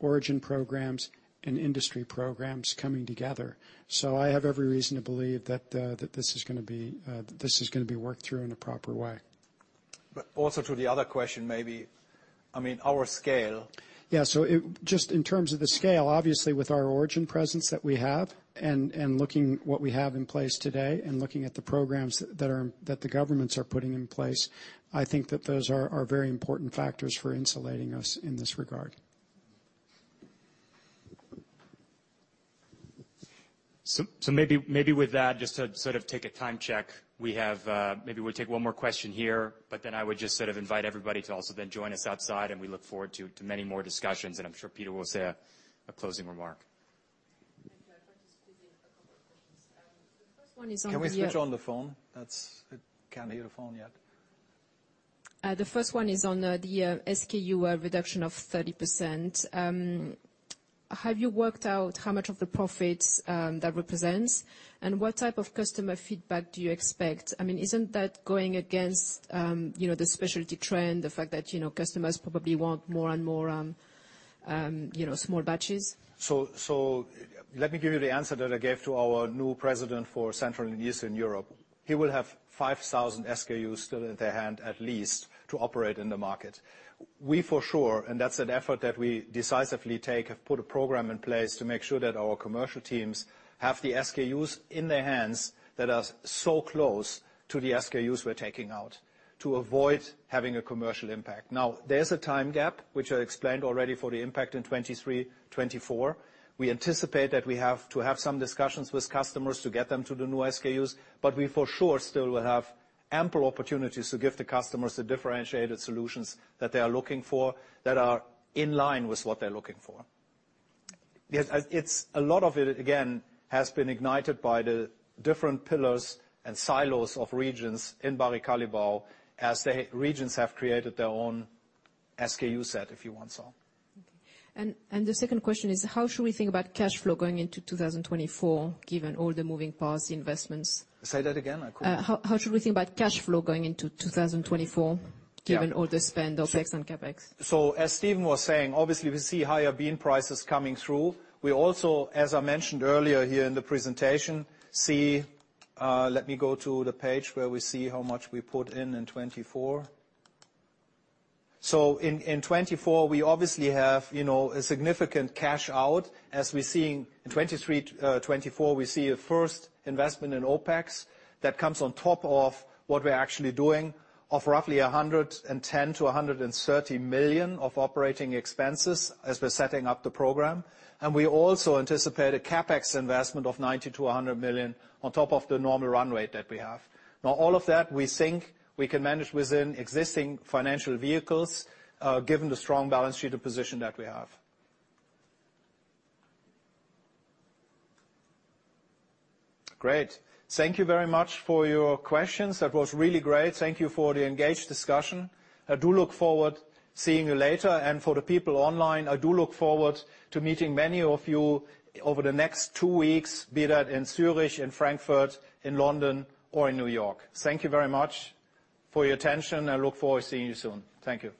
origin programs and industry programs coming together. So I have every reason to believe that this is gonna be worked through in a proper way. But also to the other question, maybe, I mean, our scale- Yeah, so just in terms of the scale, obviously, with our origin presence that we have, and looking what we have in place today, and looking at the programs that the governments are putting in place, I think that those are very important factors for insulating us in this regard. So maybe, maybe with that, just to sort of take a time check, we have maybe we'll take one more question here, but then I would just sort of invite everybody to also then join us outside, and we look forward to to many more discussions. And I'm sure Peter will say a closing remark. Thank you. I just have a couple of questions. The first one is on the- Can we switch on the phone? I can't hear the phone yet. The first one is on the SKU reduction of 30%. Have you worked out how much of the profits that represents, and what type of customer feedback do you expect? I mean, isn't that going against, you know, the specialty trend, the fact that, you know, customers probably want more and more, you know, small batches? So, so let me give you the answer that I gave to our new president for Central and Eastern Europe. He will have 5,000 SKUs still in their hand, at least, to operate in the market. We, for sure, and that's an effort that we decisively take, have put a program in place to make sure that our commercial teams have the SKUs in their hands that are so close to the SKUs we're taking out, to avoid having a commercial impact. Now, there's a time gap, which I explained already for the impact in 2023, 2024. We anticipate that we have to have some discussions with customers to get them to the new SKUs, but we, for sure, still will have ample opportunities to give the customers the differentiated solutions that they are looking for, that are in line with what they're looking for. Yes, it's a lot of it, again, has been ignited by the different pillars and silos of regions in Barry Callebaut, as the regions have created their own SKU set, if you want so. Okay. And the second question is, how should we think about cash flow going into 2024, given all the moving parts, the investments? Say that again, I couldn't- How should we think about cash flow going into 2024? Yeah Given all the spend, OpEx and CapEx? So as Steven was saying, obviously, we see higher bean prices coming through. We also, as I mentioned earlier here in the presentation, see. Let me go to the page where we see how much we put in in 2024. So in 2024, we obviously have, you know, a significant cash out. As we see in 2023-2024, we see a first investment in OpEx that comes on top of what we're actually doing of roughly 110 million- 130 million of operating expenses as we're setting up the program. And we also anticipate a CapEx investment of 90 million-100 million on top of the normal run rate that we have. Now, all of that, we think we can manage within existing financial vehicles, given the strong balance sheet position that we have. Great. Thank you very much for your questions. That was really great. Thank you for the engaged discussion. I do look forward to seeing you later, and for the people online, I do look forward to meeting many of you over the next two weeks, be that in Zurich, in Frankfurt, in London, or in New York. Thank you very much for your attention. I look forward to seeing you soon. Thank you.